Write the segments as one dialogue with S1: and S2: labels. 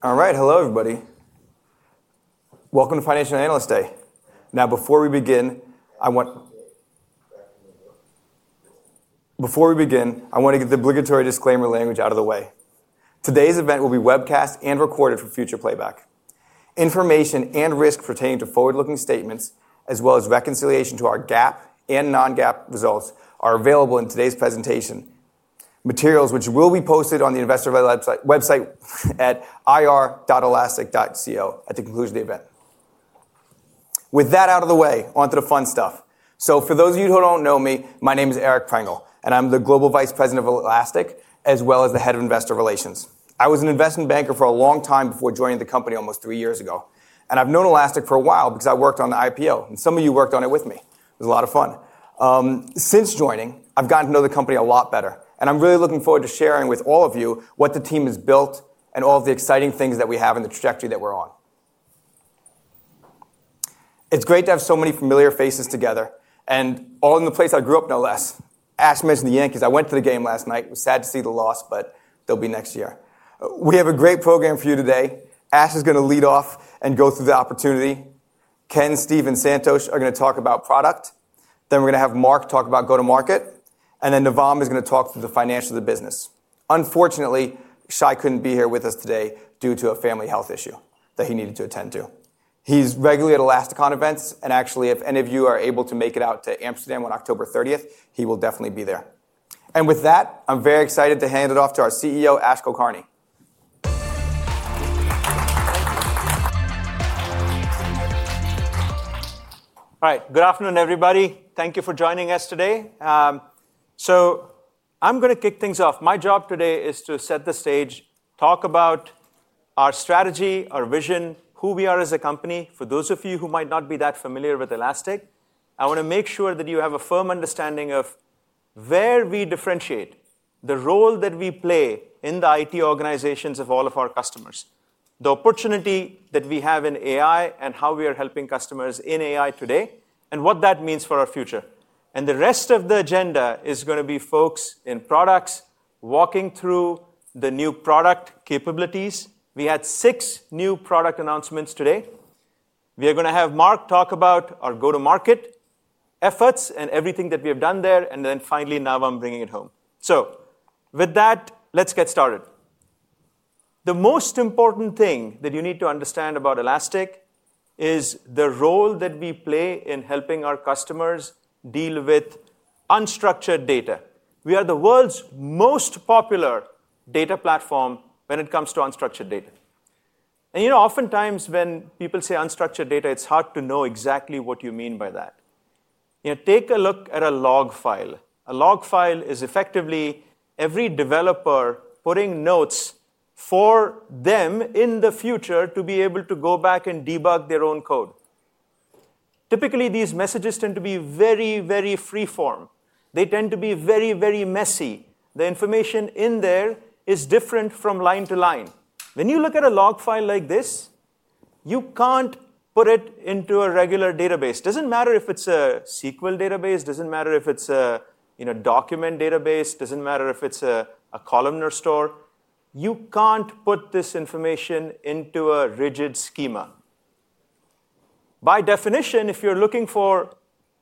S1: All right. Hello, everybody. Welcome to Financial Analyst Day. Now, before we begin, I want to get the obligatory disclaimer language out of the way. Today's event will be webcast and recorded for future playback. Information and risks pertaining to forward-looking statements, as well as reconciliation to our GAAP and non-GAAP results, are available in today's presentation materials, which will be posted on the investor website at ir.elastic.co at the conclusion of the event. With that out of the way, onto the fun stuff. For those of you who don't know me, my name is Eric Prengel, and I'm the Global Vice President of Elastic, as well as the Head of Investor Relations. I was an investment banker for a long time before joining the company almost three years ago. I've known Elastic for a while because I worked on the IPO, and some of you worked on it with me. It was a lot of fun. Since joining, I've gotten to know the company a lot better, and I'm really looking forward to sharing with all of you what the team has built and all of the exciting things that we have in the trajectory that we're on. It's great to have so many familiar faces together, and all in the place I grew up in, LA. Ash mentioned the Yankees. I went to the game last night. It was sad to see the loss, but they'll be next year. We have a great program for you today. Ash is going to lead off and go through the opportunity. Ken, Steve, and Santosh are going to talk about product. Mark is going to talk about go-to-market, and Navam is going to talk through the financials of the business. Unfortunately, Shay couldn't be here with us today due to a family health issue that he needed to attend to. He's regularly at Elastic{ON} events, and actually, if any of you are able to make it out to Amsterdam on October 30th, he will definitely be there. With that, I'm very excited to hand it off to our CEO, Ash Kulkarni.
S2: All right. Good afternoon, everybody. Thank you for joining us today. I'm going to kick things off. My job today is to set the stage, talk about our strategy, our vision, who we are as a company. For those of you who might not be that familiar with Elastic, I want to make sure that you have a firm understanding of where we differentiate, the role that we play in the IT organizations of all of our customers, the opportunity that we have in AI, how we are helping customers in AI today, and what that means for our future. The rest of the agenda is going to be folks in products walking through the new product capabilities. We had six new product announcements today. We are going to have Mark talk about our go-to-market efforts and everything that we have done there, and finally, Navam bringing it home. With that, let's get started. The most important thing that you need to understand about Elastic is the role that we play in helping our customers deal with unstructured data. We are the world's most popular data platform when it comes to unstructured data. Oftentimes when people say unstructured data, it's hard to know exactly what you mean by that. Take a look at a log file. A log file is effectively every developer putting notes for them in the future to be able to go back and debug their own code. Typically, these messages tend to be very, very freeform. They tend to be very, very messy. The information in there is different from line to line. When you look at a log file like this, you can't put it into a regular database. It doesn't matter if it's a SQL database, it doesn't matter if it's a document database, it doesn't matter if it's a columnar store. You can't put this information into a rigid schema. By definition, if you're looking for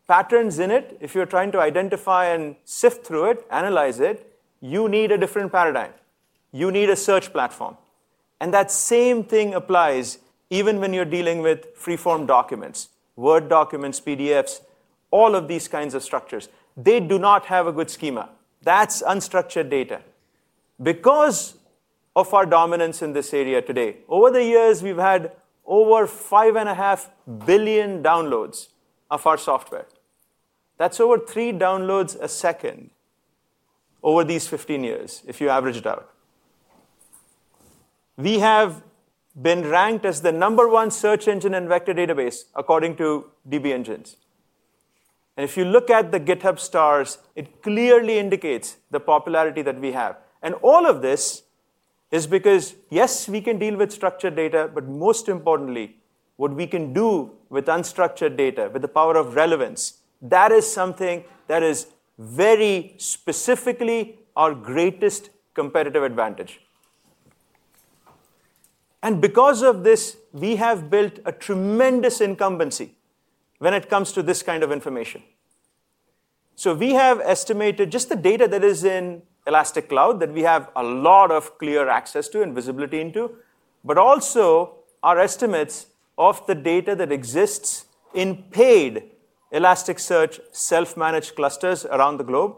S2: patterns in it, if you're trying to identify and sift through it, analyze it, you need a different paradigm. You need a search platform. That same thing applies even when you're dealing with freeform documents, Word documents, PDFs, all of these kinds of structures. They do not have a good schema. That's unstructured data. Because of our dominance in this area today, over the years, we've had over 5.5 billion downloads of our software. That's over three downloads a second over these 15 years, if you average it out. We have been ranked as the number one search engine and vector database according to DB-Engines. If you look at the GitHub Stars, it clearly indicates the popularity that we have. All of this is because, yes, we can deal with structured data, but most importantly, what we can do with unstructured data, with the power of relevance, that is something that is very specifically our greatest competitive advantage. Because of this, we have built a tremendous incumbency when it comes to this kind of information. We have estimated just the data that is in Elastic Cloud that we have a lot of clear access to and visibility into, but also our estimates of the data that exists in paid Elasticsearch self-managed clusters around the globe.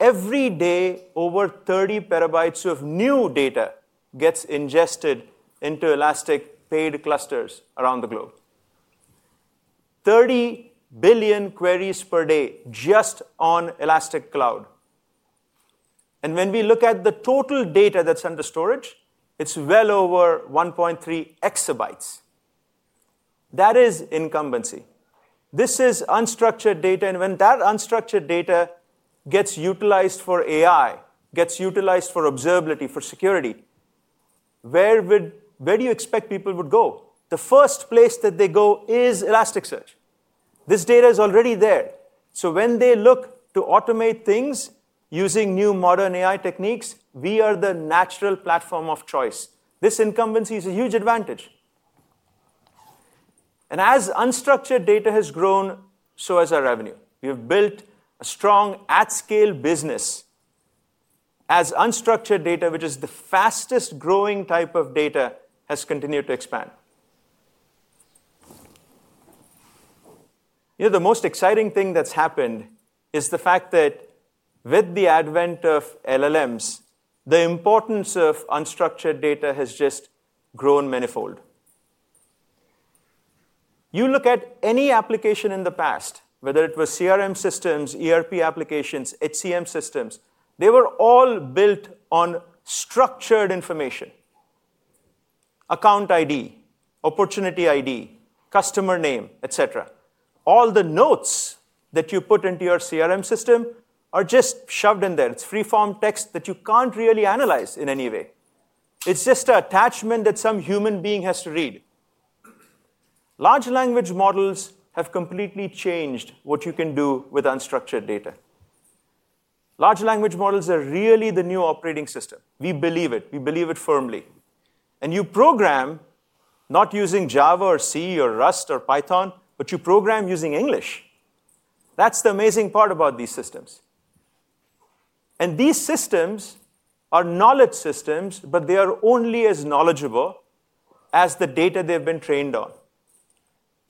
S2: Every day, over 30 PB of new data gets ingested into Elastic paid clusters around the globe. 30 billion queries per day just on Elastic Cloud. When we look at the total data that's under storage, it's well over 1.3 EB. That is incumbency. This is unstructured data, and when that unstructured data gets utilized for AI, gets utilized for Observability, for Security, where do you expect people would go? The first place that they go is Elasticsearch. This data is already there. When they look to automate things using new modern AI techniques, we are the natural platform of choice. This incumbency is a huge advantage. As unstructured data has grown, so has our revenue. We have built a strong at-scale business. As unstructured data, which is the fastest growing type of data, has continued to expand, the most exciting thing that's happened is the fact that with the advent of LLMs, the importance of unstructured data has just grown manifold. You look at any application in the past, whether it was CRM systems, ERP applications, HCM systems, they were all built on structured information. Account ID, opportunity ID, customer name, etc. All the notes that you put into your CRM system are just shoved in there. It's freeform text that you can't really analyze in any way. It's just an attachment that some human being has to read. Large language models have completely changed what you can do with unstructured data. Large language models are really the new operating system. We believe it. We believe it firmly. You program not using Java or C or Rust or Python, but you program using English. That's the amazing part about these systems. These systems are knowledge systems, but they are only as knowledgeable as the data they've been trained on.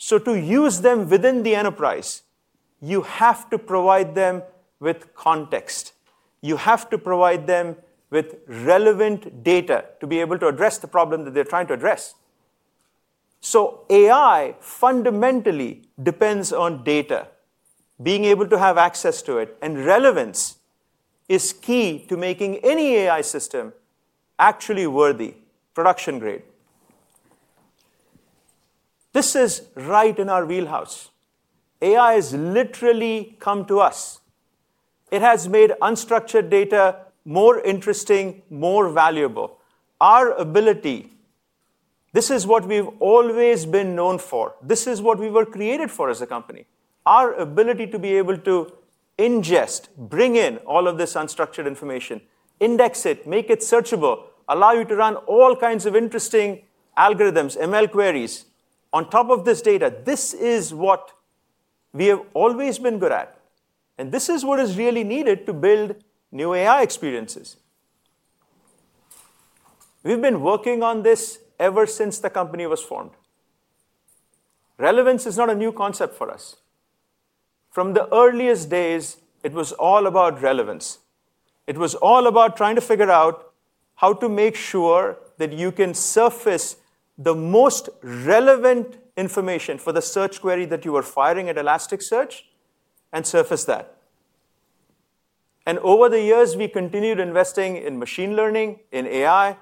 S2: To use them within the enterprise, you have to provide them with context. You have to provide them with relevant data to be able to address the problem that they're trying to address. AI fundamentally depends on data, being able to have access to it, and relevance is key to making any AI system actually worthy, production-grade. This is right in our wheelhouse. AI has literally come to us. It has made unstructured data more interesting, more valuable. Our ability, this is what we've always been known for. This is what we were created for as a company. Our ability to be able to ingest, bring in all of this unstructured information, index it, make it searchable, allow you to run all kinds of interesting algorithms, ML queries on top of this data. This is what we have always been good at. This is what is really needed to build new AI experiences. We've been working on this ever since the company was formed. Relevance is not a new concept for us. From the earliest days, it was all about relevance. It was all about trying to figure out how to make sure that you can surface the most relevant information for the search query that you were firing at Elasticsearch and surface that. Over the years, we continued investing in machine learning, in AI.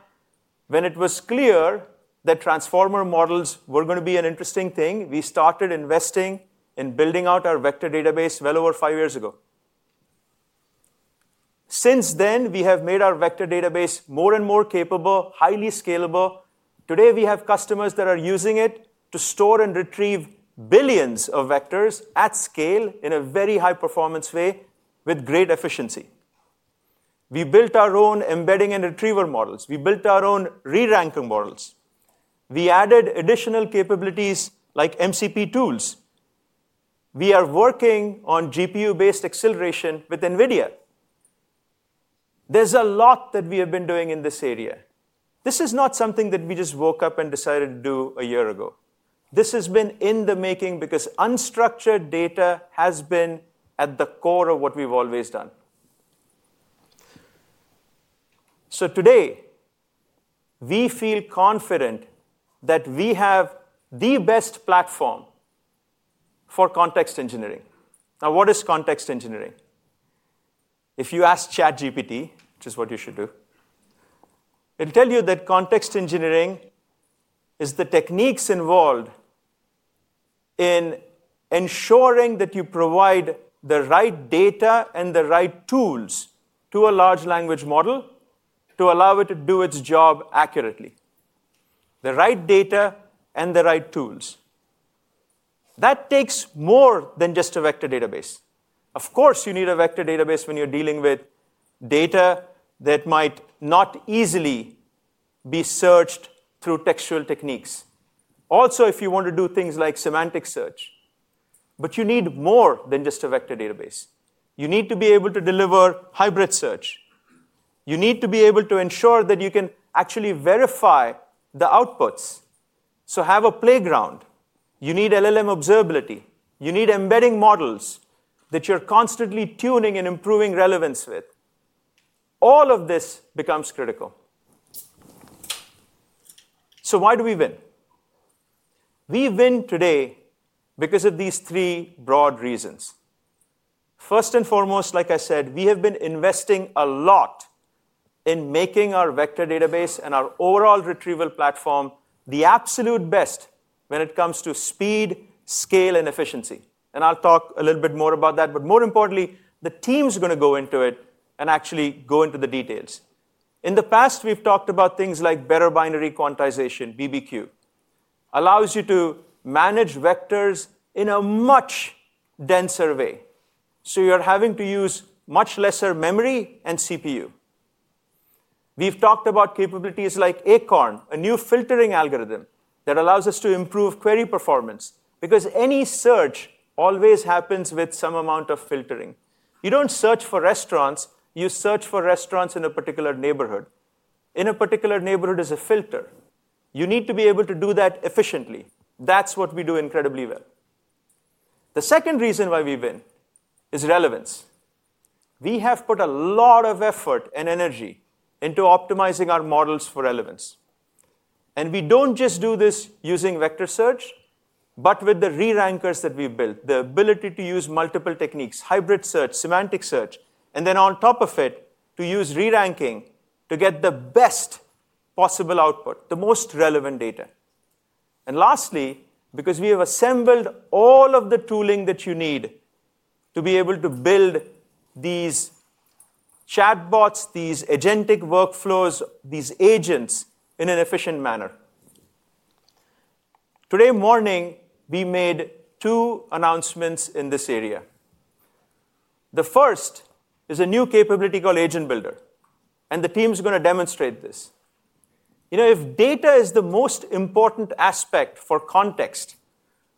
S2: When it was clear that transformer models were going to be an interesting thing, we started investing in building out our vector database well over five years ago. Since then, we have made our vector database more and more capable, highly scalable. Today, we have customers that are using it to store and retrieve billions of vectors at scale in a very high-performance way with great efficiency. We built our own embedding and retrieval models. We built our own re-ranking models. We added additional capabilities like MCP tools. We are working on GPU-based acceleration with NVIDIA. There's a lot that we have been doing in this area. This is not something that we just woke up and decided to do a year ago. This has been in the making because unstructured data has been at the core of what we've always done. Today, we feel confident that we have the best platform for context engineering. Now, what is context engineering? If you ask ChatGPT, which is what you should do, it'll tell you that context engineering is the techniques involved in ensuring that you provide the right data and the right tools to a large language model to allow it to do its job accurately. The right data and the right tools. That takes more than just a vector database. Of course, you need a vector database when you're dealing with data that might not easily be searched through textual techniques. Also, if you want to do things like semantic search, but you need more than just a vector database. You need to be able to deliver hybrid search. You need to be able to ensure that you can actually verify the outputs. Have a playground. You need LLM Observability. You need embedding models that you're constantly tuning and improving relevance with. All of this becomes critical. Why do we win? We win today because of these three broad reasons. First and foremost, like I said, we have been investing a lot in making our vector database and our overall retrieval platform the absolute best when it comes to speed, scale, and efficiency. I'll talk a little bit more about that, but more importantly, the team's going to go into it and actually go into the details. In the past, we've talked about things like better binary quantization, BBQ, which allows you to manage vectors in a much denser way. You're having to use much less memory and CPU. We've talked about capabilities like ACORN, a new filtering algorithm that allows us to improve query performance because any search always happens with some amount of filtering. You don't search for restaurants, you search for restaurants in a particular neighborhood. In a particular neighborhood is a filter. You need to be able to do that efficiently. That's what we do incredibly well. The second reason why we win is relevance. We have put a lot of effort and energy into optimizing our models for relevance. We don't just do this using vector search, but with the re-rankers that we've built, the ability to use multiple techniques, hybrid search, semantic search, and then on top of it, to use re-ranking to get the best possible output, the most relevant data. Lastly, because we have assembled all of the tooling that you need to be able to build these chatbots, these agentic workflows, these agents in an efficient manner. Today morning, we made two announcements in this area. The first is a new capability called Agent Builder, and the team's going to demonstrate this. You know, if data is the most important aspect for context,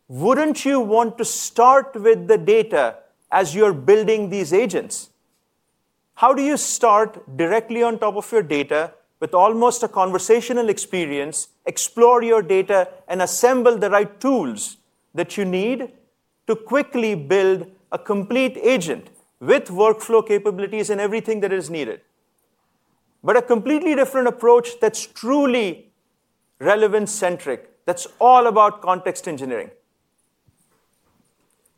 S2: wouldn't you want to start with the data as you're building these agents? How do you start directly on top of your data with almost a conversational experience, explore your data, and assemble the right tools that you need to quickly build a complete agent with workflow capabilities and everything that is needed? A completely different approach that's truly relevance-centric, that's all about context engineering.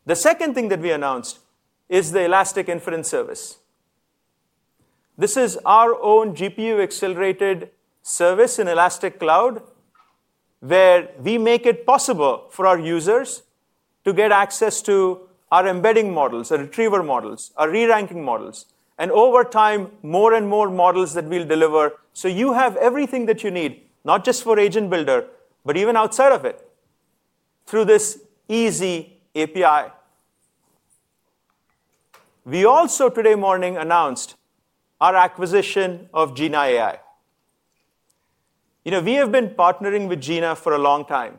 S2: The second thing that we announced is the Elastic Inference Service. This is our own GPU-accelerated service in Elastic Cloud where we make it possible for our users to get access to our embedding models, our retrieval models, our re-ranking models, and over time, more and more models that we'll deliver. You have everything that you need, not just for Agent Builder, but even outside of it, through this easy API. We also, today morning, announced our acquisition of Jina AI. We have been partnering with Jina for a long time.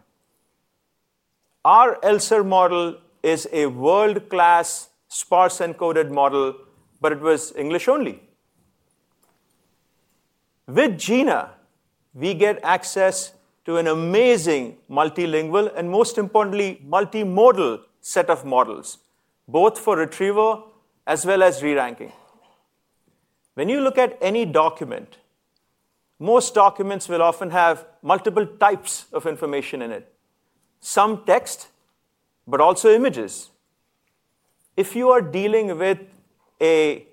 S2: Our ELSER model is a world-class sparse encoded model, but it was English only. With Jina, we get access to an amazing multilingual and, most importantly, multimodal set of models, both for retrieval as well as re-ranking. When you look at any document, most documents will often have multiple types of information in it. Some text, but also images. If you are dealing with a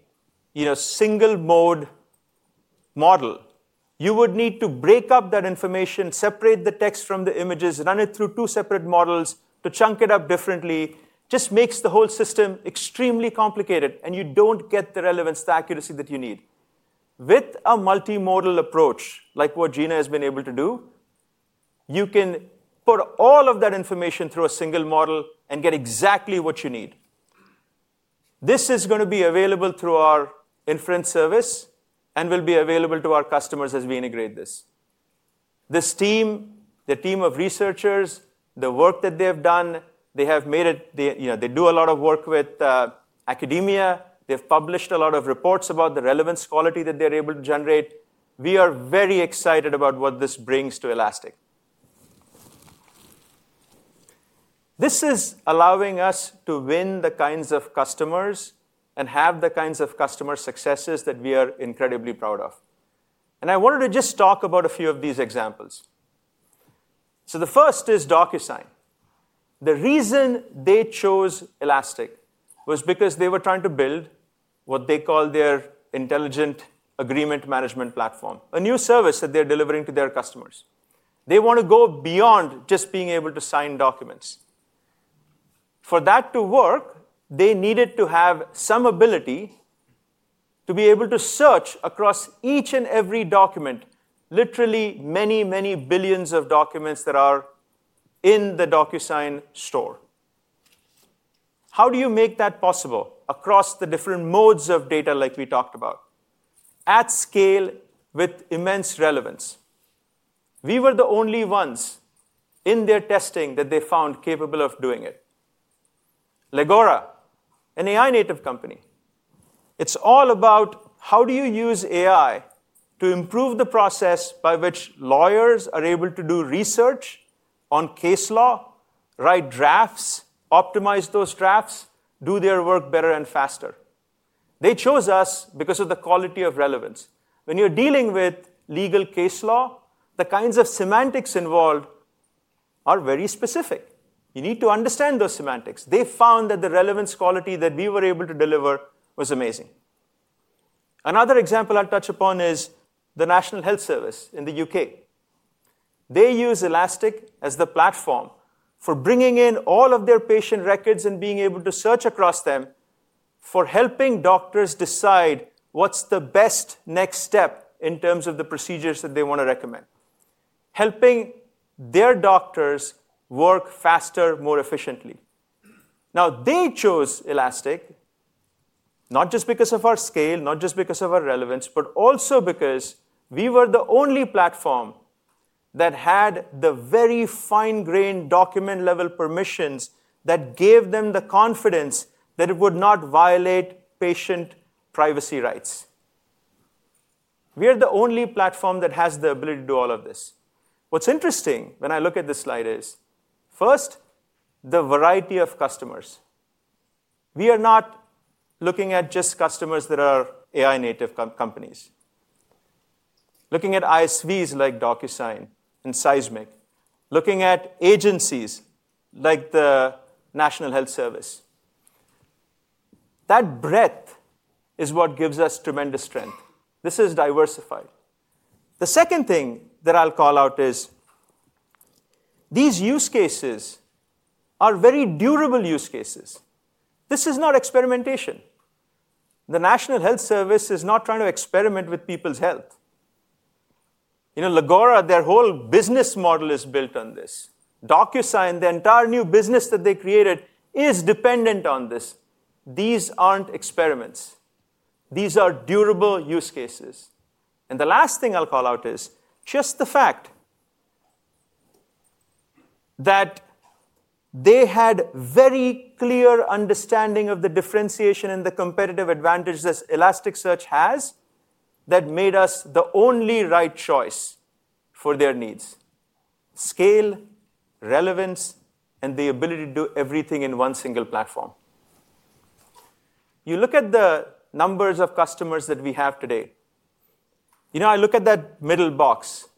S2: single-mode model, you would need to break up that information, separate the text from the images, run it through two separate models, to chunk it up differently. It just makes the whole system extremely complicated, and you don't get the relevance, the accuracy that you need. With a multimodal approach, like what Jina has been able to do, you can put all of that information through a single model and get exactly what you need. This is going to be available through our inference service and will be available to our customers as we integrate this. This team, the team of researchers, the work that they have done, they have made it, you know, they do a lot of work with academia. They've published a lot of reports about the relevance quality that they're able to generate. We are very excited about what this brings to Elastic. This is allowing us to win the kinds of customers and have the kinds of customer successes that we are incredibly proud of. I wanted to just talk about a few of these examples. The first is Docusign. The reason they chose Elastic was because they were trying to build what they call their intelligent agreement management platform, a new service that they're delivering to their customers. They want to go beyond just being able to sign documents. For that to work, they needed to have some ability to be able to search across each and every document, literally many, many billions of documents that are in the Docusign store. How do you make that possible across the different modes of data like we talked about, at scale with immense relevance? We were the only ones in their testing that they found capable of doing it. Legora, an AI-native company, it's all about how do you use AI to improve the process by which lawyers are able to do research on case law, write drafts, optimize those drafts, do their work better and faster. They chose us because of the quality of relevance. When you're dealing with legal case law, the kinds of semantics involved are very specific. You need to understand those semantics. They found that the relevance quality that we were able to deliver was amazing. Another example I'll touch upon is the National Health Service in the U.K. They use Elastic as the platform for bringing in all of their patient records and being able to search across them for helping doctors decide what's the best next step in terms of the procedures that they want to recommend, helping their doctors work faster, more efficiently. They chose Elastic not just because of our scale, not just because of our relevance, but also because we were the only platform that had the very fine-grained document-level permissions that gave them the confidence that it would not violate patient privacy rights. We are the only platform that has the ability to do all of this. What's interesting when I look at this slide is, first, the variety of customers. We are not looking at just customers that are AI-native companies. Looking at ISVs like Docusign and Seismic. Looking at agencies like the National Health Service. That breadth is what gives us tremendous strength. This is diversified. The second thing that I'll call out is these use cases are very durable use cases. This is not experimentation. The National Health Service is not trying to experiment with people's health. You know, Legora, their whole business model is built on this. Docusign, the entire new business that they created, is dependent on this. These aren't experiments. These are durable use cases. The last thing I'll call out is just the fact that they had a very clear understanding of the differentiation and the competitive advantages that Elasticsearch has that made us the only right choice for their needs: scale, relevance, and the ability to do everything in one single platform. You look at the numbers of customers that we have today. You know, I look at that middle box.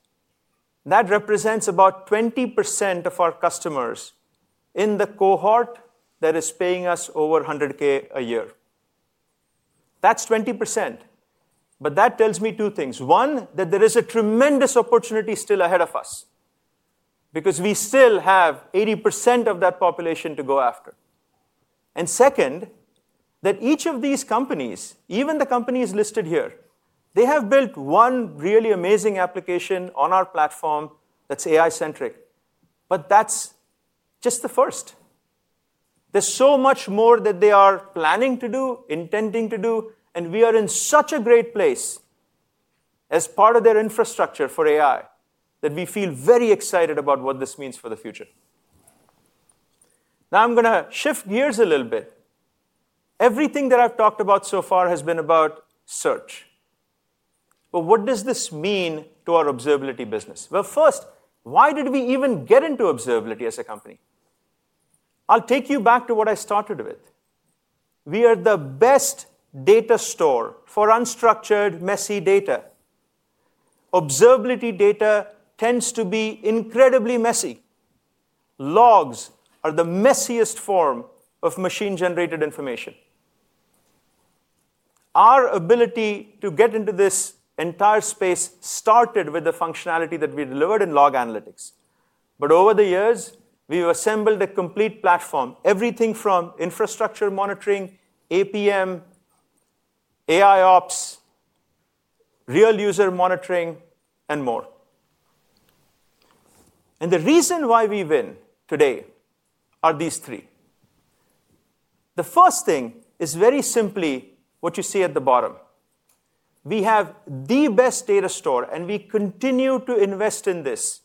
S2: That represents about 20% of our customers in the cohort that is paying us over $100,000 a year. That's 20%. That tells me two things. One, that there is a tremendous opportunity still ahead of us because we still have 80% of that population to go after. Second, that each of these companies, even the companies listed here, they have built one really amazing application on our platform that's AI-centric. That's just the first. There's so much more that they are planning to do, intending to do, and we are in such a great place as part of their infrastructure for AI that we feel very excited about what this means for the future. Now, I'm going to shift gears a little bit. Everything that I've talked about so far has been about search. What does this mean to our Observability business? First, why did we even get into Observability as a company? I'll take you back to what I started with. We are the best data store for unstructured, messy data. Observability data tends to be incredibly messy. Logs are the messiest form of machine-generated information. Our ability to get into this entire space started with the functionality that we delivered in log analytics. Over the years, we've assembled a complete platform, everything from infrastructure monitoring, APM, AIOps, real user monitoring, and more. The reason why we win today are these three. The first thing is very simply what you see at the bottom. We have the best data store, and we continue to invest in this.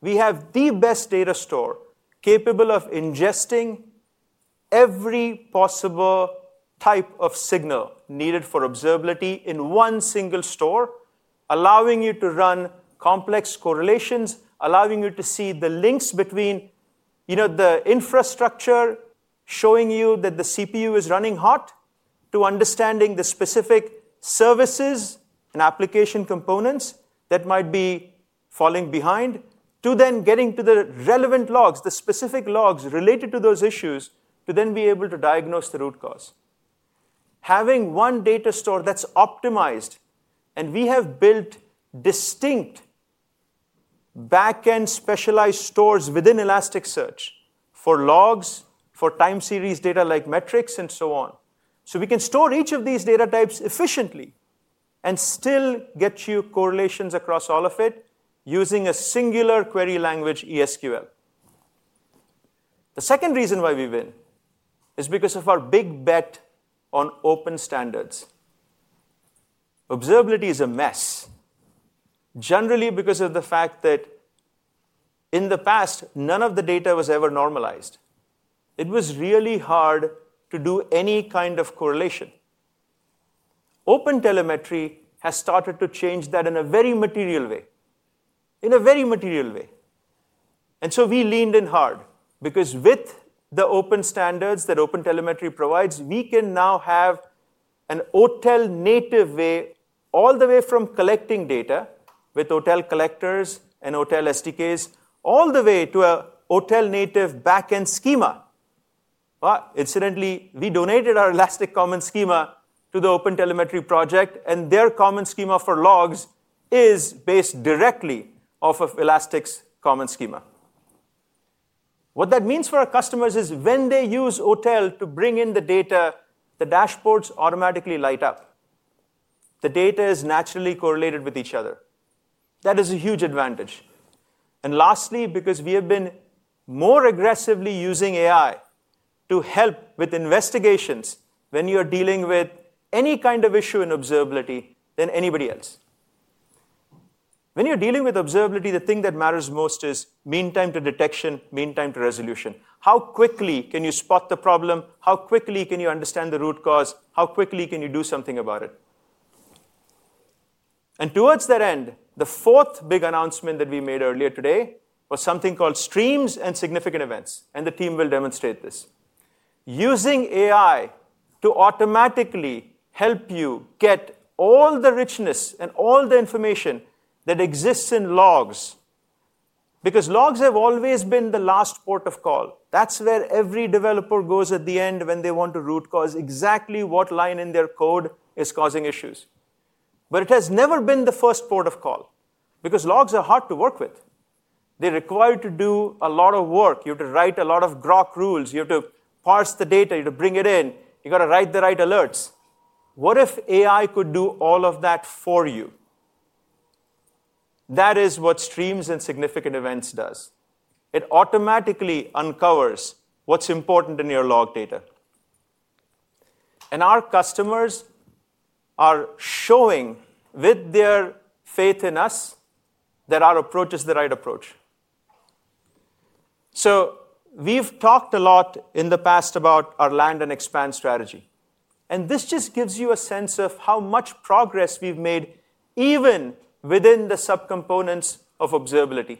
S2: We have the best data store capable of ingesting every possible type of signal needed for Observability in one single store, allowing you to run complex correlations, allowing you to see the links between, you know, the infrastructure showing you that the CPU is running hot, to understanding the specific services and application components that might be falling behind, to then getting to the relevant logs, the specific logs related to those issues, to then be able to diagnose the root cause. Having one data store that's optimized, and we have built distinct backend specialized stores within Elasticsearch for logs, for time series data like metrics, and so on. We can store each of these data types efficiently and still get you correlations across all of it using a singular query language, ES|QL. The second reason why we win is because of our big bet on open standards. Observability is a mess, generally because of the fact that in the past, none of the data was ever normalized. It was really hard to do any kind of correlation. OpenTelemetry has started to change that in a very material way, in a very material way. We leaned in hard because with the open standards that OpenTelemetry provides, we can now have an OTel native way all the way from collecting data with OTel collectors and OTel SDKs, all the way to an OTel native backend schema. Incidentally, we donated our Elastic Common Schema to the OpenTelemetry project, and their common schema for logs is based directly off of Elastic's common schema. What that means for our customers is when they use OTel to bring in the data, the dashboards automatically light up. The data is naturally correlated with each other. That is a huge advantage. Lastly, because we have been more aggressively using AI to help with investigations when you are dealing with any kind of issue in Observability than anybody else. When you're dealing with Observability, the thing that matters most is mean time to detection, mean time to resolution. How quickly can you spot the problem? How quickly can you understand the root cause? How quickly can you do something about it? Towards that end, the fourth big announcement that we made earlier today was something called Streams & Significant Events, and the team will demonstrate this. Using AI to automatically help you get all the richness and all the information that exists in logs because logs have always been the last port of call. That's where every developer goes at the end when they want to root cause exactly what line in their code is causing issues. It has never been the first port of call because logs are hard to work with. They require you to do a lot of work. You have to write a lot of grok rules. You have to parse the data. You have to bring it in. You got to write the right alerts. What if AI could do all of that for you? That is what Streams & Significant Events does. It automatically uncovers what's important in your log data. Our customers are showing with their faith in us that our approach is the right approach. We've talked a lot in the past about our land and expand strategy. This just gives you a sense of how much progress we've made even within the subcomponents of Observability.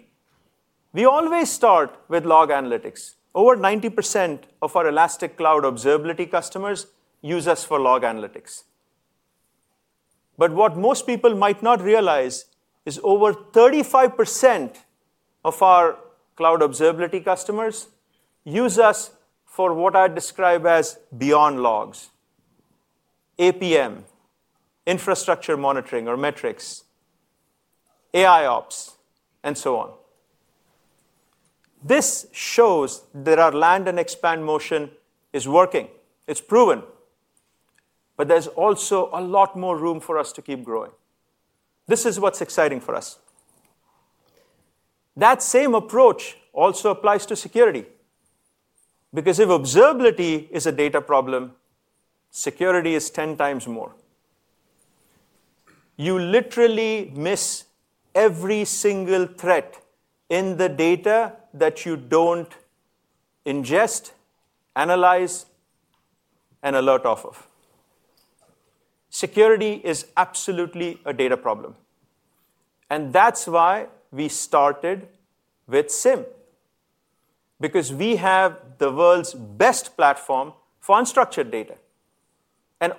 S2: We always start with log analytics. Over 90% of our Elastic Cloud observability customers use us for log analytics. What most people might not realize is over 35% of our Cloud observability customers use us for what I describe as beyond logs, APM, infrastructure monitoring or metrics, AIOps, and so on. This shows that our land and expand motion is working. It's proven. There is also a lot more room for us to keep growing. This is what's exciting for us. That same approach also applies to Security because if Observability is a data problem, Security is 10 times more. You literally miss every single threat in the data that you don't ingest, analyze, and alert off of. Security is absolutely a data problem. That's why we started with SIEM because we have the world's best platform for unstructured data.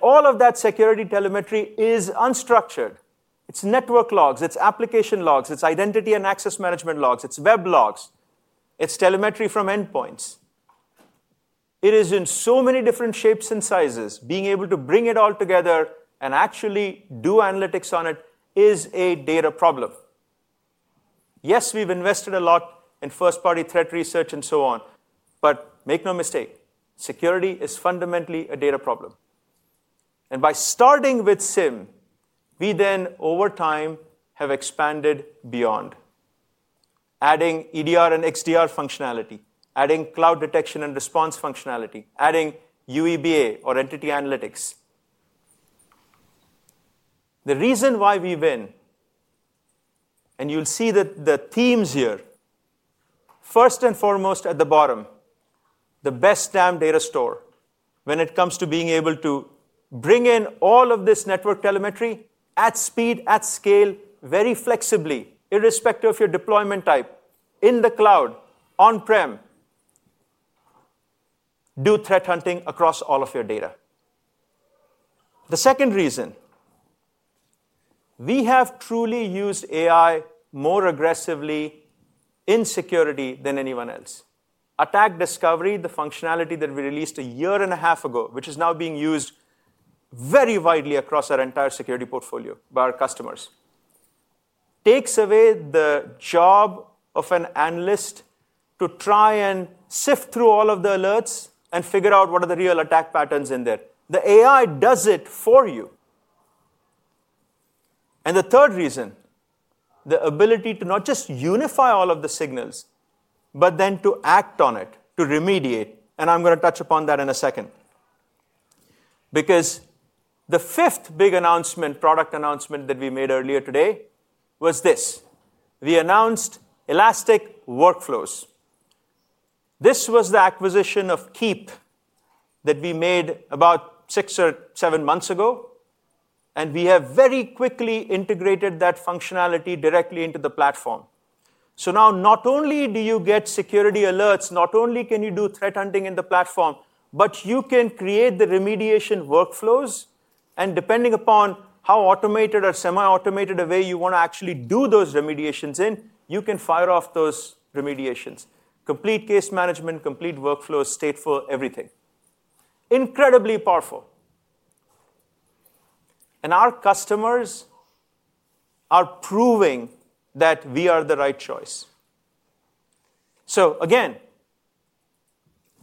S2: All of that Security telemetry is unstructured. It's network logs. It's application logs. It's identity and access management logs. It's web logs. It's telemetry from endpoints. It is in so many different shapes and sizes. Being able to bring it all together and actually do analytics on it is a data problem. Yes, we've invested a lot in first-party threat research and so on. Make no mistake, Security is fundamentally a data problem. By starting with SIEM, we then, over time, have expanded beyond, adding EDR and XDR functionality, adding cloud detection and response functionality, adding UEBA or entity analytics. The reason why we win, and you'll see that the themes here, first and foremost at the bottom, the best SIEM data store when it comes to being able to bring in all of this network telemetry at speed, at scale, very flexibly, irrespective of your deployment type, in the cloud, on-prem, do threat hunting across all of your data. The second reason, we have truly used AI more aggressively in Security than anyone else. Attack Discovery, the functionality that we released a year and a half ago, which is now being used very widely across our entire Security portfolio by our customers, takes away the job of an analyst to try and sift through all of the alerts and figure out what are the real attack patterns in there. The AI does it for you. The third reason, the ability to not just unify all of the signals, but then to act on it, to remediate. I'm going to touch upon that in a second. The fifth big product announcement that we made earlier today was this. We announced Elastic Workflows. This was the acquisition of Keep that we made about six or seven months ago. We have very quickly integrated that functionality directly into the platform. Now, not only do you get security alerts, not only can you do threat hunting in the platform, but you can create the remediation workflows. Depending upon how automated or semi-automated a way you want to actually do those remediations in, you can fire off those remediations. Complete case management, complete workflows, stateful, everything. Incredibly powerful. Our customers are proving that we are the right choice.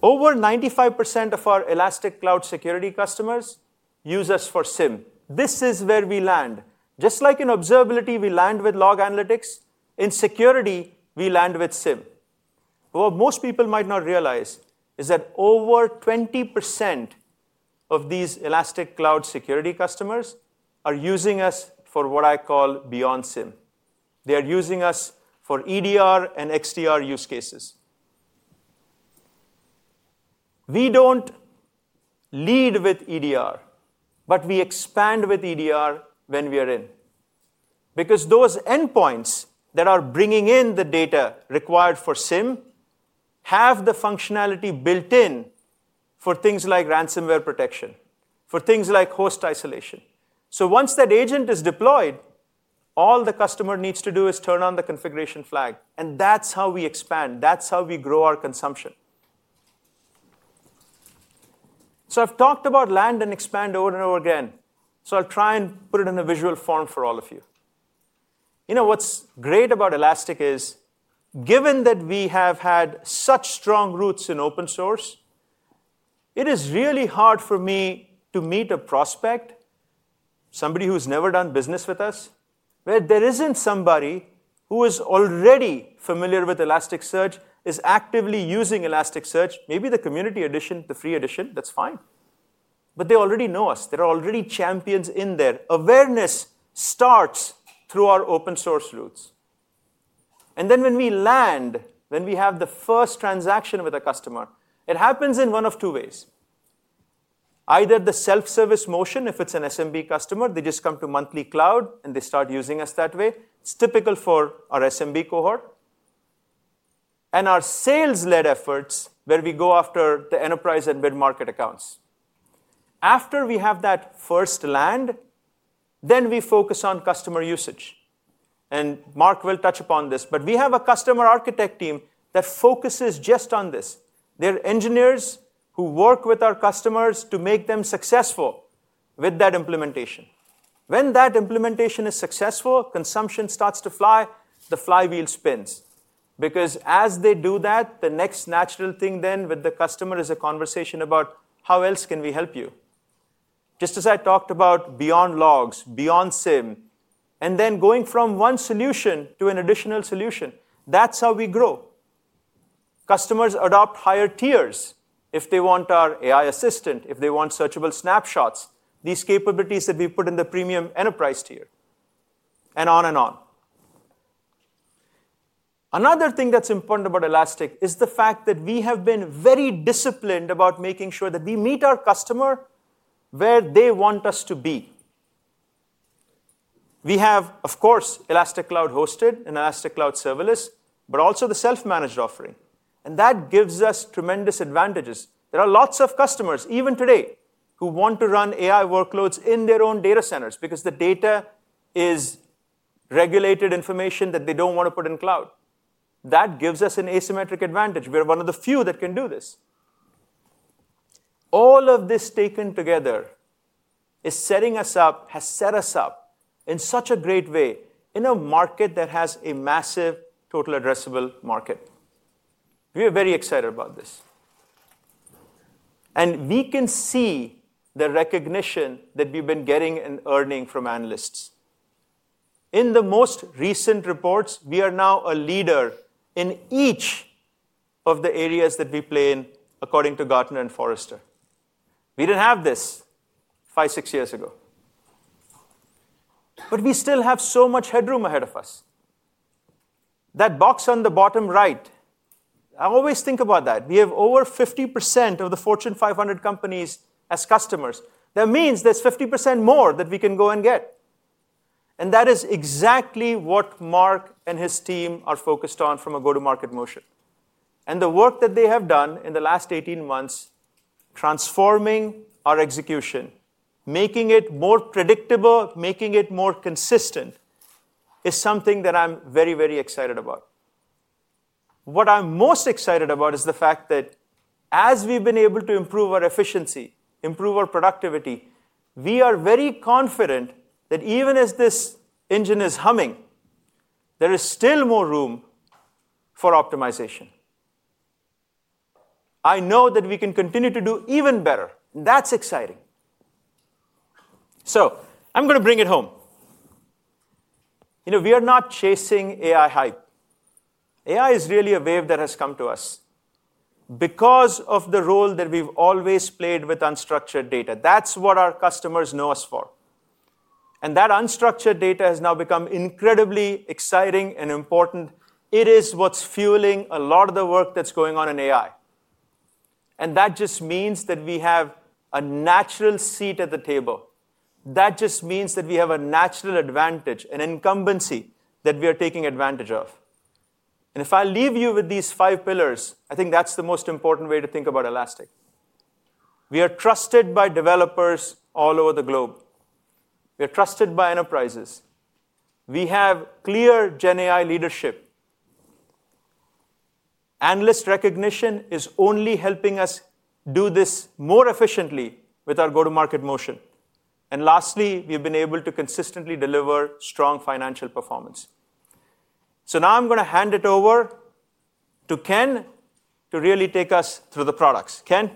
S2: Over 95% of our Elastic Cloud Security customers use us for SIEM. This is where we land. Just like in Observability, we land with log analytics. In Security, we land with SIEM. What most people might not realize is that over 20% of these Elastic Cloud Security customers are using us for what I call beyond SIEM. They are using us for EDR and XDR use cases. We do not lead with EDR, but we expand with EDR when we are in. Those endpoints that are bringing in the data required for SIEM have the functionality built in for things like ransomware protection, for things like host isolation. Once that agent is deployed, all the customer needs to do is turn on the configuration flag. That is how we expand. That is how we grow our consumption. I have talked about land and expand over and over again. I will try and put it in a visual form for all of you. What is great about Elastic is, given that we have had such strong roots in open source, it is really hard for me to meet a prospect, somebody who has never done business with us, where there is not somebody who is already familiar with Elasticsearch, is actively using Elasticsearch. Maybe the community edition, the free edition, that is fine. They already know us. They are already champions in there. Awareness starts through our open-source roots. When we land, when we have the first transaction with a customer, it happens in one of two ways. Either the self-service motion, if it is an SMB customer, they just come to monthly cloud and they start using us that way. It is typical for our SMB cohort. Our sales-led efforts, where we go after the enterprise and mid-market accounts. After we have that first land, we focus on customer usage. Mark will touch upon this. We have a customer architect team that focuses just on this. They are engineers who work with our customers to make them successful with that implementation. When that implementation is successful, consumption starts to fly, the flywheel spins. Because as they do that, the next natural thing then with the customer is a conversation about how else can we help you. Just as I talked about beyond logs, beyond SIEM, and then going from one solution to an additional solution. That's how we grow. Customers adopt higher tiers if they want our AI Assistant, if they want searchable snapshots, these capabilities that we put in the premium enterprise tier, and on and on. Another thing that's important about Elastic is the fact that we have been very disciplined about making sure that we meet our customer where they want us to be. We have, of course, Elastic Cloud Hosted and Elastic Cloud Serverless, but also the self-managed offering. That gives us tremendous advantages. There are lots of customers, even today, who want to run AI workloads in their own data centers because the data is regulated information that they don't want to put in cloud. That gives us an asymmetric advantage. We're one of the few that can do this. All of this taken together is setting us up, has set us up in such a great way in a market that has a massive total addressable market. We are very excited about this. We can see the recognition that we've been getting and earning from analysts. In the most recent reports, we are now a leader in each of the areas that we play in, according to Gartner and Forrester. We didn't have this five, six years ago. We still have so much headroom ahead of us. That box on the bottom right, I always think about that. We have over 50% of the Fortune 500 companies as customers. That means there's 50% more that we can go and get. That is exactly what Mark and his team are focused on from a go-to-market motion. The work that they have done in the last 18 months, transforming our execution, making it more predictable, making it more consistent, is something that I'm very, very excited about. What I'm most excited about is the fact that as we've been able to improve our efficiency, improve our productivity, we are very confident that even as this engine is humming, there is still more room for optimization. I know that we can continue to do even better. That's exciting. I'm going to bring it home. You know, we are not chasing AI hype. AI is really a wave that has come to us because of the role that we've always played with unstructured data. That's what our customers know us for. That unstructured data has now become incredibly exciting and important. It is what's fueling a lot of the work that's going on in AI. That just means that we have a natural seat at the table. That just means that we have a natural advantage, an incumbency that we are taking advantage of. If I leave you with these five pillars, I think that's the most important way to think about Elastic. We are trusted by developers all over the globe. We are trusted by enterprises. We have clear GenAI leadership. Analyst recognition is only helping us do this more efficiently with our go-to-market motion. Lastly, we've been able to consistently deliver strong financial performance. I'm going to hand it over to Ken to really take us through the products. Ken.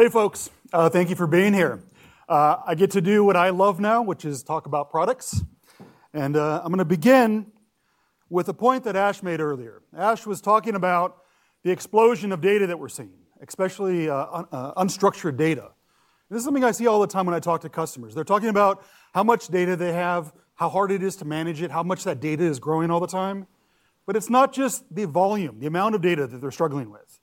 S3: Hey, folks. Thank you for being here. I get to do what I love now, which is talk about products. I'm going to begin with a point that Ash made earlier. Ash was talking about the explosion of data that we're seeing, especially unstructured data. This is something I see all the time when I talk to customers. They're talking about how much data they have, how hard it is to manage it, how much that data is growing all the time. It's not just the volume, the amount of data that they're struggling with.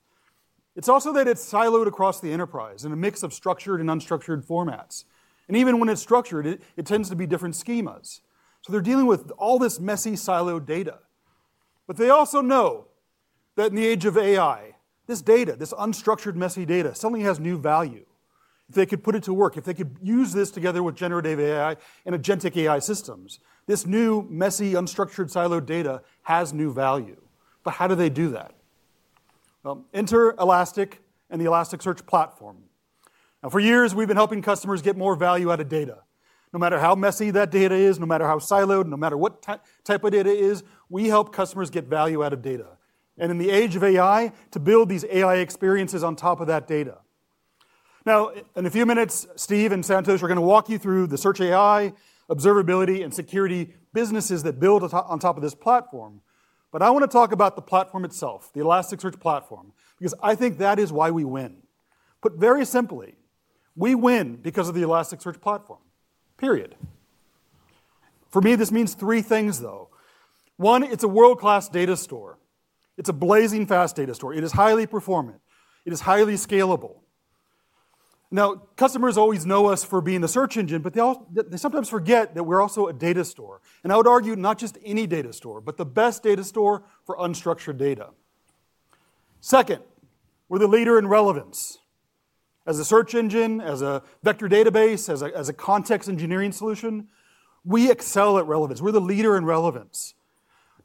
S3: It's also that it's siloed across the enterprise in a mix of structured and unstructured formats. Even when it's structured, it tends to be different schemas. They're dealing with all this messy, siloed data. They also know that in the age of AI, this data, this unstructured, messy data suddenly has new value. If they could put it to work, if they could use this together with generative AI and agentic AI systems, this new, messy, unstructured, siloed data has new value. How do they do that? Enter Elastic and the Elasticsearch platform. For years, we've been helping customers get more value out of data. No matter how messy that data is, no matter how siloed, no matter what type of data it is, we help customers get value out of data. In the age of AI, to build these AI experiences on top of that data. In a few minutes, Steve and Santosh are going to walk you through the search AI, Observability, and Security businesses that build on top of this platform. I want to talk about the platform itself, the Elasticsearch platform, because I think that is why we win. Very simply, we win because of the Elasticsearch platform. Period. For me, this means three things, though. One, it's a world-class data store. It's a blazing-fast data store. It is highly performant. It is highly scalable. Customers always know us for being the search engine, but they sometimes forget that we're also a data store. I would argue not just any data store, but the best data store for unstructured data. Second, we're the leader in relevance. As a search engine, as a vector database, as a context engineering solution, we excel at relevance. We're the leader in relevance.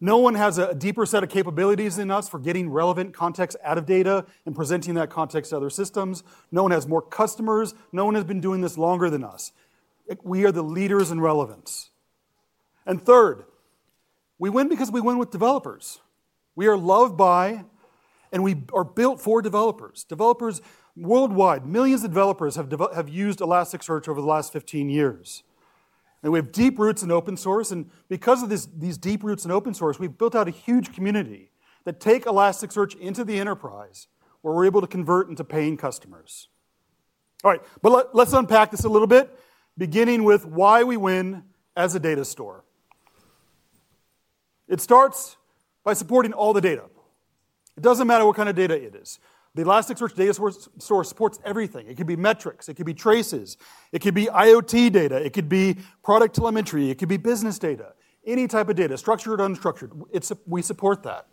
S3: No one has a deeper set of capabilities than us for getting relevant context out of data and presenting that context to other systems. No one has more customers. No one has been doing this longer than us. We are the leaders in relevance. Third, we win because we win with developers. We are loved by, and we are built for, developers. Developers worldwide, millions of developers have used Elasticsearch over the last 15 years. We have deep roots in open source. Because of these deep roots in open source, we've built out a huge community that takes Elasticsearch into the enterprise where we're able to convert into paying customers. Let's unpack this a little bit, beginning with why we win as a data store. It starts by supporting all the data. It doesn't matter what kind of data it is. The Elasticsearch data store supports everything. It could be metrics, traces, IoT data, product telemetry, or business data. Any type of data, structured or unstructured, we support that.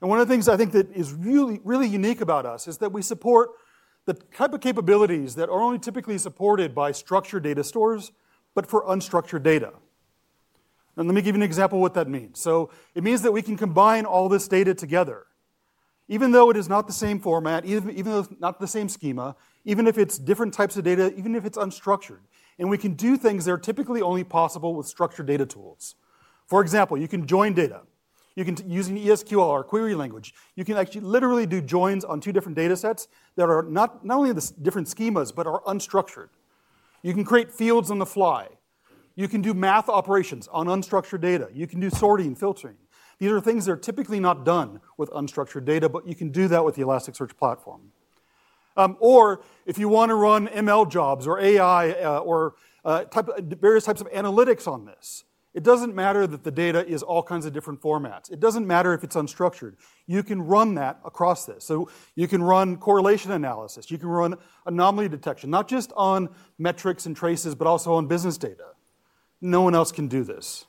S3: One of the things I think that is really, really unique about us is that we support the type of capabilities that are only typically supported by structured data stores, but for unstructured data. Let me give you an example of what that means. It means that we can combine all this data together, even though it is not the same format, not the same schema, even if it's different types of data, even if it's unstructured. We can do things that are typically only possible with structured data tools. For example, you can join data. Using ES|QL, our query language, you can actually literally do joins on two different data sets that are not only different schemas, but are unstructured. You can create fields on the fly. You can do math operations on unstructured data. You can do sorting and filtering. These are things that are typically not done with unstructured data, but you can do that with the Elasticsearch platform. If you want to run ML jobs or AI or various types of analytics on this, it doesn't matter that the data is all kinds of different formats. It doesn't matter if it's unstructured. You can run that across this. You can run correlation analysis. You can run anomaly detection, not just on metrics and traces, but also on business data. No one else can do this.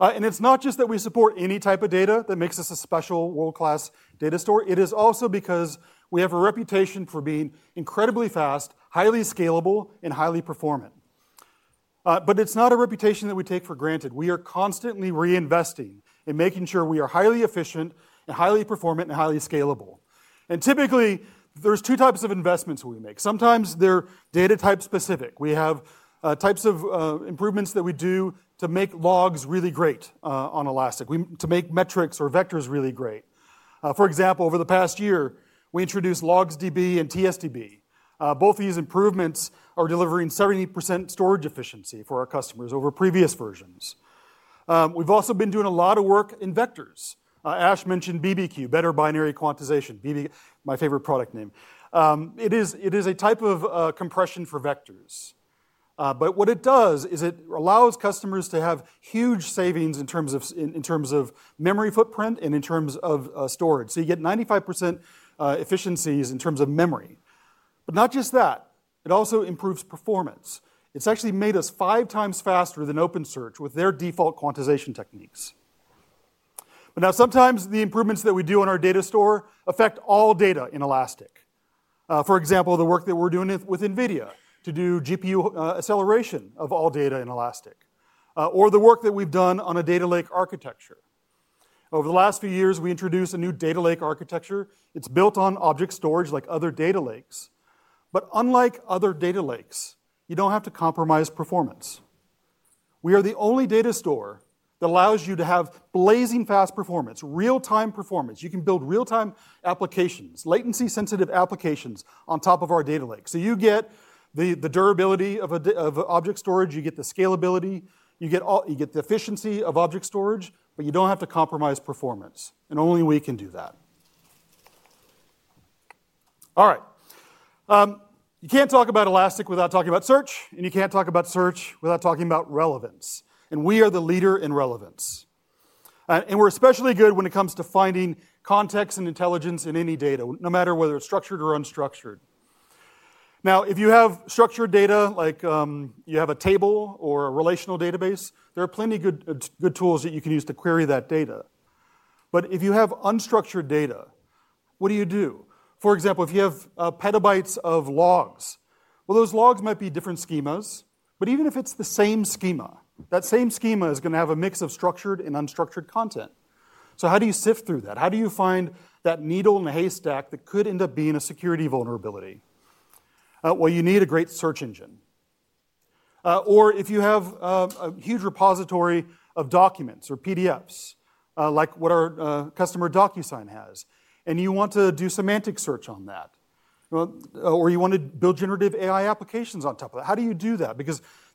S3: It's not just that we support any type of data that makes us a special world-class data store. It is also because we have a reputation for being incredibly fast, highly scalable, and highly performant. It's not a reputation that we take for granted. We are constantly reinvesting and making sure we are highly efficient and highly performant and highly scalable. Typically, there are two types of investments we make. Sometimes they're data-type specific. We have types of improvements that we do to make logs really great on Elastic, to make metrics or vectors really great. For example, over the past year, we introduced LogsDB and TSDB. Both of these improvements are delivering 70% storage efficiency for our customers over previous versions. We've also been doing a lot of work in vectors. Ash mentioned BBQ, better binary quantization, my favorite product name. It is a type of compression for vectors. What it does is it allows customers to have huge savings in terms of memory footprint and in terms of storage. You get 95% efficiencies in terms of memory. Not just that, it also improves performance. It's actually made us five times faster than OpenSearch with their default quantization techniques. Sometimes the improvements that we do on our data store affect all data in Elastic. For example, the work that we're doing with NVIDIA to do GPU acceleration of all data in Elastic, or the work that we've done on a data lake architecture. Over the last few years, we introduced a new data lake architecture. It's built on object storage like other data lakes. Unlike other data lakes, you don't have to compromise performance. We are the only data store that allows you to have blazing-fast performance, real-time performance. You can build real-time applications, latency-sensitive applications on top of our data lake. You get the durability of object storage. You get the scalability. You get the efficiency of object storage. You don't have to compromise performance. Only we can do that. You can't talk about Elastic without talking about search. You can't talk about search without talking about relevance. We are the leader in relevance. We're especially good when it comes to finding context and intelligence in any data, no matter whether it's structured or unstructured. If you have structured data, like you have a table or a relational database, there are plenty of good tools that you can use to query that data. If you have unstructured data, what do you do? For example, if you have petabytes of logs, those logs might be different schemas. Even if it's the same schema, that same schema is going to have a mix of structured and unstructured content. How do you sift through that? How do you find that needle in the haystack that could end up being a security vulnerability? You need a great search engine. If you have a huge repository of documents or PDFs, like what our customer Docusign has, and you want to do semantic search on that, or you want to build generative AI applications on top of that, how do you do that?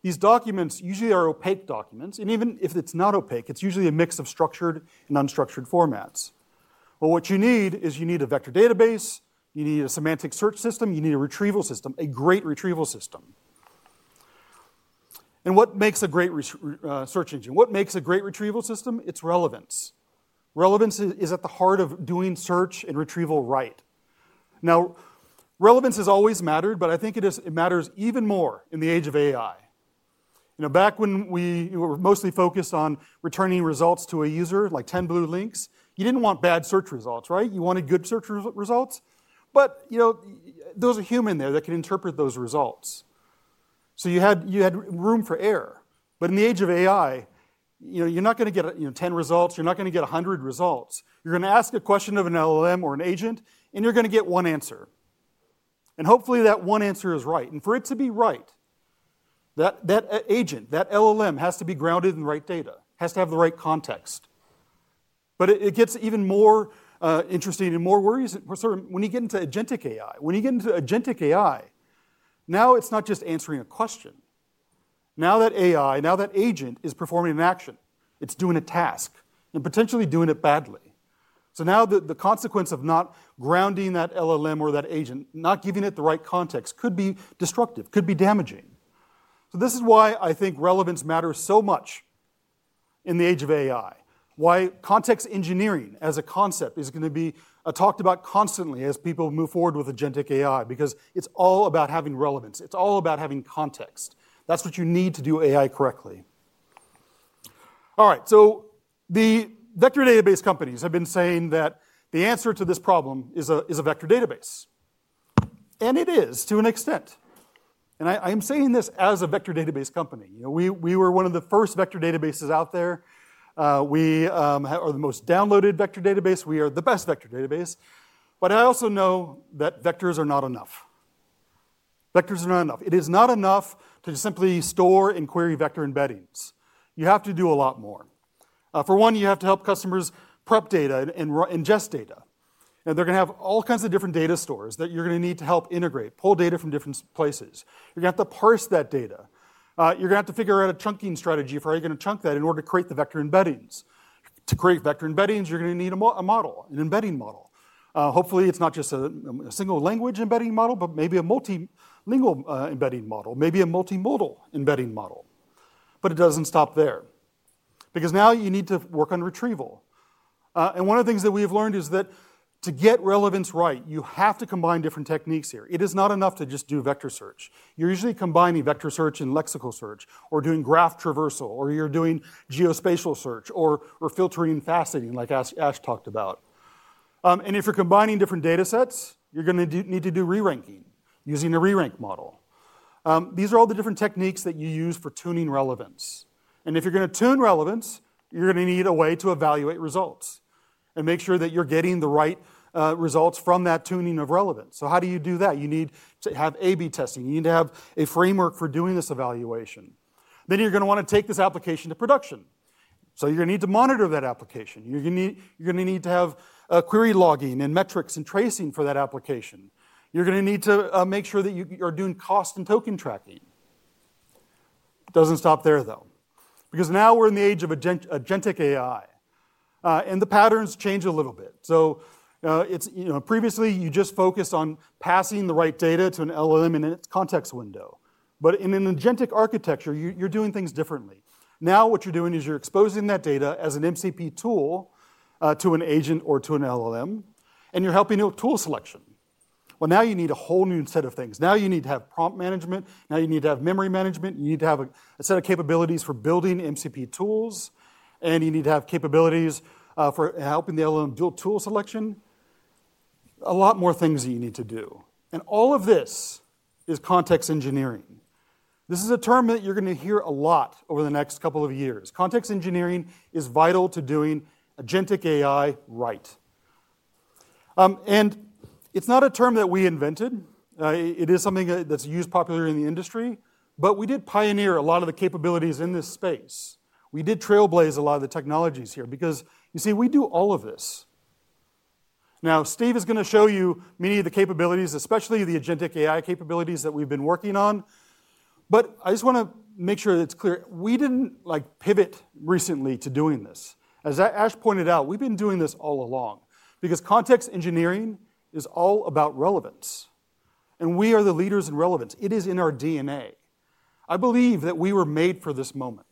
S3: These documents usually are opaque documents. Even if it's not opaque, it's usually a mix of structured and unstructured formats. What you need is a vector database. You need a semantic search system. You need a retrieval system, a great retrieval system. What makes a great search engine? What makes a great retrieval system? It's relevance. Relevance is at the heart of doing search and retrieval right. Relevance has always mattered, but I think it matters even more in the age of AI. Back when we were mostly focused on returning results to a user, like 10 blue links, you didn't want bad search results, right? You wanted good search results. There's a human there that can interpret those results, so you had room for error. In the age of AI, you're not going to get 10 results. You're not going to get 100 results. You're going to ask a question of an LLM or an agent, and you're going to get one answer. Hopefully, that one answer is right. For it to be right, that agent, that LLM has to be grounded in the right data, has to have the right context. It gets even more interesting and more worrisome when you get into agentic AI. When you get into agentic AI, now it's not just answering a question. Now that AI, now that agent is performing an action. It's doing a task and potentially doing it badly. The consequence of not grounding that LLM or that agent, not giving it the right context, could be destructive, could be damaging. This is why I think relevance matters so much in the age of AI, why context engineering as a concept is going to be talked about constantly as people move forward with agentic AI, because it's all about having relevance. It's all about having context. That's what you need to do AI correctly. The vector database companies have been saying that the answer to this problem is a vector database, and it is to an extent. I'm saying this as a vector database company. You know, we were one of the first vector databases out there. We are the most downloaded vector database. We are the best vector database. I also know that vectors are not enough. Vectors are not enough. It is not enough to simply store and query vector embeddings. You have to do a lot more. For one, you have to help customers prep data and ingest data. They're going to have all kinds of different data stores that you're going to need to help integrate, pull data from different places. You're going to have to parse that data. You're going to have to figure out a chunking strategy for how you're going to chunk that in order to create the vector embeddings. To create vector embeddings, you're going to need a model, an embedding model. Hopefully, it's not just a single language embedding model, but maybe a multilingual embedding model, maybe a multimodal embedding model. It doesn't stop there. Because now you need to work on retrieval. One of the things that we have learned is that to get relevance right, you have to combine different techniques here. It is not enough to just do vector search. You're usually combining vector search and lexical search, or doing graph traversal, or you're doing geospatial search, or filtering and faceting, like Ash talked about. If you're combining different data sets, you're going to need to do re-ranking using a re-rank model. These are all the different techniques that you use for tuning relevance. If you're going to tune relevance, you're going to need a way to evaluate results and make sure that you're getting the right results from that tuning of relevance. How do you do that? You need to have A/B testing. You need to have a framework for doing this evaluation. You're going to want to take this application to production. You're going to need to monitor that application. You're going to need to have query logging and metrics and tracing for that application. You're going to need to make sure that you're doing cost and token tracking. It doesn't stop there, though. We're in the age of agentic AI. The patterns change a little bit. Previously, you just focused on passing the right data to an LLM in its context window. In an agentic architecture, you're doing things differently. Now what you're doing is you're exposing that data as an MCP tool to an agent or to an LLM. You're helping with tool selection. Now you need a whole new set of things. You need to have prompt management. You need to have memory management. You need to have a set of capabilities for building MCP tools. You need to have capabilities for helping the LLM do a tool selection. There are a lot more things that you need to do. All of this is context engineering. This is a term that you're going to hear a lot over the next couple of years. Context engineering is vital to doing agentic AI right. It's not a term that we invented. It is something that's used popularly in the industry. We did pioneer a lot of the capabilities in this space. We did trailblaze a lot of the technologies here because, you see, we do all of this. Steve is going to show you many of the capabilities, especially the agentic AI capabilities that we've been working on. I just want to make sure that it's clear. We didn't pivot recently to doing this. As Ash pointed out, we've been doing this all along because context engineering is all about relevance. We are the leaders in relevance. It is in our DNA. I believe that we were made for this moment.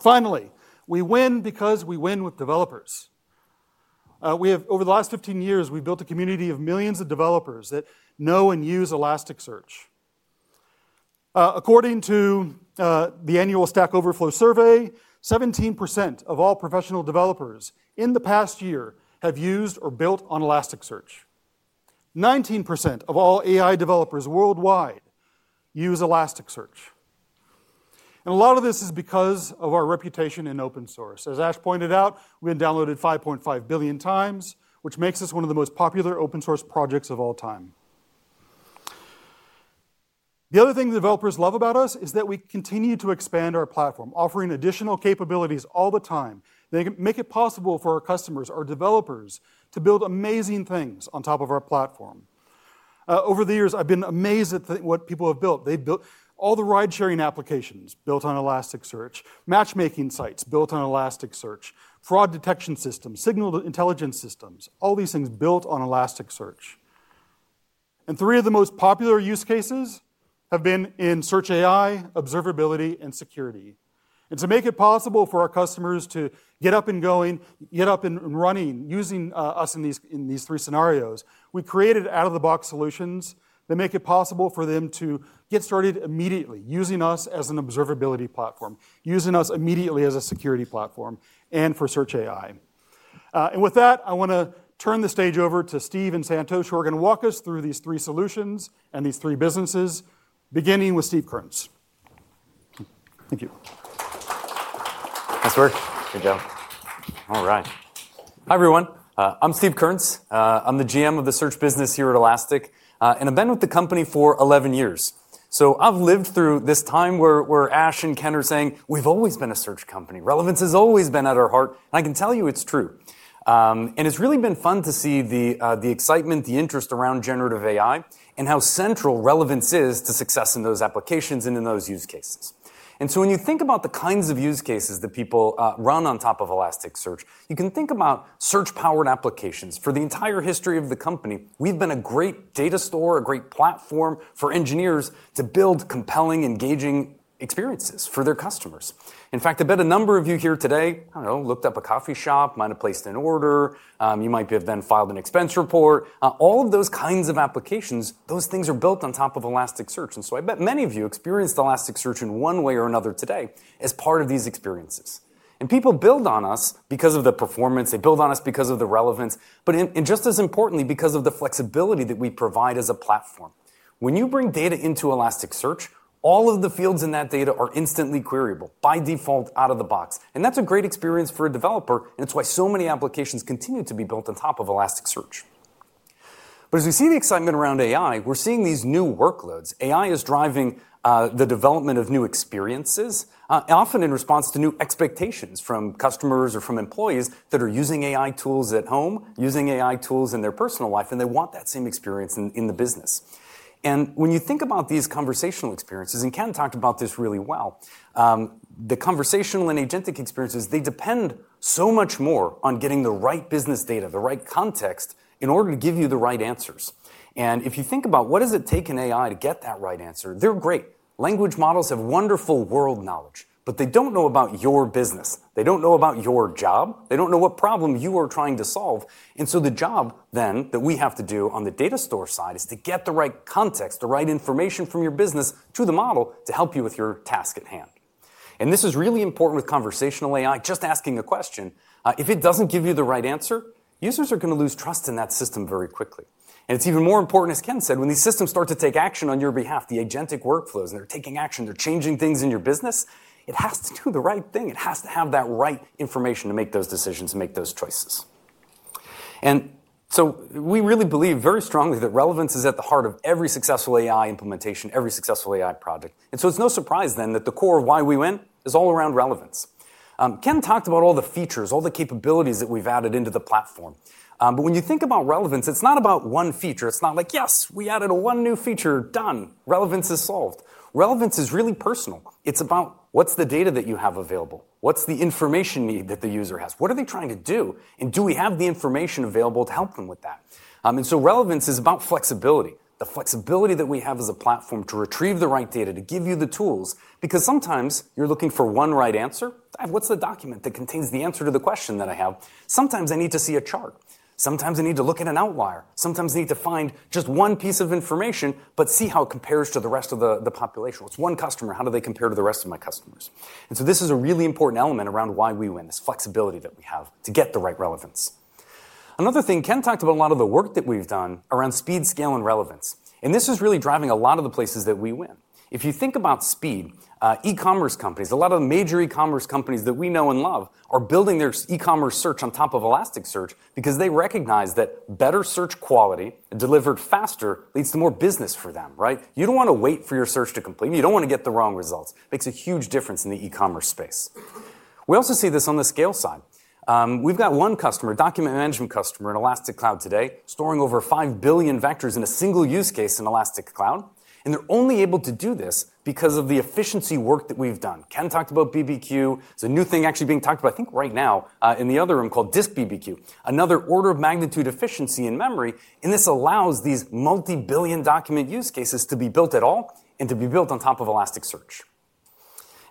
S3: Finally, we win because we win with developers. We have, over the last 15 years, built a community of millions of developers that know and use Elasticsearch. According to the annual Stack Overflow survey, 17% of all professional developers in the past year have used or built on Elasticsearch. 19% of all AI developers worldwide use Elasticsearch. A lot of this is because of our reputation in open source. As Ash pointed out, we've been downloaded 5.5 billion times, which makes us one of the most popular open source projects of all time. The other thing developers love about us is that we continue to expand our platform, offering additional capabilities all the time. They make it possible for our customers, our developers, to build amazing things on top of our platform. Over the years, I've been amazed at what people have built. They've built all the ride-sharing applications built on Elasticsearch, matchmaking sites built on Elasticsearch, fraud detection systems, signal intelligence systems, all these things built on Elasticsearch. Three of the most popular use cases have been in search AI, Observability, and Security. To make it possible for our customers to get up and going, get up and running using us in these three scenarios, we created out-of-the-box solutions that make it possible for them to get started immediately using us as an Observability platform, using us immediately as a Security platform, and for search AI. With that, I want to turn the stage over to Steve and Santosh, who are going to walk us through these three solutions and these three businesses, beginning with Steve Kearns.
S4: Thank you. Nice work. Great job. All right. Hi, everyone. I'm Steve Kearns. I'm the GM of the search business here at Elastic. I've been with the company for 11 years. I've lived through this time where Ash and Ken are saying we've always been a search company. Relevance has always been at our heart. I can tell you it's true. It's really been fun to see the excitement, the interest around generative AI, and how central relevance is to success in those applications and in those use cases. When you think about the kinds of use cases that people run on top of Elasticsearch, you can think about search-powered applications. For the entire history of the company, we've been a great data store, a great platform for engineers to build compelling, engaging experiences for their customers. In fact, I bet a number of you here today, I don't know, looked up a coffee shop, might have placed an order. You might have then filed an expense report. All of those kinds of applications, those things are built on top of Elasticsearch. I bet many of you experienced Elasticsearch in one way or another today as part of these experiences. People build on us because of the performance. They build on us because of the relevance. Just as importantly, because of the flexibility that we provide as a platform. When you bring data into Elasticsearch, all of the fields in that data are instantly queryable, by default, out of the box. That's a great experience for a developer. It's why so many applications continue to be built on top of Elasticsearch. As we see the excitement around AI, we're seeing these new workloads. AI is driving the development of new experiences, often in response to new expectations from customers or from employees that are using AI tools at home, using AI tools in their personal life. They want that same experience in the business. When you think about these conversational experiences, and Ken talked about this really well, the conversational and agentic experiences, they depend so much more on getting the right business data, the right context, in order to give you the right answers. If you think about what does it take in AI to get that right answer, they're great. Language models have wonderful world knowledge. They don't know about your business. They don't know about your job. They don't know what problem you are trying to solve. The job then that we have to do on the data store side is to get the right context, the right information from your business to the model to help you with your task at hand. This is really important with conversational AI, just asking a question. If it doesn't give you the right answer, users are going to lose trust in that system very quickly. It's even more important, as Ken said, when these systems start to take action on your behalf, the agentic workflows, and they're taking action, they're changing things in your business, it has to do the right thing. It has to have that right information to make those decisions and make those choices. We really believe very strongly that relevance is at the heart of every successful AI implementation, every successful AI project. It's no surprise then that the core of why we win is all around relevance. Ken talked about all the features, all the capabilities that we've added into the platform. When you think about relevance, it's not about one feature. It's not like, yes, we added one new feature, done. Relevance is solved. Relevance is really personal. It's about what's the data that you have available? What's the information need that the user has? What are they trying to do? Do we have the information available to help them with that? Relevance is about flexibility, the flexibility that we have as a platform to retrieve the right data, to give you the tools, because sometimes you're looking for one right answer. I have, what's the document that contains the answer to the question that I have? Sometimes I need to see a chart. Sometimes I need to look at an outlier. Sometimes I need to find just one piece of information, but see how it compares to the rest of the population. What's one customer? How do they compare to the rest of my customers? This is a really important element around why we win, this flexibility that we have to get the right relevance. Another thing, Ken talked about a lot of the work that we've done around speed, scale, and relevance. This is really driving a lot of the places that we win. If you think about speed, e-commerce companies, a lot of the major e-commerce companies that we know and love are building their e-commerce search on top of Elasticsearch because they recognize that better search quality delivered faster leads to more business for them, right? You don't want to wait for your search to complete. You don't want to get the wrong results. It makes a huge difference in the e-commerce space. We also see this on the scale side. We've got one customer, a document management customer in Elastic Cloud today, storing over 5 billion vectors in a single use case in Elastic Cloud. They're only able to do this because of the efficiency work that we've done. Ken talked about BBQ. It's a new thing actually being talked about, I think right now, in the other room called DiskBBQ, another order of magnitude efficiency in memory. This allows these multi-billion document use cases to be built at all and to be built on top of Elasticsearch.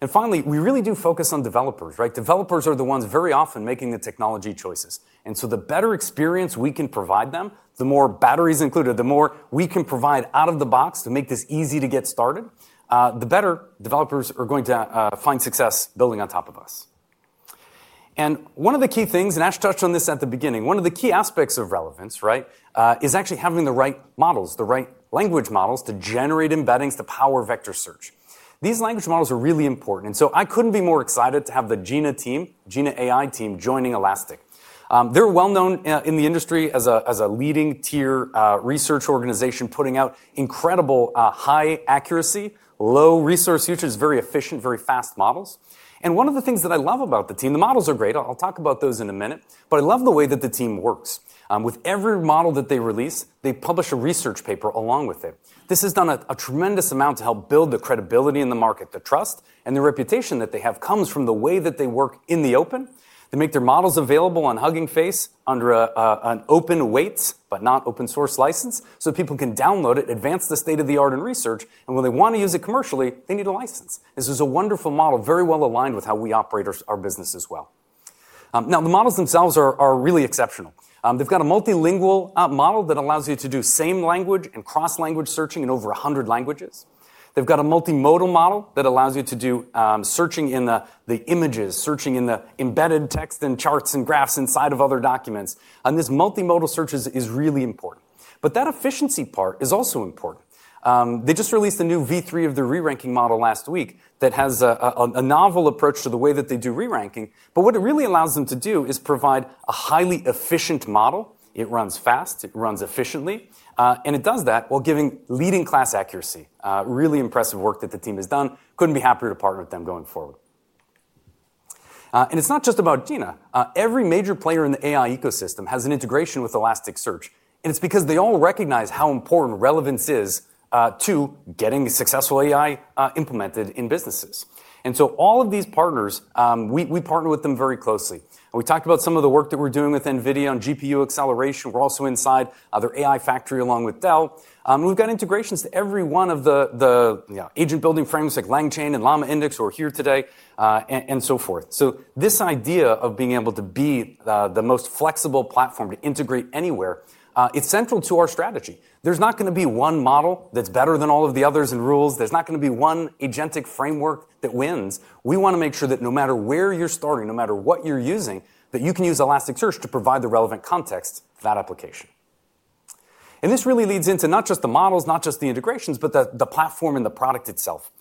S4: We really do focus on developers, right? Developers are the ones very often making the technology choices. The better experience we can provide them, the more batteries included, the more we can provide out of the box to make this easy to get started, the better developers are going to find success building on top of us. One of the key things, and Ash touched on this at the beginning, one of the key aspects of relevance, right, is actually having the right models, the right language models to generate embeddings to power vector search. These language models are really important. I couldn't be more excited to have the Jina AI team joining Elastic. They're well known in the industry as a leading tier research organization, putting out incredible high accuracy, low resource usage, very efficient, very fast models. One of the things that I love about the team, the models are great. I'll talk about those in a minute. I love the way that the team works. With every model that they release, they publish a research paper along with it. This has done a tremendous amount to help build the credibility in the market. The trust and the reputation that they have comes from the way that they work in the open. They make their models available on HuggingFace under an open-weights, but not open source license, so people can download it, advance the state of the art in research. When they want to use it commercially, they need a license. This is a wonderful model, very well aligned with how we operate our business as well. The models themselves are really exceptional. They've got a multilingual model that allows you to do same language and cross-language searching in over 100 languages. They've got a multimodal model that allows you to do searching in the images, searching in the embedded text and charts and graphs inside of other documents. This multimodal search is really important. That efficiency part is also important. They just released a new V3 of the re-ranking model last week that has a novel approach to the way that they do re-ranking. What it really allows them to do is provide a highly efficient model. It runs fast. It runs efficiently. It does that while giving leading-class accuracy. Really impressive work that the team has done. Couldn't be happier to partner with them going forward. It's not just about Jina AI. Every major player in the AI ecosystem has an integration with Elasticsearch. It's because they all recognize how important relevance is to getting successful AI implemented in businesses. All of these partners, we partner with them very closely. We talked about some of the work that we're doing with NVIDIA on GPU acceleration. We're also inside their AI factory along with Dell. We've got integrations to every one of the agent-building frameworks like LangChain and LlamaIndex who are here today, and so forth. This idea of being able to be the most flexible platform to integrate anywhere, it's central to our strategy. There's not going to be one model that's better than all of the others in rules. There's not going to be one agentic AI framework that wins. We want to make sure that no matter where you're starting, no matter what you're using, that you can use Elasticsearch to provide the relevant context to that application. This really leads into not just the models, not just the integrations, but the platform and the product itself.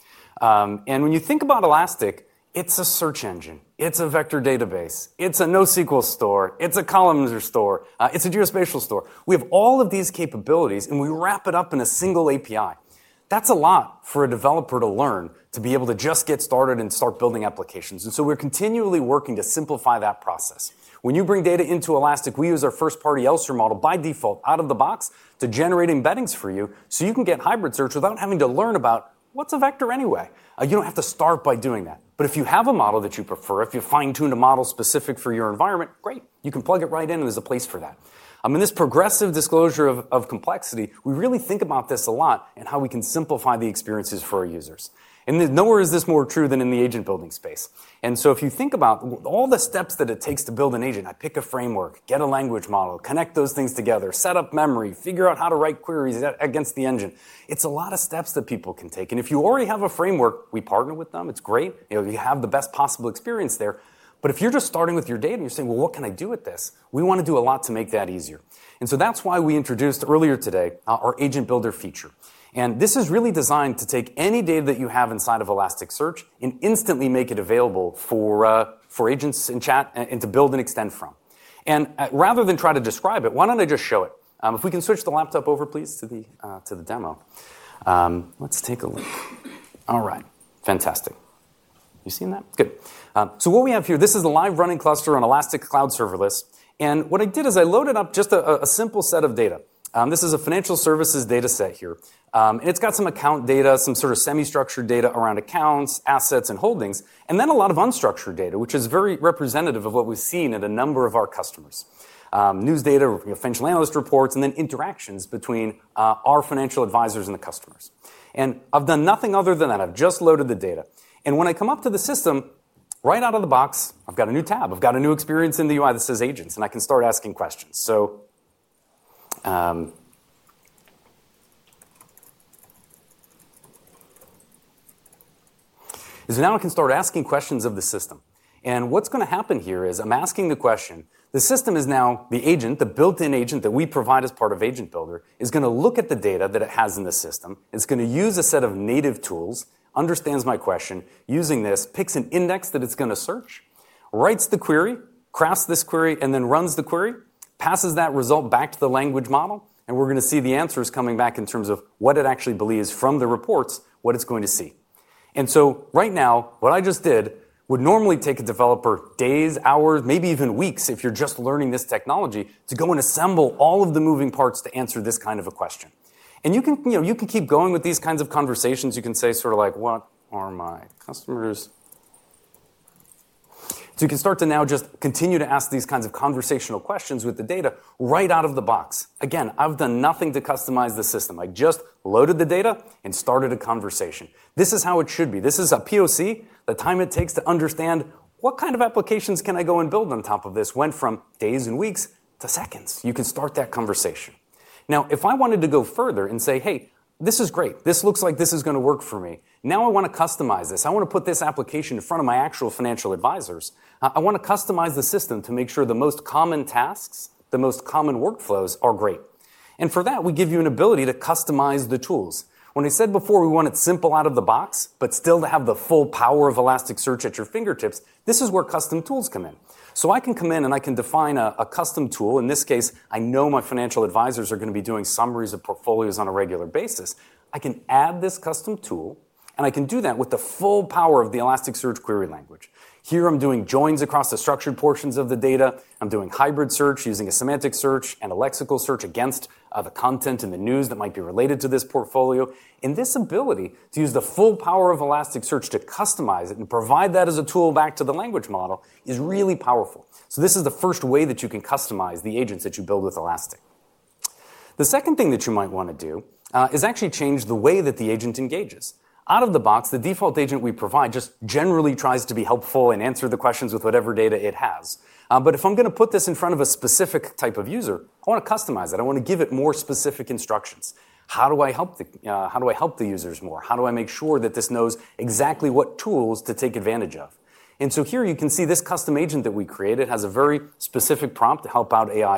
S4: When you think about Elastic, it's a search engine. It's a vector database. It's a NoSQL store. It's a columns store. It's a geospatial store. We have all of these capabilities, and we wrap it up in a single API. That's a lot for a developer to learn to be able to just get started and start building applications. We're continually working to simplify that process. When you bring data into Elastic, we use our first-party ELSTER model by default out of the box to generate embeddings for you so you can get hybrid search without having to learn about what's a vector anyway. You don't have to start by doing that. If you have a model that you prefer, if you fine-tune a model specific for your environment, great. You can plug it right in, and there's a place for that. I mean, this progressive disclosure of complexity, we really think about this a lot and how we can simplify the experiences for our users. Nowhere is this more true than in the agent-building space. If you think about all the steps that it takes to build an agent, I pick a framework, get a language model, connect those things together, set up memory, figure out how to write queries against the engine, it's a lot of steps that people can take. If you already have a framework, we partner with them. It's great. You have the best possible experience there. If you're just starting with your data, you're saying, what can I do with this? We want to do a lot to make that easier. That's why we introduced earlier today our Agent Builder feature. This is really designed to take any data that you have inside of Elasticsearch and instantly make it available for agents in chat and to build and extend from. Rather than try to describe it, why don't I just show it? If we can switch the laptop over, please, to the demo. Let's take a look. All right. Fantastic. You've seen that? Good. What we have here, this is a live running cluster on Elastic Cloud Serverless. What I did is I loaded up just a simple set of data. This is a financial services data set here. It's got some account data, some sort of semi-structured data around accounts, assets, and holdings, and then a lot of unstructured data, which is very representative of what we've seen in a number of our customers. News data, you know, financial analyst reports, and then interactions between our financial advisors and the customers. I've done nothing other than that. I've just loaded the data. When I come up to the system, right out of the box, I've got a new tab. I've got a new experience in the UI that says agents, and I can start asking questions. Now I can start asking questions of the system. What's going to happen here is I'm asking the question, the system is now the agent, the built-in agent that we provide as part of Agent Builder, is going to look at the data that it has in the system. It's going to use a set of native tools, understands my question, using this, picks an index that it's going to search, writes the query, crafts this query, and then runs the query, passes that result back to the language model, and we're going to see the answers coming back in terms of what it actually believes from the reports, what it's going to see. Right now, what I just did would normally take a developer days, hours, maybe even weeks, if you're just learning this technology, to go and assemble all of the moving parts to answer this kind of a question. You can keep going with these kinds of conversations. You can say sort of like, what are my customers? You can start to now just continue to ask these kinds of conversational questions with the data right out of the box. Again, I've done nothing to customize the system. I just loaded the data and started a conversation. This is how it should be. This is a POC. The time it takes to understand what kind of applications can I go and build on top of this went from days and weeks to seconds. You can start that conversation. If I wanted to go further and say, hey, this is great. This looks like this is going to work for me. Now I want to customize this. I want to put this application in front of my actual financial advisors. I want to customize the system to make sure the most common tasks, the most common workflows are great. For that, we give you an ability to customize the tools. When I said before we want it simple out of the box, but still to have the full power of Elasticsearch at your fingertips, this is where custom tools come in. I can come in and I can define a custom tool. In this case, I know my financial advisors are going to be doing summaries of portfolios on a regular basis. I can add this custom tool, and I can do that with the full power of the Elasticsearch query language. Here, I'm doing joins across the structured portions of the data. I'm doing hybrid search using a semantic search and a lexical search against the content and the news that might be related to this portfolio. This ability to use the full power of Elasticsearch to customize it and provide that as a tool back to the language model is really powerful. This is the first way that you can customize the agents that you build with Elastic. The second thing that you might want to do is actually change the way that the agent engages. Out of the box, the default agent we provide just generally tries to be helpful and answer the questions with whatever data it has. If I'm going to put this in front of a specific type of user, I want to customize it. I want to give it more specific instructions. How do I help the users more? How do I make sure that this knows exactly what tools to take advantage of? Here you can see this custom agent that we created has a very specific prompt to help out human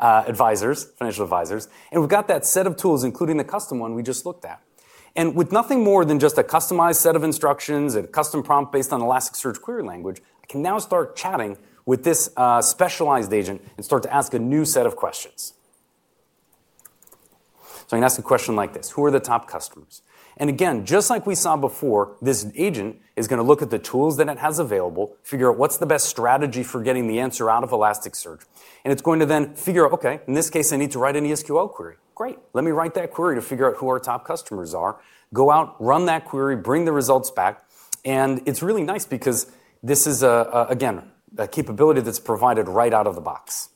S4: advisors, financial advisors. We've got that set of tools, including the custom one we just looked at. With nothing more than just a customized set of instructions and a custom prompt based on Elasticsearch query language, I can now start chatting with this specialized agent and start to ask a new set of questions. I can ask a question like this: Who are the top customers? Again, just like we saw before, this agent is going to look at the tools that it has available, figure out what's the best strategy for getting the answer out of Elasticsearch. It's going to then figure out, OK, in this case, I need to write an ES|QL query. Great. Let me write that query to figure out who our top customers are, go out, run that query, bring the results back. It's really nice because this is, again, a capability that's provided right out of the box.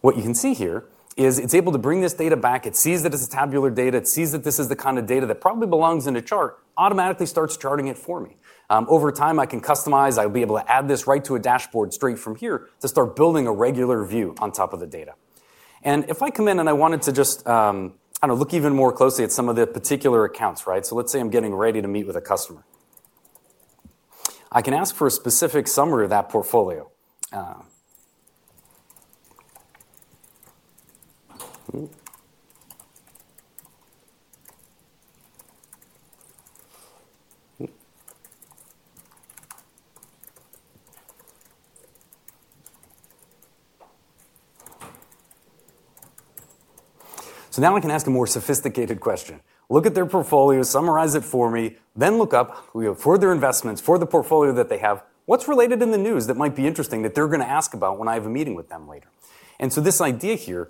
S4: What you can see here is it's able to bring this data back. It sees that it's tabular data. It sees that this is the kind of data that probably belongs in a chart, automatically starts charting it for me. Over time, I can customize. I'll be able to add this right to a dashboard straight from here to start building a regular view on top of the data. If I come in and I wanted to just kind of look even more closely at some of the particular accounts, right? Let's say I'm getting ready to meet with a customer. I can ask for a specific summary of that portfolio. Now I can ask a more sophisticated question. Look at their portfolio, summarize it for me, then look up, we have further investments for the portfolio that they have, what's related in the news that might be interesting that they're going to ask about when I have a meeting with them later. This idea here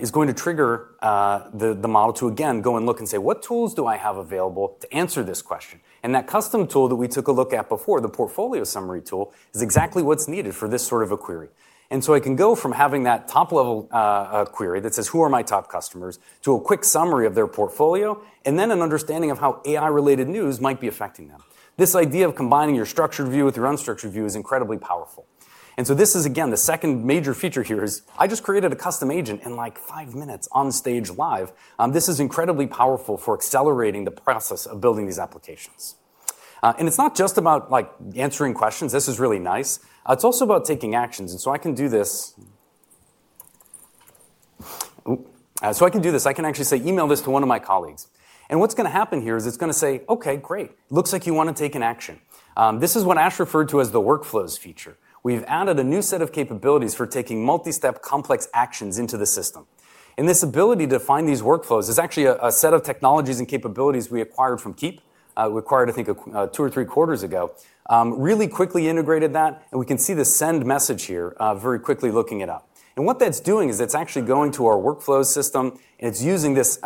S4: is going to trigger the model to, again, go and look and say, what tools do I have available to answer this question? That custom tool that we took a look at before, the portfolio summary tool, is exactly what's needed for this sort of a query. I can go from having that top-level query that says, who are my top customers, to a quick summary of their portfolio, and then an understanding of how AI-related news might be affecting them. This idea of combining your structured view with your unstructured view is incredibly powerful. This is, again, the second major feature here. I just created a custom agent in like five minutes on stage live. This is incredibly powerful for accelerating the process of building these applications. It's not just about answering questions. This is really nice. It's also about taking actions. I can do this. I can actually say, email this to one of my colleagues. What's going to happen here is it's going to say, OK, great. Looks like you want to take an action. This is what Ash referred to as the workflows feature. We've added a new set of capabilities for taking multi-step complex actions into the system. This ability to find these workflows is actually a set of technologies and capabilities we acquired from Keep. We acquired, I think, two or three quarters ago, really quickly integrated that. We can see the send message here very quickly looking it up. What that's doing is it's actually going to our workflow system. It's using this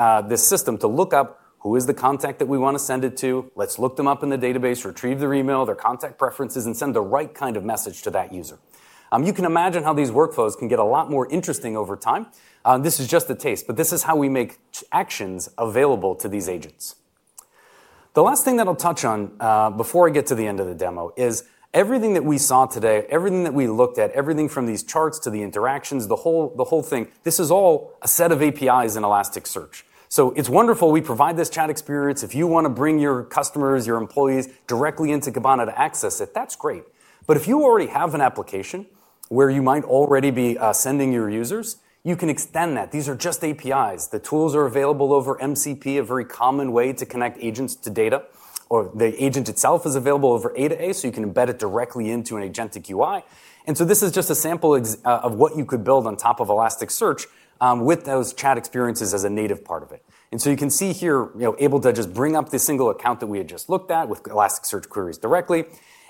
S4: system to look up who is the contact that we want to send it to. Let's look them up in the database, retrieve their email, their contact preferences, and send the right kind of message to that user. You can imagine how these workflows can get a lot more interesting over time. This is just a taste. This is how we make actions available to these agents. The last thing that I'll touch on before I get to the end of the demo is everything that we saw today, everything that we looked at, everything from these charts to the interactions, the whole thing, this is all a set of APIs in Elasticsearch. It's wonderful we provide this chat experience. If you want to bring your customers, your employees directly into Kibana to access it, that's great. If you already have an application where you might already be sending your users, you can extend that. These are just APIs. The tools are available over MCP, a very common way to connect agents to data. The agent itself is available over A2A, so you can embed it directly into an agentic UI. This is just a sample of what you could build on top of Elasticsearch with those chat experiences as a native part of it. You can see here, able to just bring up the single account that we had just looked at with Elasticsearch queries directly.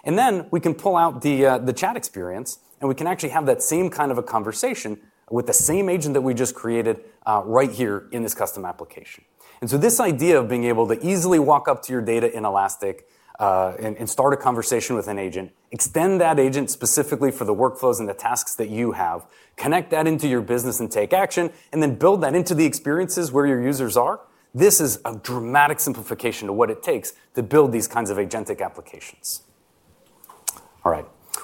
S4: We can pull out the chat experience, and we can actually have that same kind of a conversation with the same agent that we just created right here in this custom application. This idea of being able to easily walk up to your data in Elastic and start a conversation with an agent, extend that agent specifically for the workflows and the tasks that you have, connect that into your business and take action, and then build that into the experiences where your users are, is a dramatic simplification to what it takes to build these kinds of agentic applications.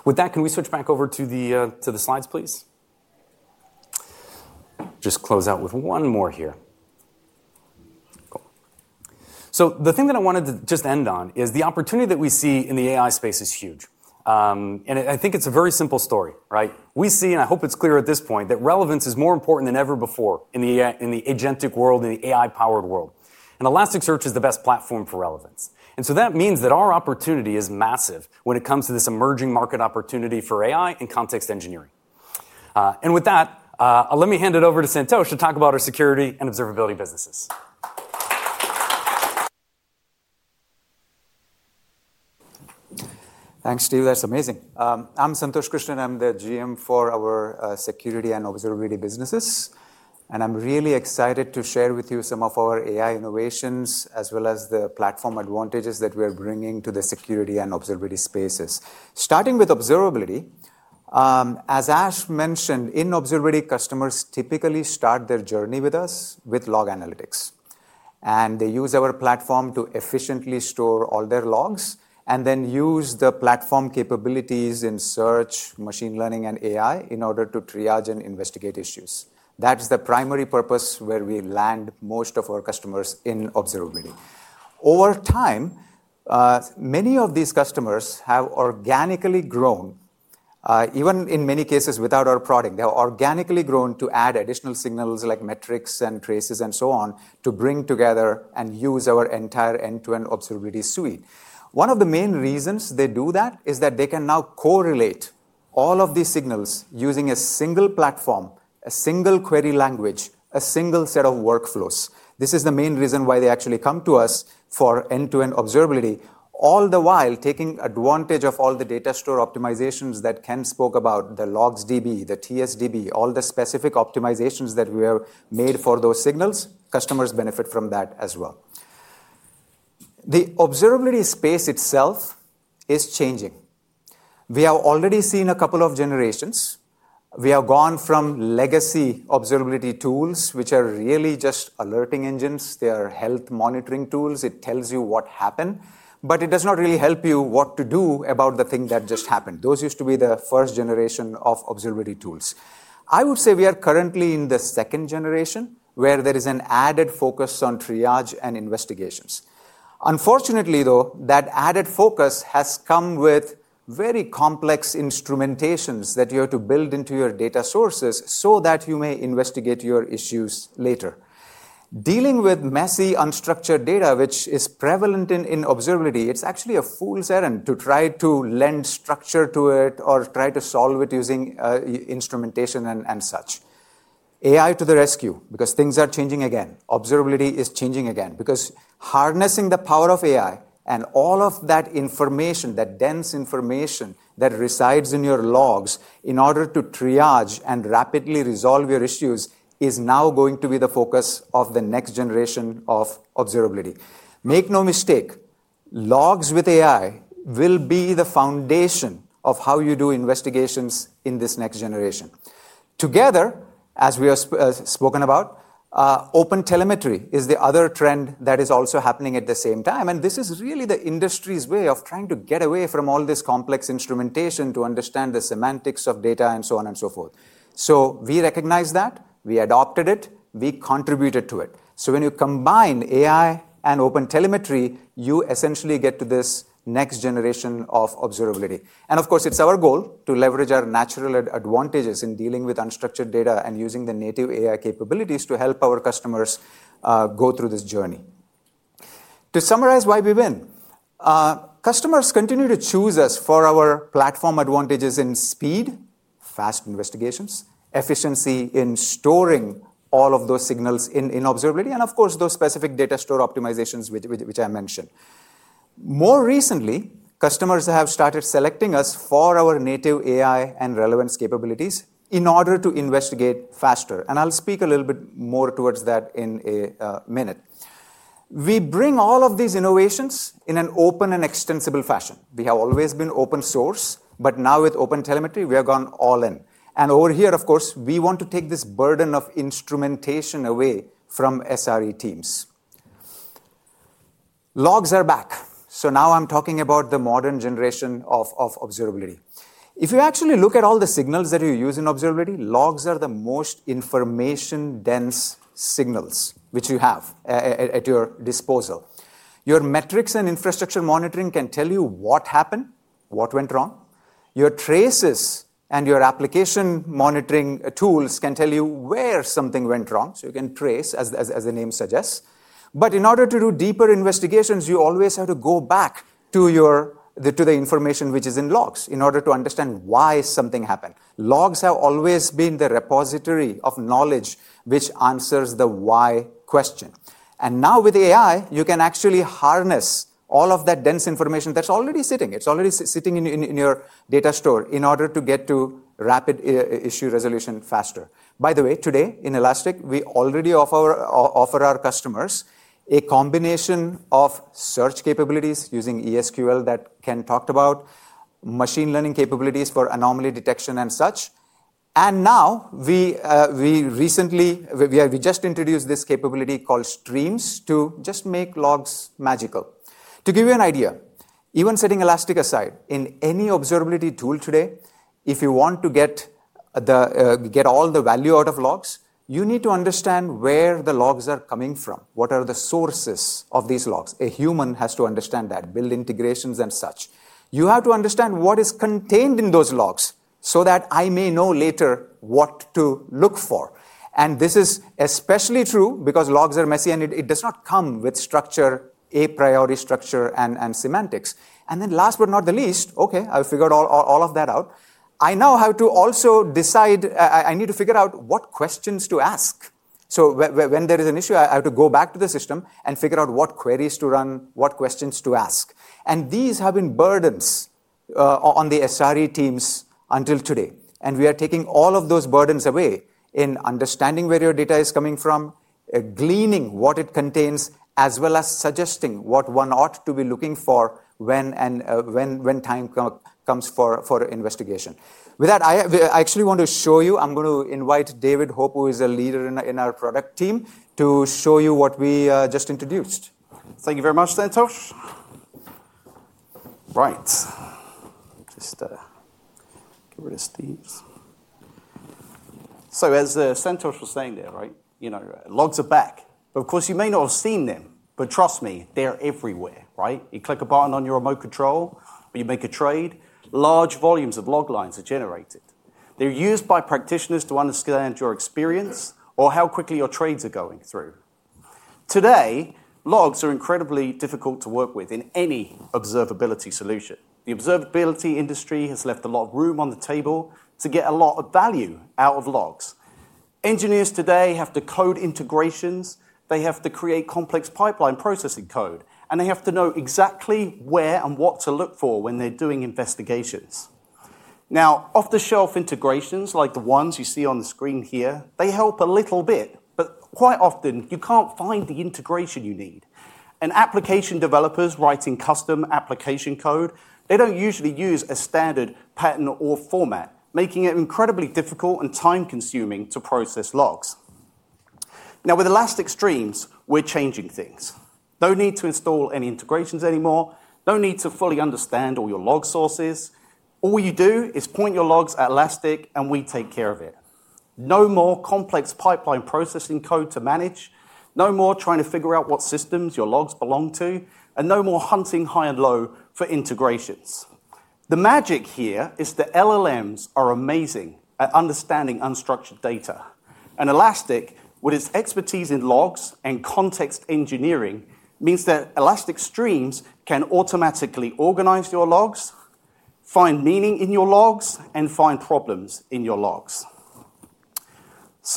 S4: With that, can we switch back over to the slides, please? Just close out with one more here. The thing that I wanted to just end on is the opportunity that we see in the AI space is huge. I think it's a very simple story, right? We see, and I hope it's clear at this point, that relevance is more important than ever before in the agentic world, in the AI-powered world. Elasticsearch is the best platform for relevance. That means that our opportunity is massive when it comes to this emerging market opportunity for AI and context engineering. With that, let me hand it over to Santosh to talk about our Security and Observability businesses.
S5: Thanks, Steve. That's amazing. I'm Santosh Krishnan. I'm the GM for our Security and Observability businesses. I'm really excited to share with you some of our AI innovations, as well as the platform advantages that we are bringing to the Security and Observability spaces. Starting with Observability, as Ash mentioned, in Observability, customers typically start their journey with us with log analytics. They use our platform to efficiently store all their logs and then use the platform capabilities in search, machine learning, and AI in order to triage and investigate issues. That's the primary purpose where we land most of our customers in Observability. Over time, many of these customers have organically grown, even in many cases without our product. They've organically grown to add additional signals like metrics and traces and so on to bring together and use our entire end-to-end Observability suite. One of the main reasons they do that is that they can now correlate all of these signals using a single platform, a single query language, a single set of workflows. This is the main reason why they actually come to us for end-to-end Observability, all the while taking advantage of all the data store optimizations that Ken spoke about, the LogsDB, the TSDB, all the specific optimizations that we have made for those signals. Customers benefit from that as well. The Observability space itself is changing. We have already seen a couple of generations. We have gone from legacy Observability tools, which are really just alerting engines. They are health monitoring tools. It tells you what happened. It does not really help you what to do about the thing that just happened. Those used to be the first generation of Observability tools. I would say we are currently in the second generation, where there is an added focus on triage and investigations. Unfortunately, though, that added focus has come with very complex instrumentations that you have to build into your data sources so that you may investigate your issues later. Dealing with messy, unstructured data, which is prevalent in Observability, it's actually a fool's errand to try to lend structure to it or try to solve it using instrumentation and such. AI to the rescue, because things are changing again. Observability is changing again, because harnessing the power of AI and all of that information, that dense information that resides in your logs in order to triage and rapidly resolve your issues is now going to be the focus of the next generation of Observability. Make no mistake, logs with AI will be the foundation of how you do investigations in this next generation. Together, as we have spoken about, OpenTelemetry is the other trend that is also happening at the same time. This is really the industry's way of trying to get away from all this complex instrumentation to understand the semantics of data and so on and so forth. We recognize that. We adopted it. We contributed to it. When you combine AI and OpenTelemetry, you essentially get to this next generation of Observability. Of course, it's our goal to leverage our natural advantages in dealing with unstructured data and using the native AI capabilities to help our customers go through this journey. To summarize why we win, customers continue to choose us for our platform advantages in speed, fast investigations, efficiency in storing all of those signals in Observability, and those specific data store optimizations which I mentioned. More recently, customers have started selecting us for our native AI and relevance capabilities in order to investigate faster. I'll speak a little bit more towards that in a minute. We bring all of these innovations in an open and extensible fashion. We have always been open source. Now, with OpenTelemetry, we have gone all in. Over here, of course, we want to take this burden of instrumentation away from SRE teams. Logs are back. Now I'm talking about the modern generation of Observability. If you actually look at all the signals that you use in Observability, logs are the most information-dense signals which you have at your disposal. Your metrics and infrastructure monitoring can tell you what happened, what went wrong. Your traces and your application monitoring tools can tell you where something went wrong. You can trace, as the name suggests. In order to do deeper investigations, you always have to go back to the information which is in logs in order to understand why something happened. Logs have always been the repository of knowledge which answers the why question. Now, with AI, you can actually harness all of that dense information that's already sitting. It's already sitting in your data store in order to get to rapid issue resolution faster. By the way, today in Elastic, we already offer our customers a combination of search capabilities using ES|QL that Ken talked about, machine learning capabilities for anomaly detection and such. We recently just introduced this capability called Streams to just make logs magical. To give you an idea, even setting Elastic aside, in any Observability tool today, if you want to get all the value out of logs, you need to understand where the logs are coming from. What are the sources of these logs? A human has to understand that, build integrations and such. You have to understand what is contained in those logs so that I may know later what to look for. This is especially true because logs are messy and it does not come with structure, a priori structure, and semantics. Last but not the least, OK, I've figured all of that out. I now have to also decide I need to figure out what questions to ask. When there is an issue, I have to go back to the system and figure out what queries to run, what questions to ask. These have been burdens on the SRE teams until today. We are taking all of those burdens away in understanding where your data is coming from, gleaning what it contains, as well as suggesting what one ought to be looking for when time comes for investigation. With that, I actually want to show you I'm going to invite David Hope, who is a leader in our product team, to show you what we just introduced.
S6: Thank you very much, Santosh. Right. Just get rid of Steve. As Santosh was saying there, logs are back. Of course, you may not have seen them, but trust me, they're everywhere. You click a button on your remote control, you make a trade, large volumes of log lines are generated. They're used by practitioners to understand your experience or how quickly your trades are going through. Today, logs are incredibly difficult to work with in any Observability solution. The Observability industry has left a lot of room on the table to get a lot of value out of logs. Engineers today have to code integrations. They have to create complex pipeline processing code, and they have to know exactly where and what to look for when they're doing investigations. Off-the-shelf integrations, like the ones you see on the screen here, help a little bit. Quite often, you can't find the integration you need. Application developers writing custom application code don't usually use a standard pattern or format, making it incredibly difficult and time-consuming to process logs. With Elastic Streams, we're changing things. No need to install any integrations anymore. No need to fully understand all your log sources. All you do is point your logs at Elastic, and we take care of it. No more complex pipeline processing code to manage. No more trying to figure out what systems your logs belong to. No more hunting high and low for integrations. The magic here is the LLMs are amazing at understanding unstructured data. Elastic, with its expertise in logs and context engineering, means that Elastic Streams can automatically organize your logs, find meaning in your logs, and find problems in your logs.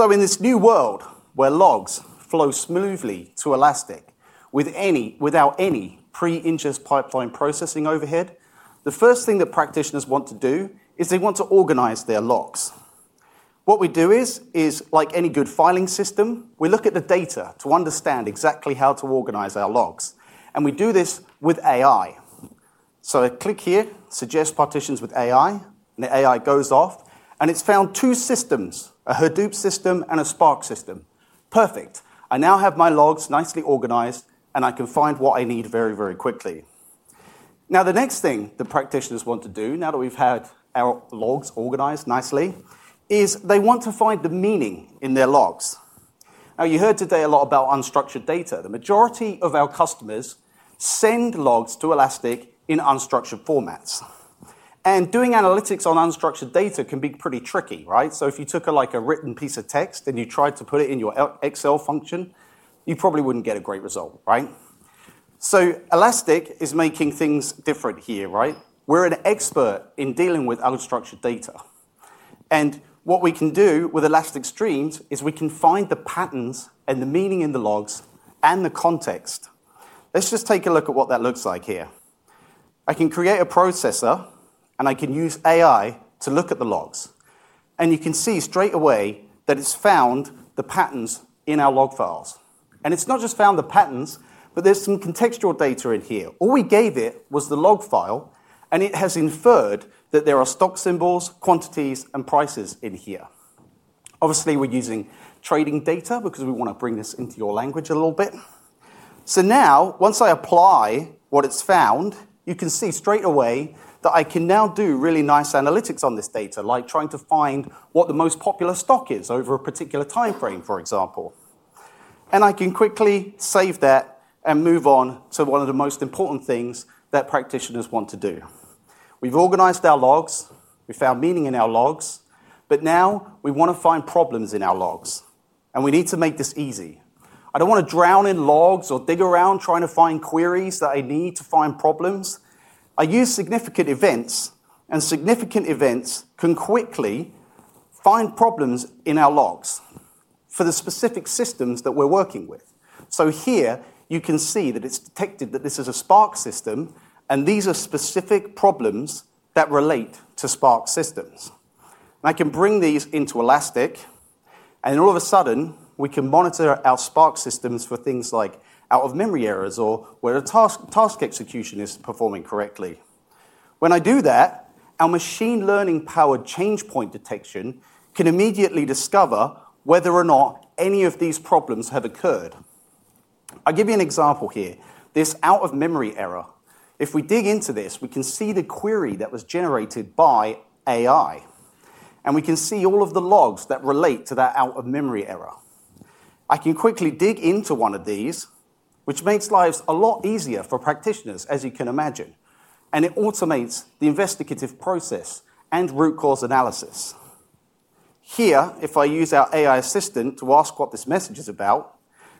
S6: In this new world where logs flow smoothly to Elastic without any pre-ingest pipeline processing overhead, the first thing that practitioners want to do is organize their logs. What we do is, like any good filing system, we look at the data to understand exactly how to organize our logs. We do this with AI. I click here, suggest partitions with AI, and the AI goes off. It's found two systems, a Hadoop system and a Spark system. Perfect. I now have my logs nicely organized, and I can find what I need very, very quickly. The next thing that practitioners want to do, now that we've had our logs organized nicely, is find the meaning in their logs. You heard today a lot about unstructured data. The majority of our customers send logs to Elastic in unstructured formats. Doing analytics on unstructured data can be pretty tricky, right? If you took like a written piece of text and you tried to put it in your Excel function, you probably wouldn't get a great result, right? Elastic is making things different here, right? We're an expert in dealing with unstructured data. What we can do with Elastic Streams is we can find the patterns and the meaning in the logs and the context. Let's just take a look at what that looks like here. I can create a processor, and I can use AI to look at the logs. You can see straight away that it's found the patterns in our log files. It's not just found the patterns, but there's some contextual data in here. All we gave it was the log file, and it has inferred that there are stock symbols, quantities, and prices in here. Obviously, we're using trading data because we want to bring this into your language a little bit. Now, once I apply what it's found, you can see straight away that I can now do really nice analytics on this data, like trying to find what the most popular stock is over a particular time frame, for example. I can quickly save that and move on to one of the most important things that practitioners want to do. We've organized our logs, we found meaning in our logs, but now we want to find problems in our logs. We need to make this easy. I don't want to drown in logs or dig around trying to find queries that I need to find problems. I use significant events, and significant events can quickly find problems in our logs for the specific systems that we're working with. Here, you can see that it's detected that this is a Spark system, and these are specific problems that relate to Spark systems. I can bring these into Elastic, and all of a sudden, we can monitor our Spark systems for things like out-of-memory errors or where a task execution is performing correctly. When I do that, our machine learning-powered change point detection can immediately discover whether or not any of these problems have occurred. I'll give you an example here, this out-of-memory error. If we dig into this, we can see the query that was generated by AI, and we can see all of the logs that relate to that out-of-memory error. I can quickly dig into one of these, which makes lives a lot easier for practitioners, as you can imagine. It automates the investigative process and root cause analysis. Here, if I use our AI Assistant to ask what this message is about,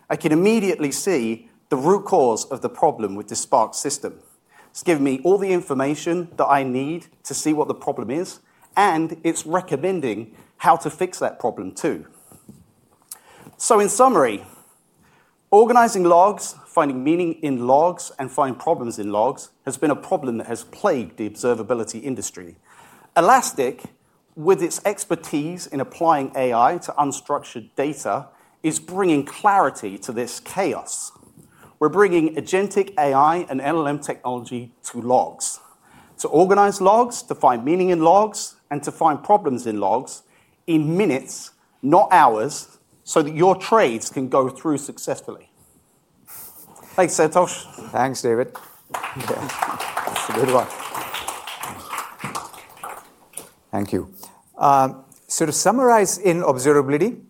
S6: I can immediately see the root cause of the problem with the Spark system. It's given me all the information that I need to see what the problem is. It's recommending how to fix that problem too. In summary, organizing logs, finding meaning in logs, and finding problems in logs has been a problem that has plagued the Observability industry. Elastic, with its expertise in applying AI to unstructured data, is bringing clarity to this chaos. We're bringing agentic AI and LLM technology to logs, to organize logs, to find meaning in logs, and to find problems in logs in minutes, not hours, so that your trades can go through successfully. Thanks, Santosh.
S5: Thanks, David. Yeah, it's a good one. Thank you. To summarize in Observability,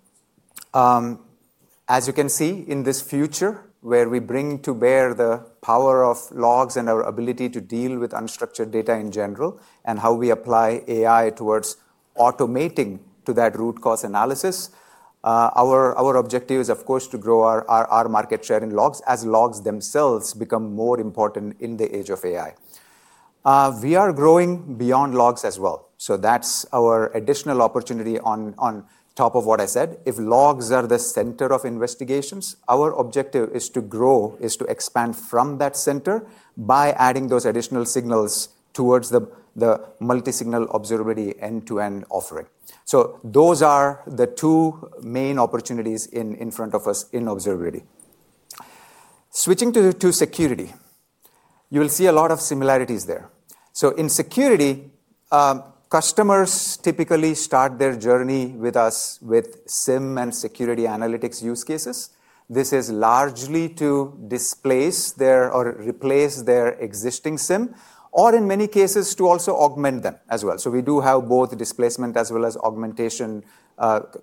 S5: as you can see in this future where we bring to bear the power of logs and our ability to deal with unstructured data in general and how we apply AI towards automating that root cause analysis, our objective is, of course, to grow our market share in logs as logs themselves become more important in the age of AI. We are growing beyond logs as well. That's our additional opportunity on top of what I said. If logs are the center of investigations, our objective is to grow, to expand from that center by adding those additional signals towards the multi-signal observability end-to-end offering. Those are the two main opportunities in front of us in Observability. Switching to Security, you will see a lot of similarities there. In Security, customers typically start their journey with us with SIEM and security analytics use cases. This is largely to displace or replace their existing SIEM, or in many cases, to also augment them as well. We do have both displacement as well as augmentation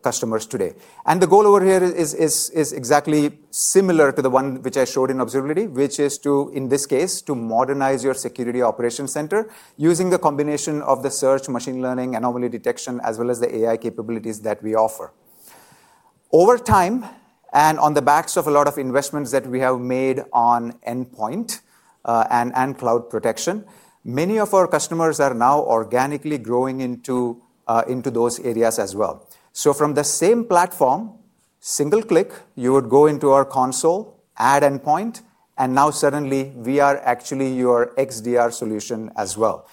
S5: customers today. The goal over here is exactly similar to the one which I showed in Observability, which is to, in this case, modernize your security operations center using the combination of the search, machine learning, anomaly detection, as well as the AI capabilities that we offer. Over time, and on the backs of a lot of investments that we have made on endpoint and cloud protection, many of our customers are now organically growing into those areas as well. From the same platform, single click, you would go into our console, add endpoint. Now, suddenly, we are actually your XDR solution as well.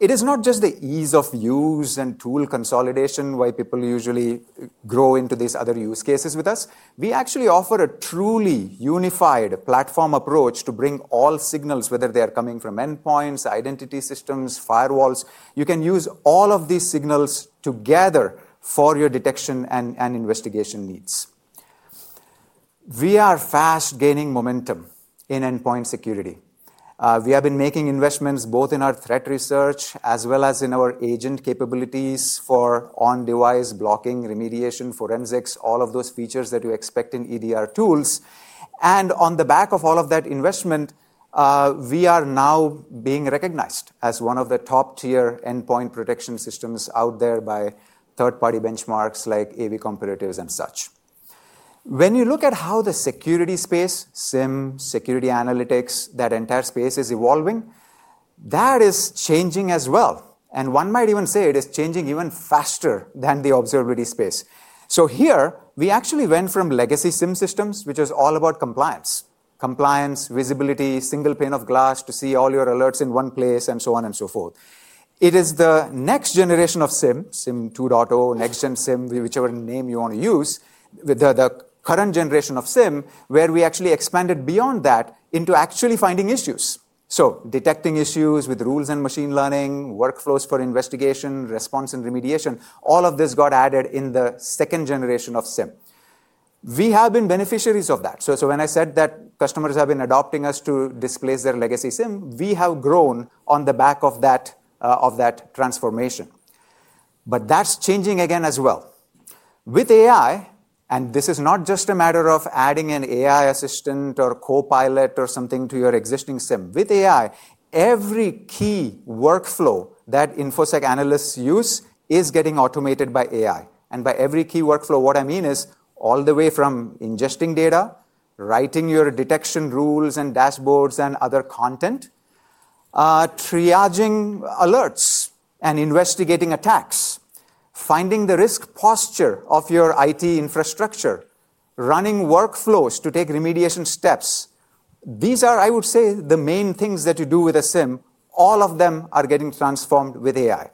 S5: It is not just the ease of use and tool consolidation why people usually grow into these other use cases with us. We actually offer a truly unified platform approach to bring all signals, whether they are coming from endpoints, identity systems, firewalls. You can use all of these signals together for your detection and investigation needs. We are fast gaining momentum in endpoint security. We have been making investments both in our threat research as well as in our agent capabilities for on-device blocking, remediation, forensics, all of those features that you expect in EDR tools. On the back of all of that investment, we are now being recognized as one of the top-tier endpoint protection systems out there by third-party benchmarks like AV Comparatives and such. When you look at how the Security space, SIEM, security analytics, that entire space is evolving, that is changing as well. One might even say it is changing even faster than the Observability space. Here, we actually went from legacy SIEM systems, which is all about compliance, compliance, visibility, single pane of glass to see all your alerts in one place, and so on and so forth. It is the next generation of SIEM, SIEM 2.0, Next-gen SIEM, whichever name you want to use, the current generation of SIEM, where we actually expanded beyond that into actually finding issues. Detecting issues with rules and machine learning, workflows for investigation, response, and remediation, all of this got added in the second generation of SIEM. We have been beneficiaries of that. When I said that customers have been adopting us to displace their legacy SIEM, we have grown on the back of that transformation. That is changing again as well. With AI, and this is not just a matter of adding an AI assistant or copilot or something to your existing SIEM, with AI, every key workflow that InfoSec analysts use is getting automated by AI. By every key workflow, what I mean is all the way from ingesting data, writing your detection rules and dashboards and other content, triaging alerts and investigating attacks, finding the risk posture of your IT infrastructure, running workflows to take remediation steps. These are, I would say, the main things that you do with a SIEM. All of them are getting transformed with AI.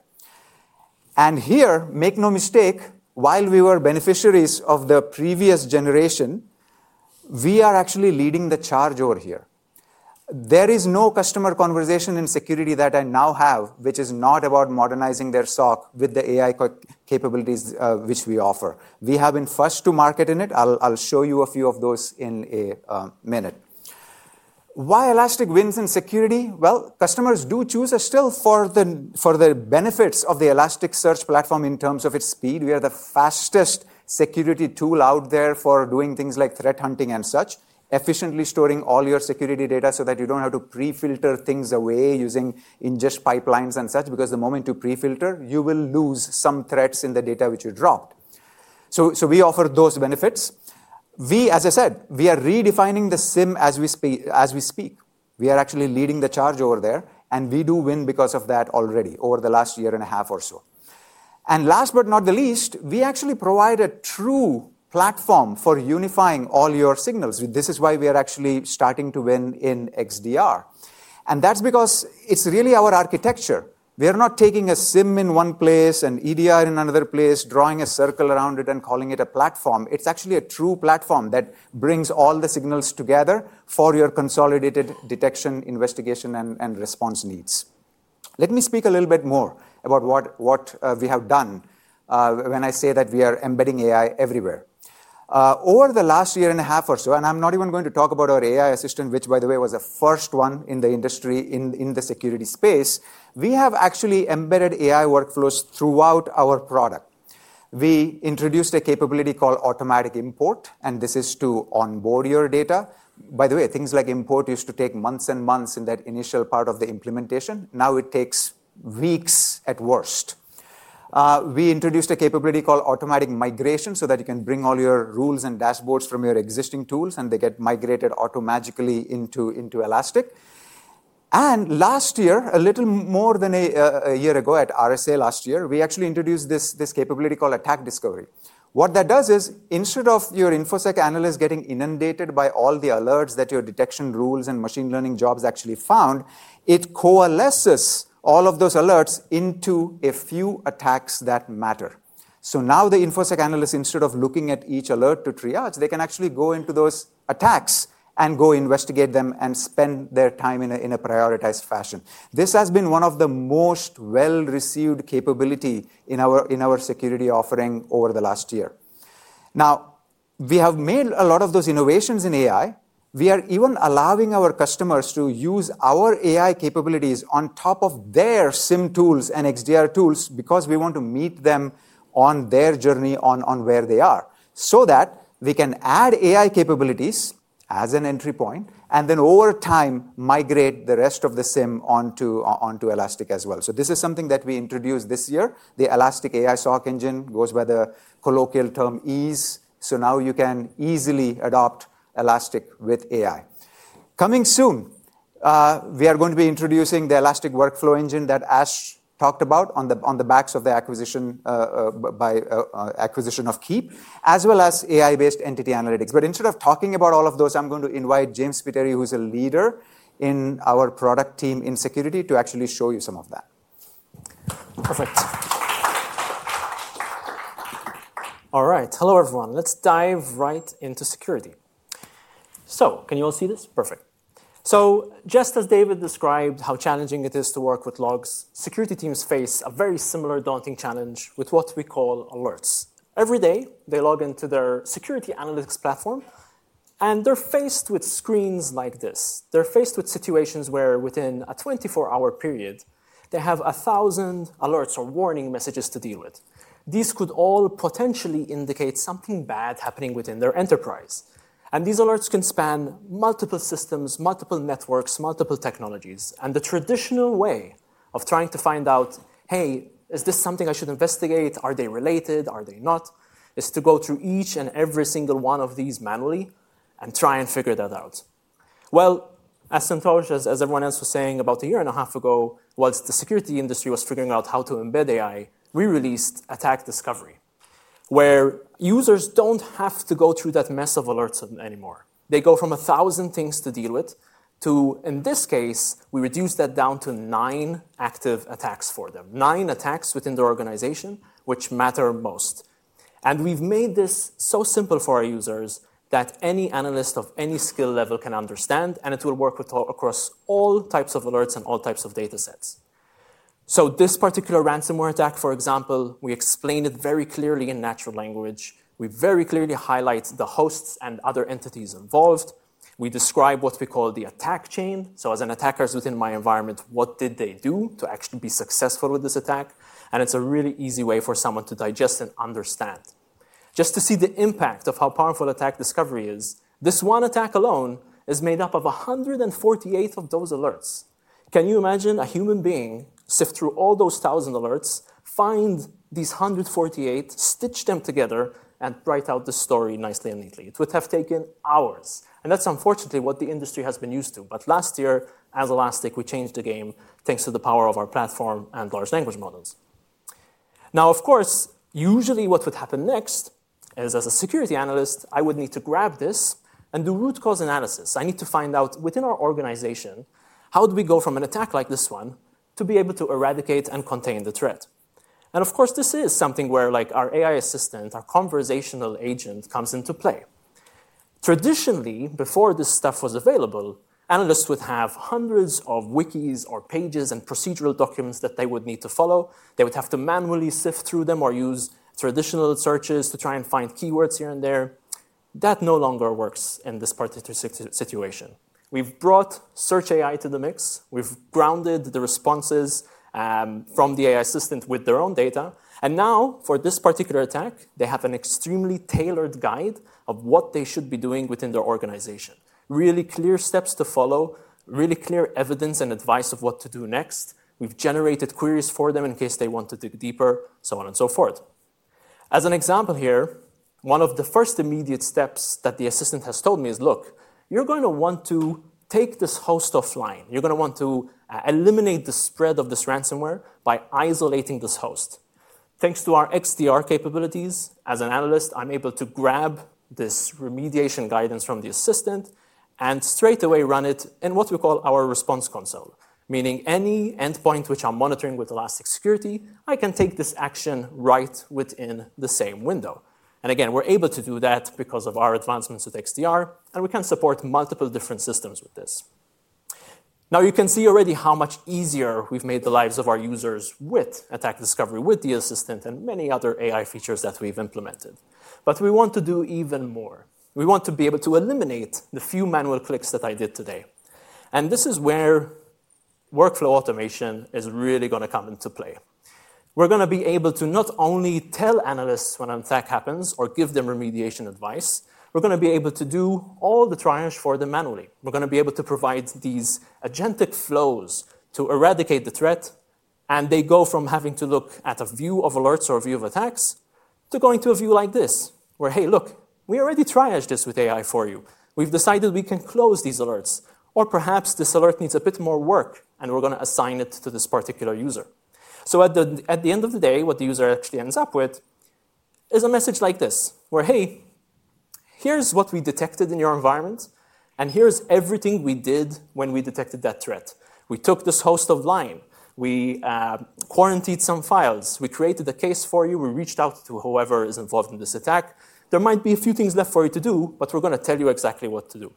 S5: Make no mistake, while we were beneficiaries of the previous generation, we are actually leading the charge over here. There is no customer conversation in Security that I now have, which is not about modernizing their SOC with the AI capabilities which we offer. We have been first to market in it. I'll show you a few of those in a minute. Why Elastic wins in Security? Customers do choose us still for the benefits of the Elastic search platform in terms of its speed. We are the fastest security tool out there for doing things like threat hunting and such, efficiently storing all your security data so that you don't have to pre-filter things away using ingest pipelines and such, because the moment you pre-filter, you will lose some threads in the data which you draw. We offer those benefits. As I said, we are redefining the SIEM as we speak. We are actually leading the charge over there. We do win because of that already over the last year and a half or so. Last but not the least, we actually provide a true platform for unifying all your signals. This is why we are actually starting to win in XDR. That's because it's really our architecture. We are not taking a SIEM in one place and EDR in another place, drawing a circle around it and calling it a platform. It's actually a true platform that brings all the signals together for your consolidated detection, investigation, and response needs. Let me speak a little bit more about what we have done when I say that we are embedding AI everywhere. Over the last year and a half or so, and I'm not even going to talk about our AI Assistant, which, by the way, was the first one in the industry in the Security space, we have actually embedded AI workflows throughout our product. We introduced a capability called Automatic Import. This is to onboard your data. By the way, things like import used to take months and months in that initial part of the implementation. Now it takes weeks at worst. We introduced a capability called Automatic Migration program so that you can bring all your rules and dashboards from your existing tools. They get migrated automatically into Elastic. Last year, a little more than a year ago at RSA last year, we actually introduced this capability called Attack Discovery. What that does is instead of your InfoSec analysts getting inundated by all the alerts that your detection rules and machine learning jobs actually found, it coalesces all of those alerts into a few attacks that matter. Now the InfoSec analysts, instead of looking at each alert to triage, can actually go into those attacks and go investigate them and spend their time in a prioritized fashion. This has been one of the most well-received capabilities in our Security offering over the last year. We have made a lot of those innovations in AI. We are even allowing our customers to use our AI capabilities on top of their SIEM tools and XDR tools because we want to meet them on their journey on where they are so that they can add AI capabilities as an entry point and then, over time, migrate the rest of the SIEM onto Elastic as well. This is something that we introduced this year. The Elastic AI SOC engine goes by the colloquial term EASE. Now you can easily adopt Elastic with AI. Coming soon, we are going to be introducing the Elastic workflow engine that Ash Kulkarni talked about on the backs of the acquisition of Keep, as well as AI-based entity analytics. Instead of talking about all of those, I'm going to invite James Spiteri, who is a leader in our product team in Security, to actually show you some of that.
S7: Perfect. All right. Hello, everyone. Let's dive right into Security. Can yo u all see this? Perfect. Just as David described how challenging it is to work with logs, security teams face a very similar daunting challenge with what we call alerts. Every day, they log into their security analytics platform, and they're faced with screens like this. They're faced with situations where, within a 24-hour period, they have 1,000 alerts or warning messages to deal with. These could all potentially indicate something bad happening within their enterprise. These alerts can span multiple systems, multiple networks, multiple technologies. The traditional way of trying to find out, hey, is this something I should investigate? Are they related? Are they not? Is to go through each and every single one of these manually and try and figure that out. As Santosh, as everyone else was saying about a year and a half ago, once the Security industry was figuring out how to embed AI, we released Attack Discovery, where users don't have to go through that mess of alerts anymore. They go from 1,000 things to deal with to, in this case, we reduce that down to nine active attacks for them, nine attacks within their organization which matter most. We've made this so simple for our users that any analyst of any skill level can understand, and it will work across all types of alerts and all types of data sets. This particular ransomware attack, for example, we explain it very clearly in natural language. We very clearly highlight the hosts and other entities involved. We describe what we call the attack chain. As an attacker within my environment, what did they do to actually be successful with this attack? It's a really easy way for someone to digest and understand. Just to see the impact of how powerful Attack Discovery is, this one attack alone is made up of 148 of those alerts. Can you imagine a human being sift through all those 1,000 alerts, find these 148, stitch them together, and write out the story nicely and neatly? It would have taken hours. That's, unfortunately, what the industry has been used to. Last year, as Elastic, we changed the game thanks to the power of our platform and large language models. Of course, usually what would happen next is, as a security analyst, I would need to grab this and do root cause analysis. I need to find out within our organization, how do we go from an attack like this one to be able to eradicate and contain the threat? Of course, this is something where our AI Assistant, our conversational agent, comes into play. Traditionally, before this stuff was available, analysts would have hundreds of wikis or pages and procedural documents that they would need to follow. They would have to manually sift through them or use traditional searches to try and find keywords here and there. That no longer works in this particular situation. We've brought Search AI platform to the mix. We've grounded the responses from the AI Assistant with their own data. Now, for this particular attack, they have an extremely tailored guide of what they should be doing within their organization, really clear steps to follow, really clear evidence and advice of what to do next. We've generated queries for them in case they want to dig deeper, so on and so forth. As an example here, one of the first immediate steps that the assistant has told me is, look, you're going to want to take this host offline. You're going to want to eliminate the spread of this ransomware by isolating this host. Thanks to our XDR capabilities, as an analyst, I'm able to grab this remediation guidance from the assistant and straight away run it in what we call our response console, meaning any endpoint which I'm monitoring with Elastic Security, I can take this action right within the same window. We're able to do that because of our advancements with XDR. We can support multiple different systems with this. You can see already how much easier we've made the lives of our users with Attack Discovery, with the assistant, and many other AI features that we've implemented. We want to do even more. We want to be able to eliminate the few manual clicks that I did today. This is where workflow automation is really going to come into play. We're going to be able to not only tell analysts when an attack happens or give them remediation advice, we're going to be able to do all the triage for them manually. We're going to be able to provide these agentic AI flows to eradicate the threat. They go from having to look at a view of alerts or a view of attacks to going to a view like this, where, hey, look, we already triaged this with AI for you. We've decided we can close these alerts. Perhaps this alert needs a bit more work. We're going to assign it to this particular user. At the end of the day, what the user actually ends up with is a message like this, where, hey, here's what we detected in your environment. Here's everything we did when we detected that threat. We took this host offline. We quarantined some files. We created a case for you. We reached out to whoever is involved in this attack. There might be a few things left for you to do. We're going to tell you exactly what to do.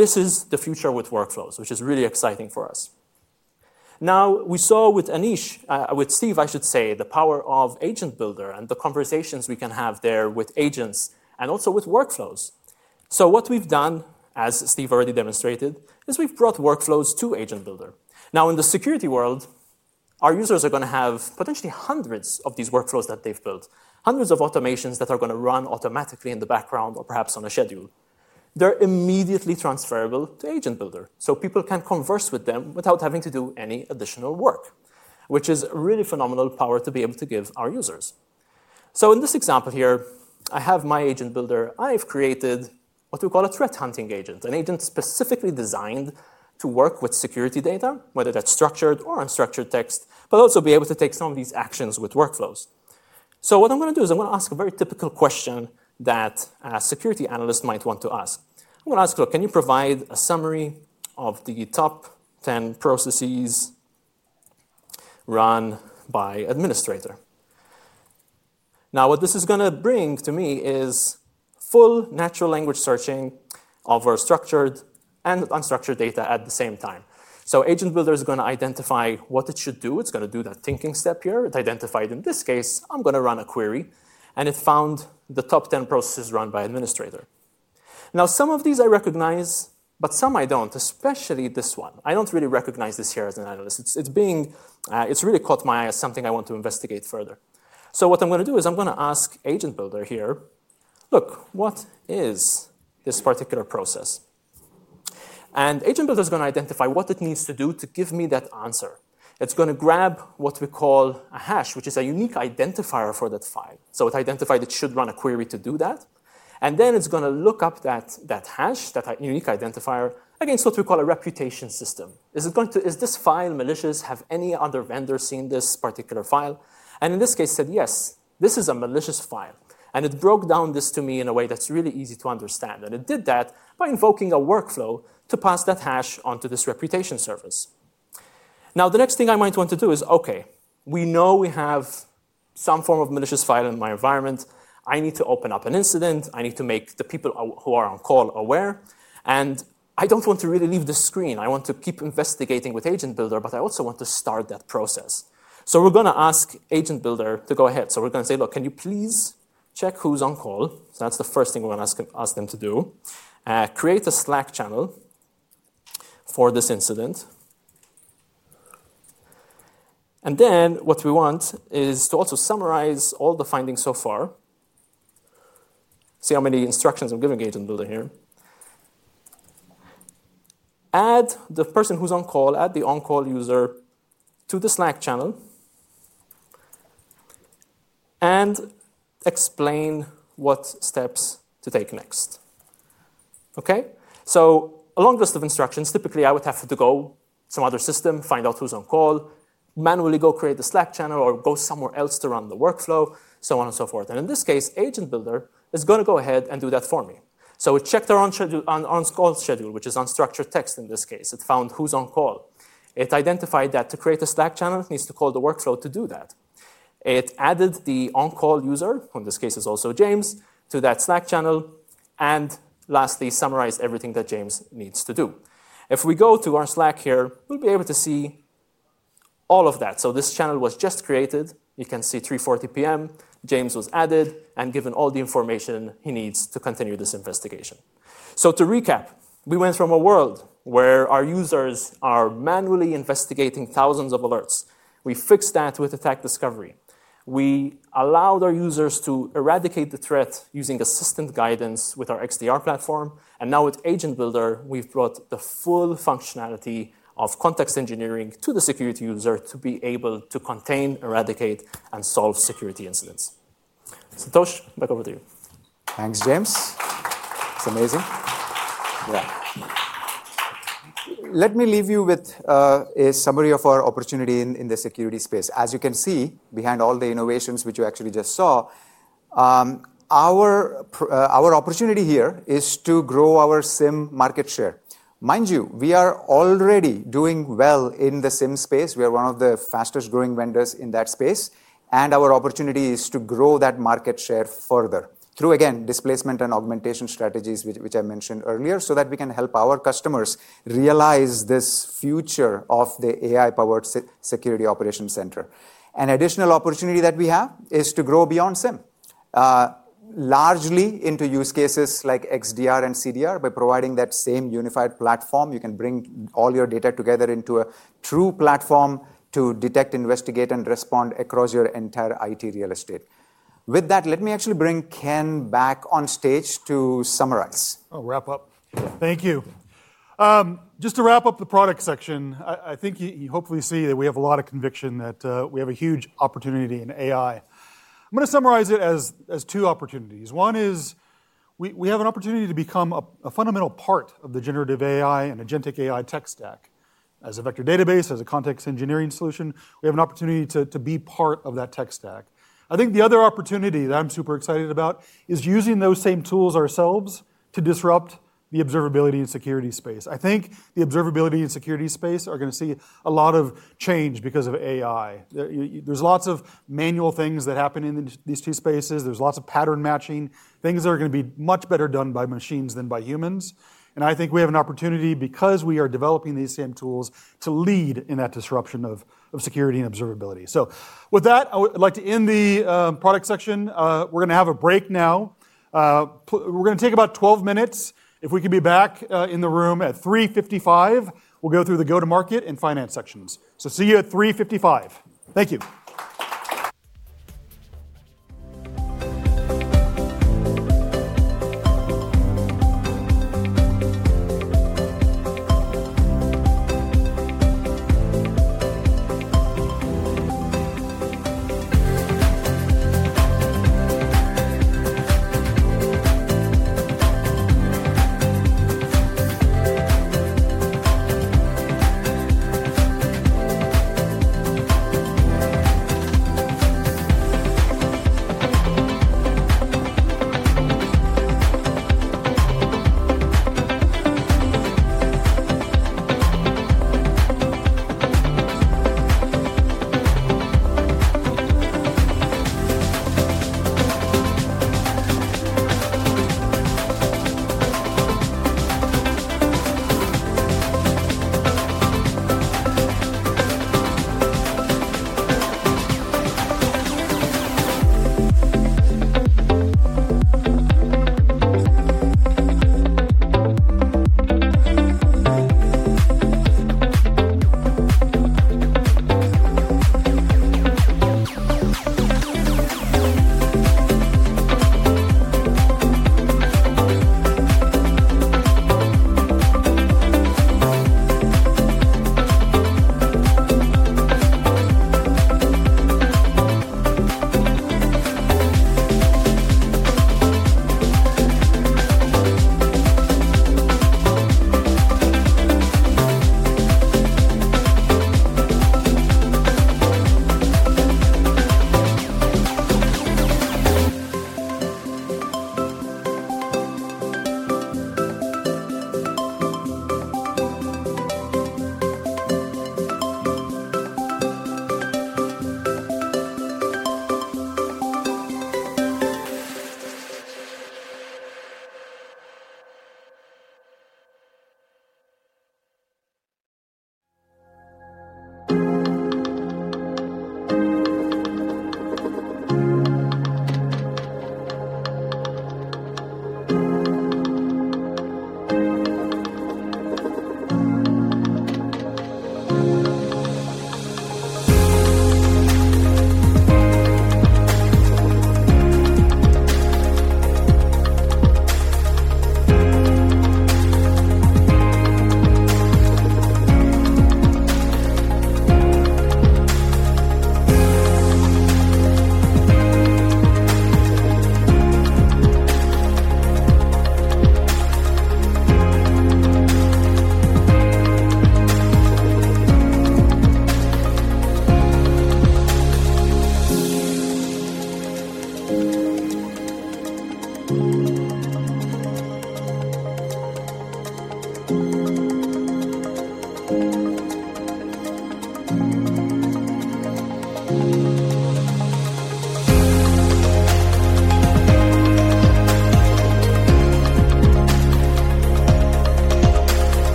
S7: This is the future with workflows, which is really exciting for us. We saw with Steve the power of Agent Builder and the conversations we can have there with agents and also with workflows. What we've done, as Steve already demonstrated, is we've brought workflows to Agent Builder. In the Security world, our users are going to have potentially hundreds of these workflows that they've built, hundreds of automations that are going to run automatically in the background or perhaps on a schedule. They're immediately transferable to Agent Builder, so people can converse with them without having to do any additional work, which is really phenomenal power to be able to give our users. In this example here, I have my Agent Builder. I've created what we call a threat hunting agent, an agent specifically designed to work with security data, whether that's structured or unstructured text, but also be able to take some of these actions with workflows. What I'm going to do is ask a very typical question that a security analyst might want to ask. I'm going to ask, look, can you provide a summary of the top 10 processes run by administrator? What this is going to bring to me is full natural language searching of our structured and unstructured data at the same time. Agent Builder is going to identify what it should do. It's going to do that thinking step here. It identified, in this case, I'm going to run a query. It found the top 10 processes run by administrator. Some of these I recognize, but some I don't, especially this one. I don't really recognize this here as an analyst. It's really caught my eye as something I want to investigate further. What I'm going to do is ask Agent Builder here, look, what is this particular process? Agent Builder is going to identify what it needs to do to give me that answer. It's going to grab what we call a hash, which is a unique identifier for that file. It identified it should run a query to do that. Then it's going to look up that hash, that unique identifier, against what we call a reputation system. Is this file malicious? Have any other vendors seen this particular file? In this case, it said, yes, this is a malicious file. It broke this down to me in a way that's really easy to understand. It did that by invoking a workflow to pass that hash onto this reputation service. The next thing I might want to do is, OK, we know we have some form of malicious file in my environment. I need to open up an incident. I need to make the people who are on call aware. I don't want to really leave the screen. I want to keep investigating with Agent Builder, but I also want to start that process. We're going to ask Agent Builder to go ahead. We're going to say, look, can you please check who's on call? That's the first thing we're going to ask them to do. Create a Slack channel for this incident. What we want is to also summarize all the findings so far. See how many instructions I'm giving Agent Builder here. Add the person who's on call, add the on-call user to the Slack channel, and explain what steps to take next. A long list of instructions. Typically, I would have to go to some other system, find out who's on call, manually go create a Slack channel, or go somewhere else to run the workflow, and so forth. In this case, Agent Builder is going to go ahead and do that for me. It checked our on-call schedule, which is unstructured text in this case. It found who's on call. It identified that to create a Slack channel, it needs to call the workflow to do that. It added the on-call user, who in this case is also James, to that Slack channel. Lastly, it summarized everything that James needs to do. If we go to our Slack here, we'll be able to see all of that. This channel was just created. You can see 3:40 P.M. James was added and given all the information he needs to continue this investigation. To recap, we went from a world where our users are manually investigating thousands of alerts. We fixed that with Attack Discovery. We allowed our users to eradicate the threat using assistant guidance with our XDR platform. Now, with Agent Builder, we've brought the full functionality of context engineering to the security user to be able to contain, eradicate, and solve security incidents. Santosh, back over to you.
S5: Thanks, James. It's amazing. Let me leave you with a summary of our opportunity in the Security space. As you can see, behind all the innovations which you actually just saw, our opportunity here is to grow our SIEM market share. Mind you, we are already doing well in the SIEM space. We are one of the fastest growing vendors in that space. Our opportunity is to grow that market share further through, again, displacement and augmentation strategies, which I mentioned earlier, so that we can help our customers realize this future of the AI-powered security operations center. An additional opportunity that we have is to grow beyond SIEM, largely into use cases like XDR and CDR by providing that same unified platform. You can bring all your data together into a true platform to detect, investigate, and respond across your entire IT real estate. With that, let me actually bring Ken back on stage to summarize.
S3: I'll wrap up. Thank you. Just to wrap up the product section, I think you hopefully see that we have a lot of conviction that we have a huge opportunity in AI. I'm going to summarize it as two opportunities. One is we have an opportunity to become a fundamental part of the generative AI and agentic AI tech stack. As a vector database, as a context engineering solution, we have an opportunity to be part of that tech stack. I think the other opportunity that I'm super excited about is using those same tools ourselves to disrupt the Observability and Security space. I think the Observability and Security space are going to see a lot of change because of AI. There are lots of manual things that happen in these two spaces. There is lots of pattern matching, things that are going to be much better done by machines than by humans. I think we have an opportunity because we are developing these same tools to lead in that disruption of Security and Observability. With that, I'd like to end the product section. We're going to have a break now. We're going to take about 12 minutes. If we can be back in the room at 3:55 P.M., we'll go through the go-to-market and finance sections. See you at 3:55 P.M. Thank you.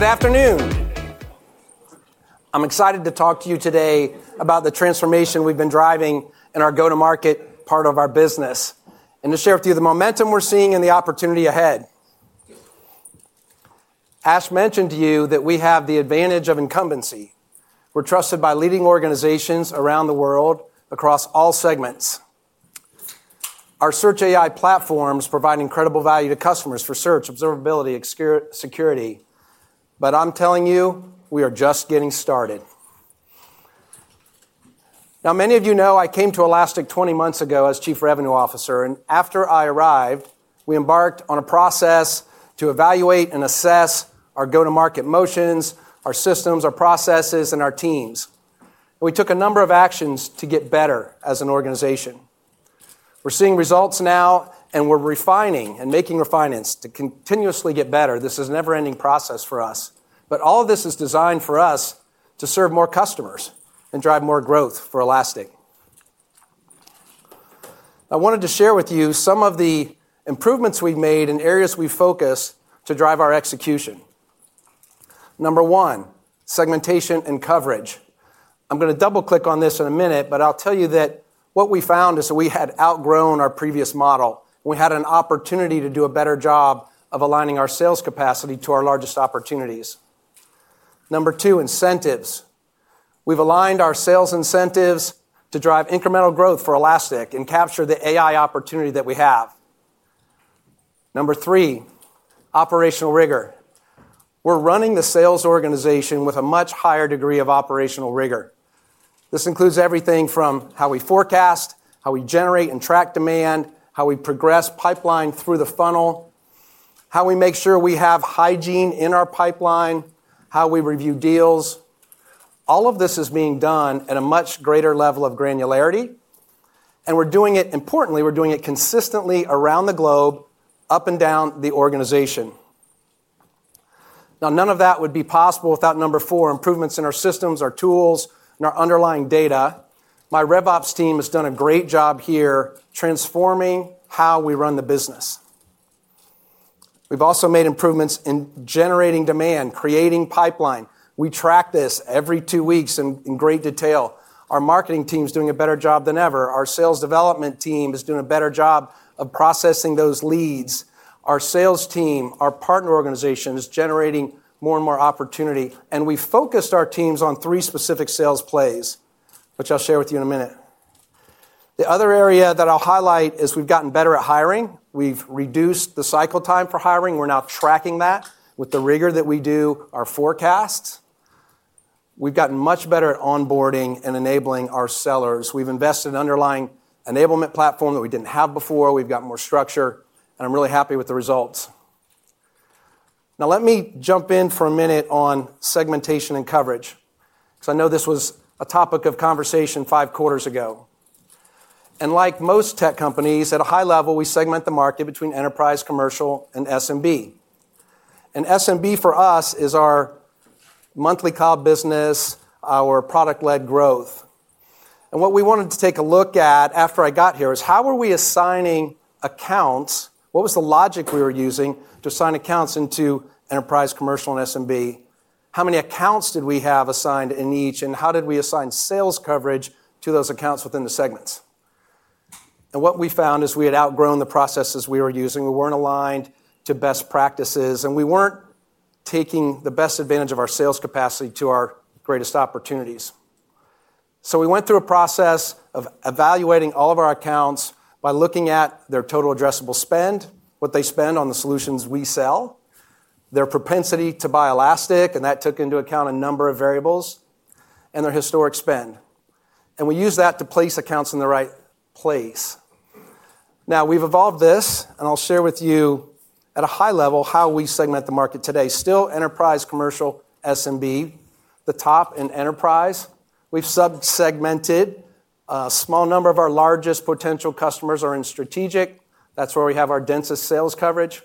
S8: Good afternoon. I'm excited to talk to you today about the transformation we've been driving in our go-to-market part of our business and to share with you the momentum we're seeing and the opportunity ahead. Ash mentioned to you that we have the advantage of incumbency. We're trusted by leading organizations around the world across all segments. Our Search AI platforms provide incredible value to customers for Search, Observability, and Security. I'm telling you, we are just getting started. Now, many of you know I came to Elastic 20 months ago as Chief Revenue Officer. After I arrived, we embarked on a process to evaluate and assess our go-to-market motions, our systems, our processes, and our teams. We took a number of actions to get better as an organization. We're seeing results now, and we're refining and making refinements to continuously get better. This is a never-ending process for us. All of this is designed for us to serve more customers and drive more growth for Elastic. I wanted to share with you some of the improvements we've made in areas we focus to drive our execution. Number one, segmentation and coverage. I'm going to double-click on this in a minute. What we found is that we had outgrown our previous model. We had an opportunity to do a better job of aligning our sales capacity to our largest opportunities. Number two, incentives. We've aligned our sales incentives to drive incremental growth for Elastic and capture the AI opportunity that we have. Number three, operational rigor. We're running the sales organization with a much higher degree of operational rigor. This includes everything from how we forecast, how we generate and track demand, how we progress pipeline through the funnel, how we make sure we have hygiene in our pipeline, how we review deals. All of this is being done at a much greater level of granularity. Importantly, we're doing it consistently around the globe, up and down the organization. None of that would be possible without, number four, improvements in our systems, our tools, and our underlying data. My RevOps team has done a great job here transforming how we run the business. We've also made improvements in generating demand, creating pipeline. We track this every two weeks in great detail. Our marketing team is doing a better job than ever. Our sales development team is doing a better job of processing those leads. Our sales team, our partner organization, is generating more and more opportunity. We focused our teams on three specific sales plays, which I'll share with you in a minute. The other area that I'll highlight is we've gotten better at hiring. We've reduced the cycle time for hiring. We're now tracking that with the rigor that we do our forecasts. We've gotten much better at onboarding and enabling our sellers. We've invested in an underlying enablement platform that we didn't have before. We've gotten more structure, and I'm really happy with the results. Now, let me jump in for a minute on segmentation and coverage, because I know this was a topic of conversation five quarters ago. Like most tech companies, at a high level, we segment the market between enterprise, commercial, and SMB. SMB for us is our monthly cloud business, our product-led growth. What we wanted to take a look at after I got here is how are we assigning accounts? What was the logic we were using to assign accounts into enterprise, commercial, and SMB? How many accounts did we have assigned in each? How did we assign sales coverage to those accounts within the segments? What we found is we had outgrown the processes we were using. We weren't aligned to best practices, and we weren't taking the best advantage of our sales capacity to our greatest opportunities. We went through a process of evaluating all of our accounts by looking at their total addressable spend, what they spend on the solutions we sell, their propensity to buy Elastic, and that took into account a number of variables, and their historic spend. We used that to place accounts in the right place. Now, we've evolved this, and I'll share with you at a high level how we segment the market today, still enterprise, commercial, SMB. The top in enterprise, we've subsegmented. A small number of our largest potential customers are in strategic. That's where we have our densest sales coverage.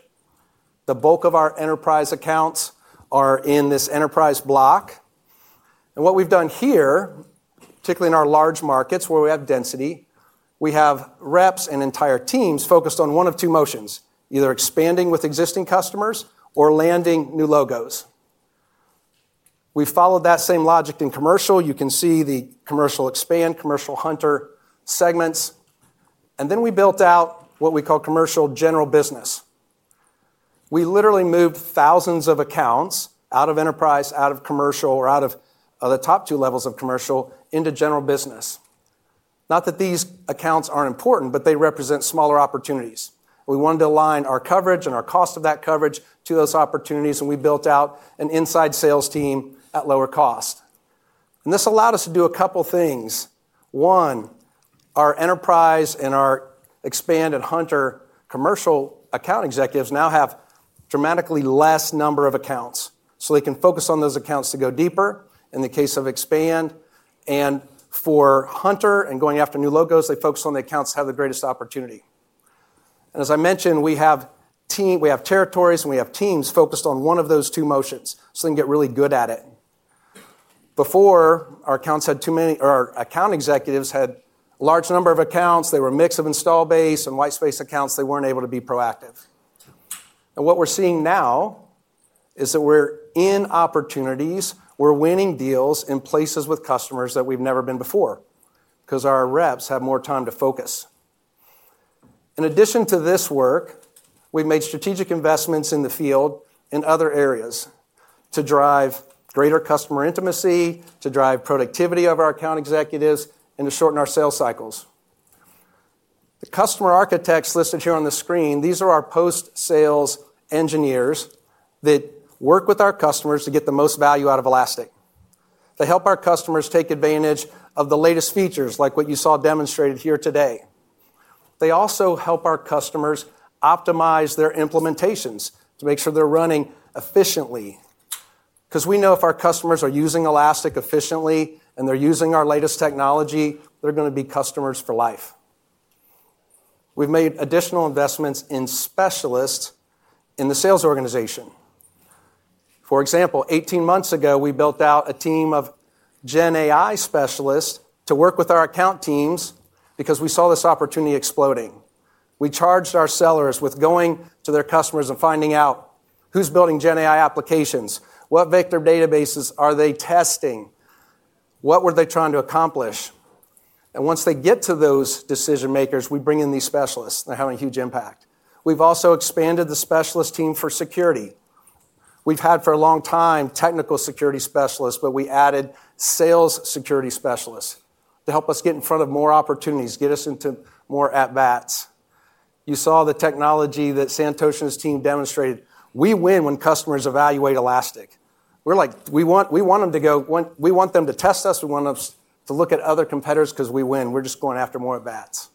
S8: The bulk of our enterprise accounts are in this enterprise block. What we've done here, particularly in our large markets where we have density, we have reps and entire teams focused on one of two motions, either expanding with existing customers or landing new logos. We've followed that same logic in commercial. You can see the commercial expand, commercial hunter segments, and then we built out what we call commercial general business. We literally moved thousands of accounts out of enterprise, out of commercial, or out of the top two levels of commercial into general business. Not that these accounts aren't important, but they represent smaller opportunities. We wanted to align our coverage and our cost of that coverage to those opportunities. We built out an inside sales team at lower cost. This allowed us to do a couple of things. One, our enterprise and our expand and hunter commercial account executives now have a dramatically less number of accounts, so they can focus on those accounts to go deeper in the case of expand. For hunter and going after new logos, they focus on the accounts that have the greatest opportunity. As I mentioned, we have territories and we have teams focused on one of those two motions, so they can get really good at it. Before, our account executives had a large number of accounts. They were a mix of install base and white space accounts, and they weren't able to be proactive. What we're seeing now is that we're in opportunities. We're winning deals in places with customers that we've never been before because our reps have more time to focus. In addition to this work, we've made strategic investments in the field in other areas to drive greater customer intimacy, to drive productivity of our account executives, and to shorten our sales cycles. The customer architects listed here on the screen, these are our post-sales engineers that work with our customers to get the most value out of Elastic. They help our customers take advantage of the latest features, like what you saw demonstrated here today. They also help our customers optimize their implementations to make sure they're running efficiently, because we know if our customers are using Elastic efficiently and they're using our latest technology, they're going to be customers for life. We've made additional investments in specialists in the sales organization. For example, 18 months ago, we built out a team of GenAI specialists to work with our account teams because we saw this opportunity exploding. We charged our sellers with going to their customers and finding out who's building GenAI applications, what vector databases are they testing, what were they trying to accomplish. Once they get to those decision makers, we bring in these specialists. They're having a huge impact. We've also expanded the specialist team for Security. We've had for a long time technical security specialists, but we added sales security specialists to help us get in front of more opportunities, get us into more at-bats. You saw the technology that Santosh and his team demonstrated. We win when customers evaluate Elastic. We're like, we want them to go. We want them to test us. We want them to look at other competitors because we win. We're just going after more at-bats.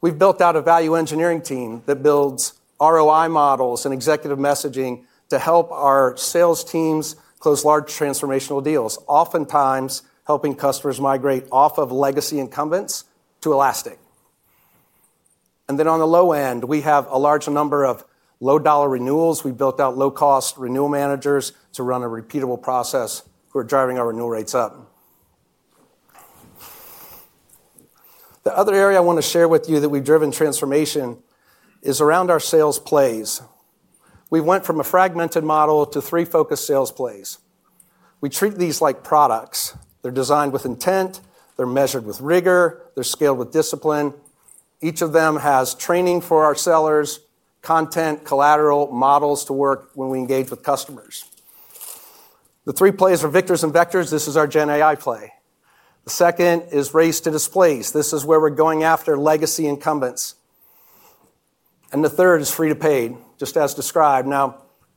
S8: We've built out a value engineering team that builds ROI models and executive messaging to help our sales teams close large transformational deals, oftentimes helping customers migrate off of legacy incumbents to Elastic. On the low end, we have a large number of low-dollar renewals. We built out low-cost renewal managers to run a repeatable process who are driving our renewal rates up. The other area I want to share with you that we've driven transformation is around our sales plays. We went from a fragmented model to three focused sales plays. We treat these like products. They're designed with intent. They're measured with rigor. They're scaled with discipline. Each of them has training for our sellers, content, collateral, models to work when we engage with customers. The three plays are Victors in Vectors. This is our GenAI play. The second is Race to Displace. This is where we're going after legacy incumbents. The third is Free to Paid, just as described.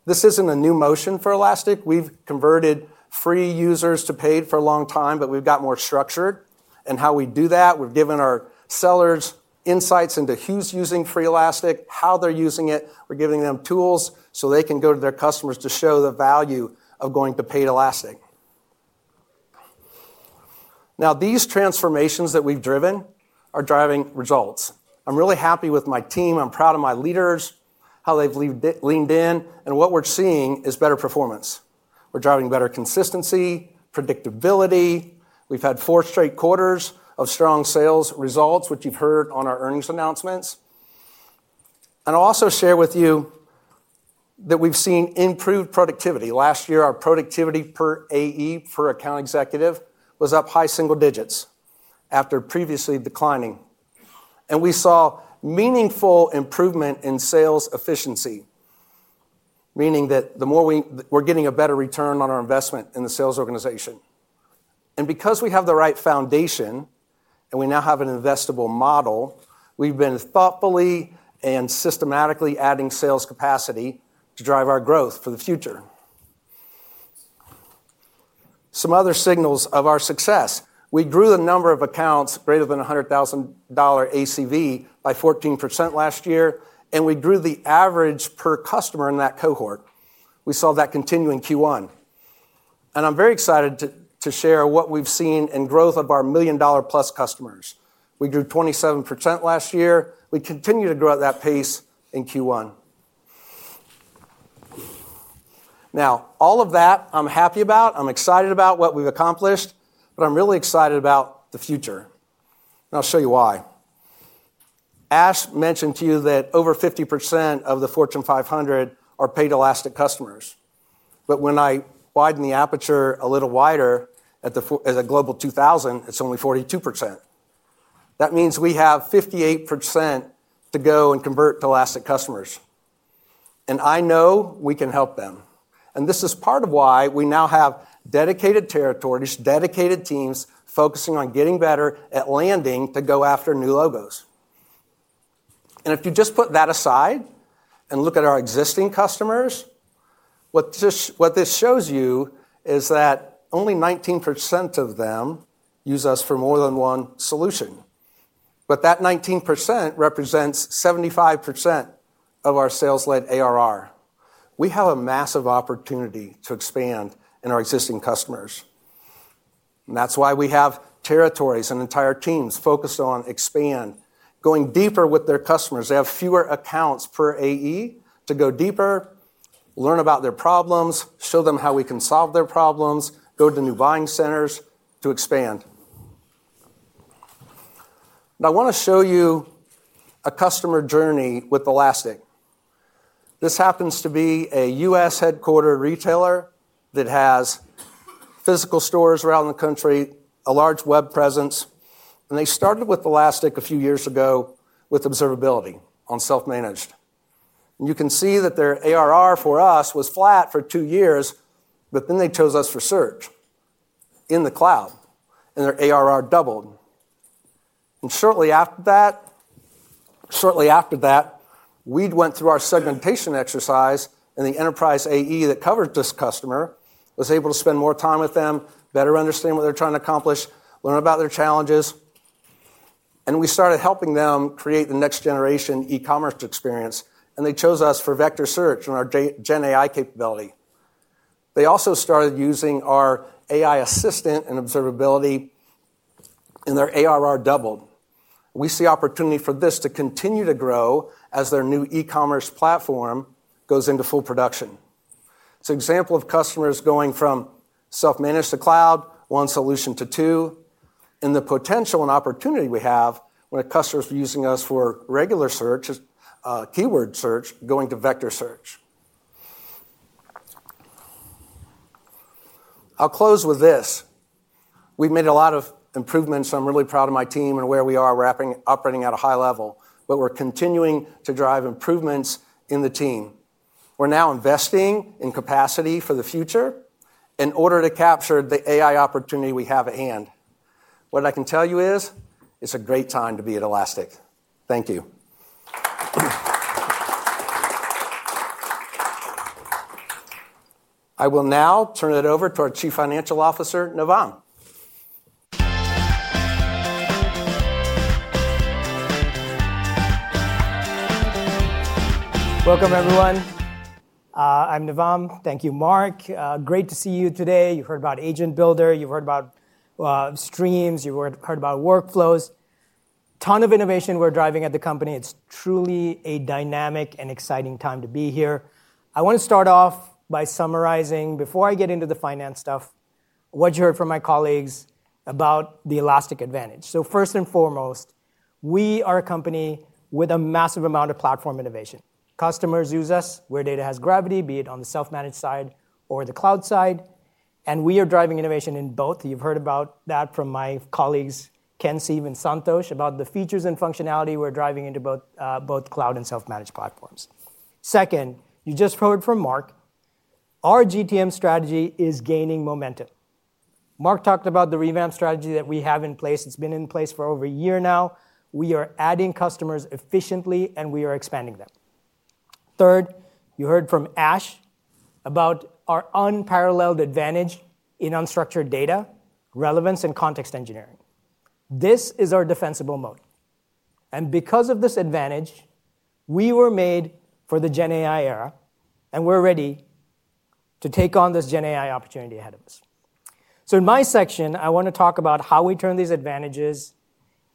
S8: This isn't a new motion for Elastic. We've converted free users to paid for a long time. We've got more structured in how we do that. We've given our sellers insights into who's using free Elastic, how they're using it. We're giving them tools so they can go to their customers to show the value of going to paid Elastic. These transformations that we've driven are driving results. I'm really happy with my team. I'm proud of my leaders, how they've leaned in. What we're seeing is better performance. We're driving better consistency, predictability. We've had four straight quarters of strong sales results, which you've heard on our earnings announcements. I'll also share with you that we've seen improved productivity. Last year, our productivity per AE, per account executive, was up high single digits after previously declining. We saw meaningful improvement in sales efficiency, meaning that we're getting a better return on our investment in the sales organization. Because we have the right foundation and we now have an investable model, we've been thoughtfully and systematically adding sales capacity to drive our growth for the future. Some other signals of our success: we grew the number of accounts greater than $100,000 ACV by 14% last year, and we grew the average per customer in that cohort. We saw that continue in Q1. I'm very excited to share what we've seen in growth of our million-dollar-plus customers. We grew 27% last year. We continue to grow at that pace in Q1. All of that, I'm happy about. I'm excited about what we've accomplished. I'm really excited about the future, and I'll show you why. Ash Kulkarni mentioned to you that over 50% of the Fortune 500 are paid Elastic customers. When I widen the aperture a little wider as a Global 2000, it's only 42%. That means we have 58% to go and convert to Elastic customers, and I know we can help them. This is part of why we now have dedicated territories, dedicated teams focusing on getting better at landing to go after new logos. If you just put that aside and look at our existing customers, what this shows you is that only 19% of them use us for more than one solution, but that 19% represents 75% of our sales-led ARR. We have a massive opportunity to expand in our existing customers, and that's why we have territories and entire teams focused on expand, going deeper with their customers. They have fewer accounts per AE to go deeper, learn about their problems, show them how we can solve their problems, go to new buying centers to expand. I want to show you a customer journey with Elastic. This happens to be a U.S.-headquartered retailer that has physical stores around the country, a large web presence. They started with Elastic a few years ago with Observability on self-managed, and you can see that their ARR for us was flat for two years. Then they chose us for search in the cloud, and their ARR doubled. Shortly after that, we went through our segmentation exercise, and the enterprise AE that covers this customer was able to spend more time with them, better understand what they're trying to accomplish, learn about their challenges. We started helping them create the next-generation e-commerce experience, and they chose us for vector search and our generative AI capability. They also started using our AI Assistant in Observability, and their ARR doubled. We see opportunity for this to continue to grow as their new e-commerce platform goes into full production. It's an example of customers going from self-managed to cloud, one solution to two, and the potential and opportunity we have when customers are using us for regular search, keyword search, going to vector search. I'll close with this. We've made a lot of improvements. I'm really proud of my team and where we are operating at a high level, but we're continuing to drive improvements in the team. We're now investing in capacity for the future in order to capture the AI opportunity we have at hand. What I can tell you is, it's a great time to be at Elastic. Thank you. I will now turn it over to our Chief Financial Officer, Navam.
S9: Welcome, everyone. I'm Navam. Thank you, Mark. Great to see you today. You've heard about Agent Builder. You've heard about streams. You've heard about workflows. A ton of innovation we're driving at the company. It's truly a dynamic and exciting time to be here. I want to start off by summarizing, before I get into the finance stuff, what you heard from my colleagues about the Elastic advantage. First and foremost, we are a company with a massive amount of platform innovation. Customers use us where data has gravity, be it on the self-managed side or the cloud side. We are driving innovation in both. You've heard about that from my colleagues, Ken, Steve, and Santosh, about the features and functionality we're driving into both cloud and self-managed platforms. Second, you just heard from Mark. Our GTM strategy is gaining momentum. Mark talked about the revamp strategy that we have in place. It's been in place for over a year now. We are adding customers efficiently, and we are expanding them. Third, you heard from Ash about our unparalleled advantage in unstructured data, relevance, and context engineering. This is our defensible moat. Because of this advantage, we were made for the GenAI era, and we're ready to take on this GenAI opportunity ahead of us. In my section, I want to talk about how we turn these advantages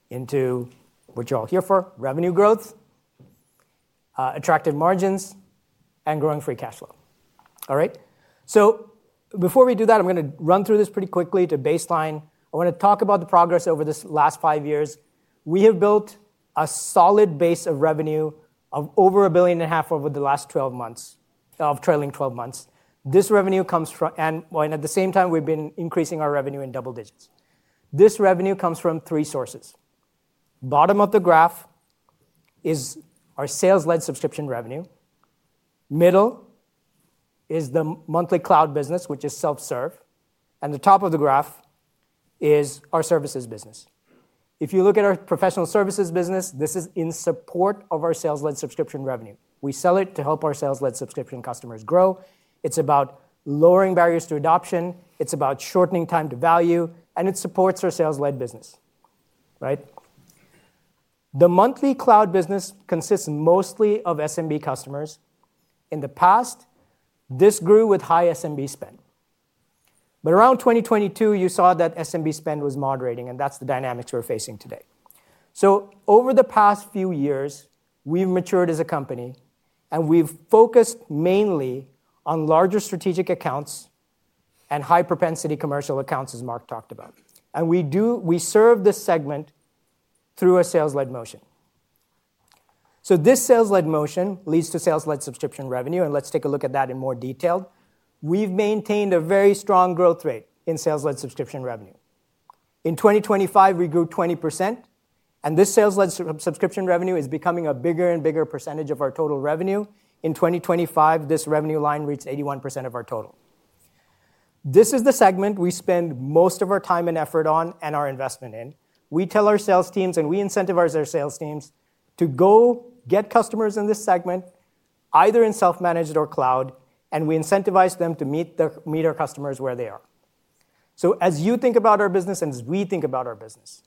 S9: into what you're all here for: revenue growth, attractive margins, and growing free cash flow. Before we do that, I'm going to run through this pretty quickly to baseline. I want to talk about the progress over the last five years. We have built a solid base of revenue of over $1.5 billion over the last 12 months, of trailing 12 months. This revenue comes from, and at the same time, we've been increasing our revenue in double digits. This revenue comes from three sources. Bottom of the graph is our sales-led subscription revenue. Middle is the monthly cloud business, which is self-serve. The top of the graph is our services business. If you look at our professional services business, this is in support of our sales-led subscription revenue. We sell it to help our sales-led subscription customers grow. It's about lowering barriers to adoption. It's about shortening time to value. It supports our sales-led business. The monthly cloud business consists mostly of SMB customers. In the past, this grew with high SMB spend. Around 2022, you saw that SMB spend was moderating, and that's the dynamics we're facing today. Over the past few years, we've matured as a company, and we've focused mainly on larger strategic accounts and high-propensity commercial accounts, as Mark talked about. We serve this segment through a sales-led motion. This sales-led motion leads to sales-led subscription revenue, and let's take a look at that in more detail. We've maintained a very strong growth rate in sales-led subscription revenue. In 2025, we grew 20%, and this sales-led subscription revenue is becoming a bigger and bigger percentage of our total revenue. In 2025, this revenue line reached 81% of our total. This is the segment we spend most of our time and effort on and our investment in. We tell our sales teams, and we incentivize our sales teams to go get customers in this segment, either in self-managed or cloud, and we incentivize them to meet our customers where they are. As you think about our business and as we think about our business,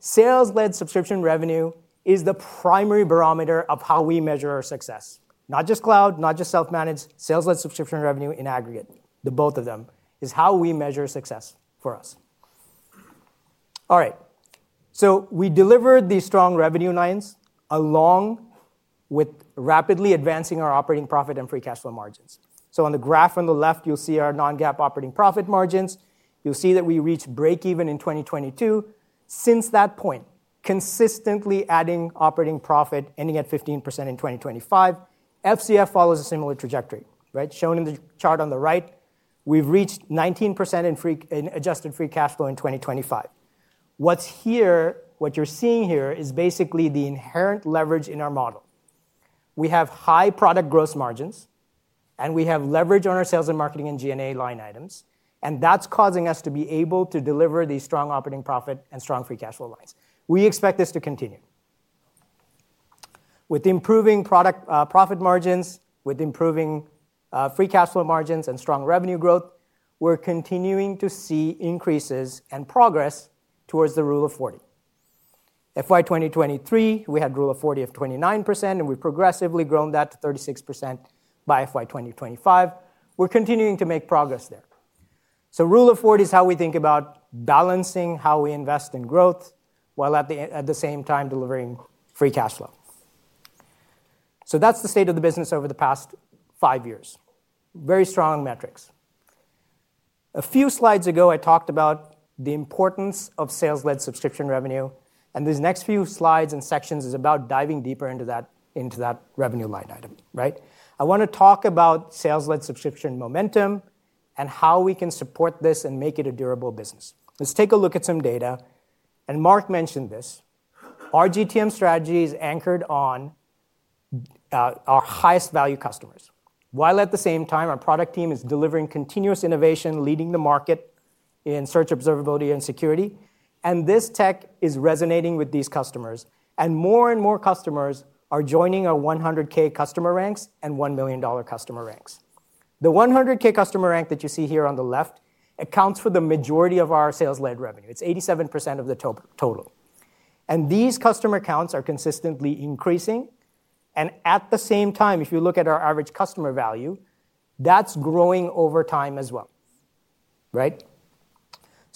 S9: sales-led subscription revenue is the primary barometer of how we measure our success. Not just cloud, not just self-managed, sales-led subscription revenue in aggregate, the both of them is how we measure success for us. We delivered these strong revenue lines along with rapidly advancing our operating profit and free cash flow margins. On the graph on the left, you'll see our non-GAAP operating profit margins. You'll see that we reached break-even in 2022. Since that point, consistently adding operating profit, ending at 15% in 2025. FCF follows a similar trajectory. Shown in the chart on the right, we've reached 19% in adjusted free cash flow in 2025. What you're seeing here is basically the inherent leverage in our model. We have high product gross margins, and we have leverage on our sales and marketing and G&A line items. That's causing us to be able to deliver these strong operating profit and strong free cash flow lines. We expect this to continue. With improving profit margins, with improving free cash flow margins and strong revenue growth, we're continuing to see increases and progress towards the Rule of 40. FY 2023, we had Rule of 40 of 29%, and we've progressively grown that to 36% by FY 2025. We're continuing to make progress there. Rule of 40 is how we think about balancing how we invest in growth while at the same time delivering free cash flow. That's the state of the business over the past five years. Very strong metrics. A few slides ago, I talked about the importance of sales-led subscription revenue. These next few slides and sections are about diving deeper into that revenue line item. I want to talk about sales-led subscription momentum and how we can support this and make it a durable business. Let's take a look at some data. Mark mentioned this. Our GTM strategy is anchored on our highest value customers, while at the same time, our product team is delivering continuous innovation, leading the market in Search, Observability, and Security. This tech is resonating with these customers. More and more customers are joining our $100,000 customer ranks and $1 million customer ranks. The $100,000 customer rank that you see here on the left accounts for the majority of our sales-led revenue. It's 87% of the total. These customer counts are consistently increasing. At the same time, if you look at our average customer value, that's growing over time as well.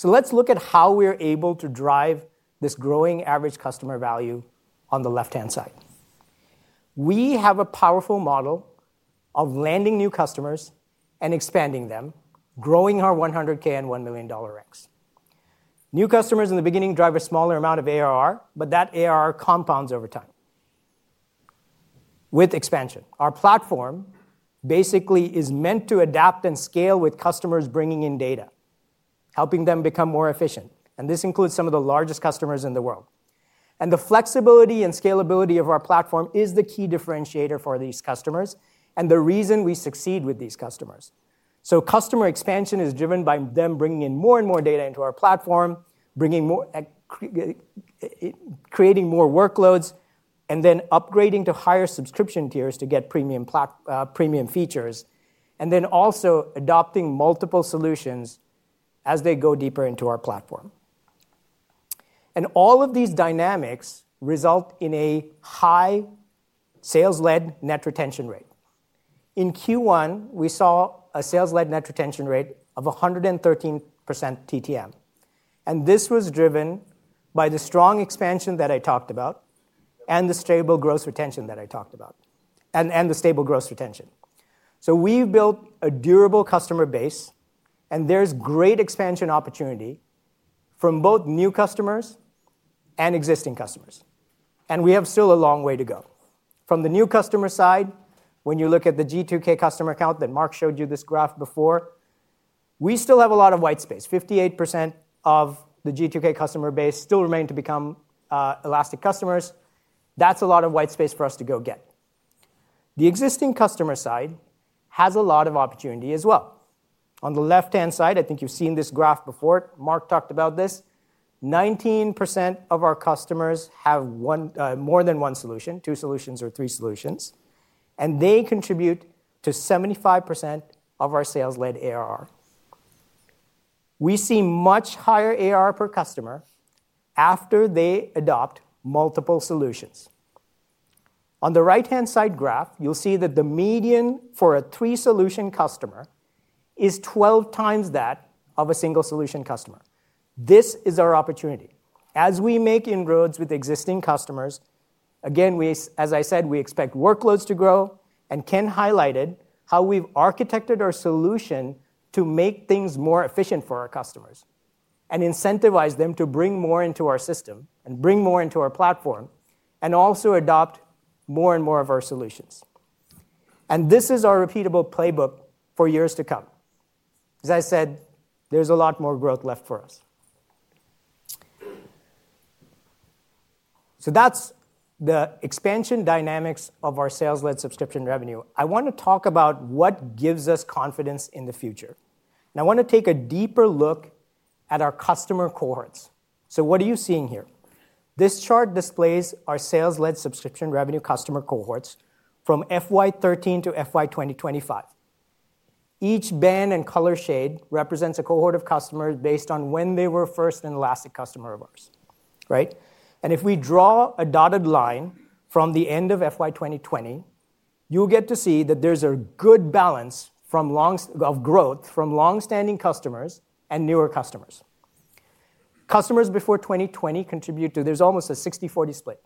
S9: Let's look at how we're able to drive this growing average customer value. On the left-hand side, we have a powerful model of landing new customers and expanding them, growing our $100,000 and $1 million ranks. New customers in the beginning drive a smaller amount of ARR, but that ARR compounds over time with expansion. Our platform basically is meant to adapt and scale with customers bringing in data, helping them become more efficient. This includes some of the largest customers in the world. The flexibility and scalability of our platform is the key differentiator for these customers and the reason we succeed with these customers. Customer expansion is driven by them bringing in more and more data into our platform, creating more workloads, and then upgrading to higher subscription tiers to get premium features, and then also adopting multiple solutions as they go deeper into our platform. All of these dynamics result in a high sales-led net retention rate. In Q1, we saw a sales-led net retention rate of 113% TTM. This was driven by the strong expansion that I talked about and the stable growth retention. We've built a durable customer base, and there's great expansion opportunity from both new customers and existing customers. We have still a long way to go. From the new customer side, when you look at the G2K customer count that Mark showed you this graph before, we still have a lot of white space. 58% of the G2K customer base still remain to become Elastic customers. That's a lot of white space for us to go get. The existing customer side has a lot of opportunity as well. On the left-hand side, I think you've seen this graph before. Mark talked about this. 19% of our customers have more than one solution, two solutions, or three solutions, and they contribute to 75% of our sales-led ARR. We see much higher ARR per customer after they adopt multiple solutions. On the right-hand side graph, you'll see that the median for a three-solution customer is 12x that of a single-solution customer. This is our opportunity. As we make inroads with existing customers, as I said, we expect workloads to grow and Ken highlighted how we've architected our solution to make things more efficient for our customers and incentivize them to bring more into our system and bring more into our platform and also adopt more and more of our solutions. This is our repeatable playbook for years to come. There's a lot more growth left for us. That's the expansion dynamics of our sales-led subscription revenue. I want to talk about what gives us confidence in the future. I want to take a deeper look at our customer cohorts. What are you seeing here? This chart displays our sales-led subscription revenue customer cohorts from FY 2013 to FY 2025. Each band and color shade represents a cohort of customers based on when they were first an Elastic customer of ours. If we draw a dotted line from the end of FY 2020, you'll get to see that there's a good balance of growth from longstanding customers and newer customers. Customers before 2020 contribute to, there's almost a 60/40 split,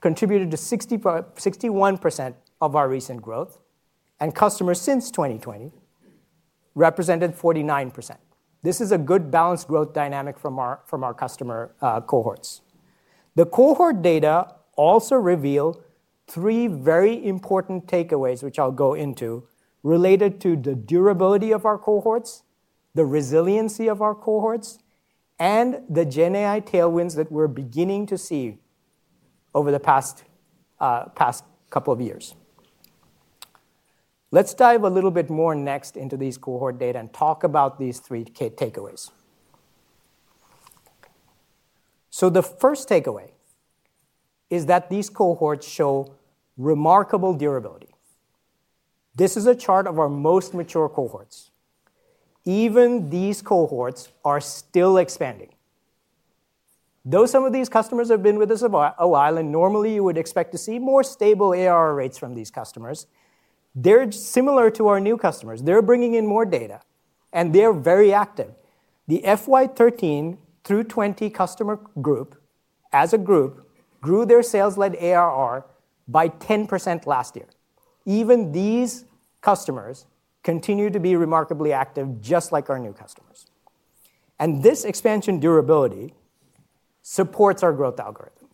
S9: contributed to 61% of our recent growth, and customers since 2020 represented 49%. This is a good balanced growth dynamic from our customer cohorts. The cohort data also revealed three very important takeaways, which I'll go into, related to the durability of our cohorts, the resiliency of our cohorts, and the GenAI tailwinds that we're beginning to see over the past couple of years. Let's dive a little bit more next into these cohort data and talk about these three key takeaways. The first takeaway is that these cohorts show remarkable durability. This is a chart of our most mature cohorts. Even these cohorts are still expanding. Though some of these customers have been with us a while, and normally you would expect to see more stable ARR rates from these customers, they're similar to our new customers. They're bringing in more data, and they're very active. The FY 2013 through 2020 customer group, as a group, grew their sales-led ARR by 10% last year. Even these customers continue to be remarkably active, just like our new customers. This expansion durability supports our growth algorithm.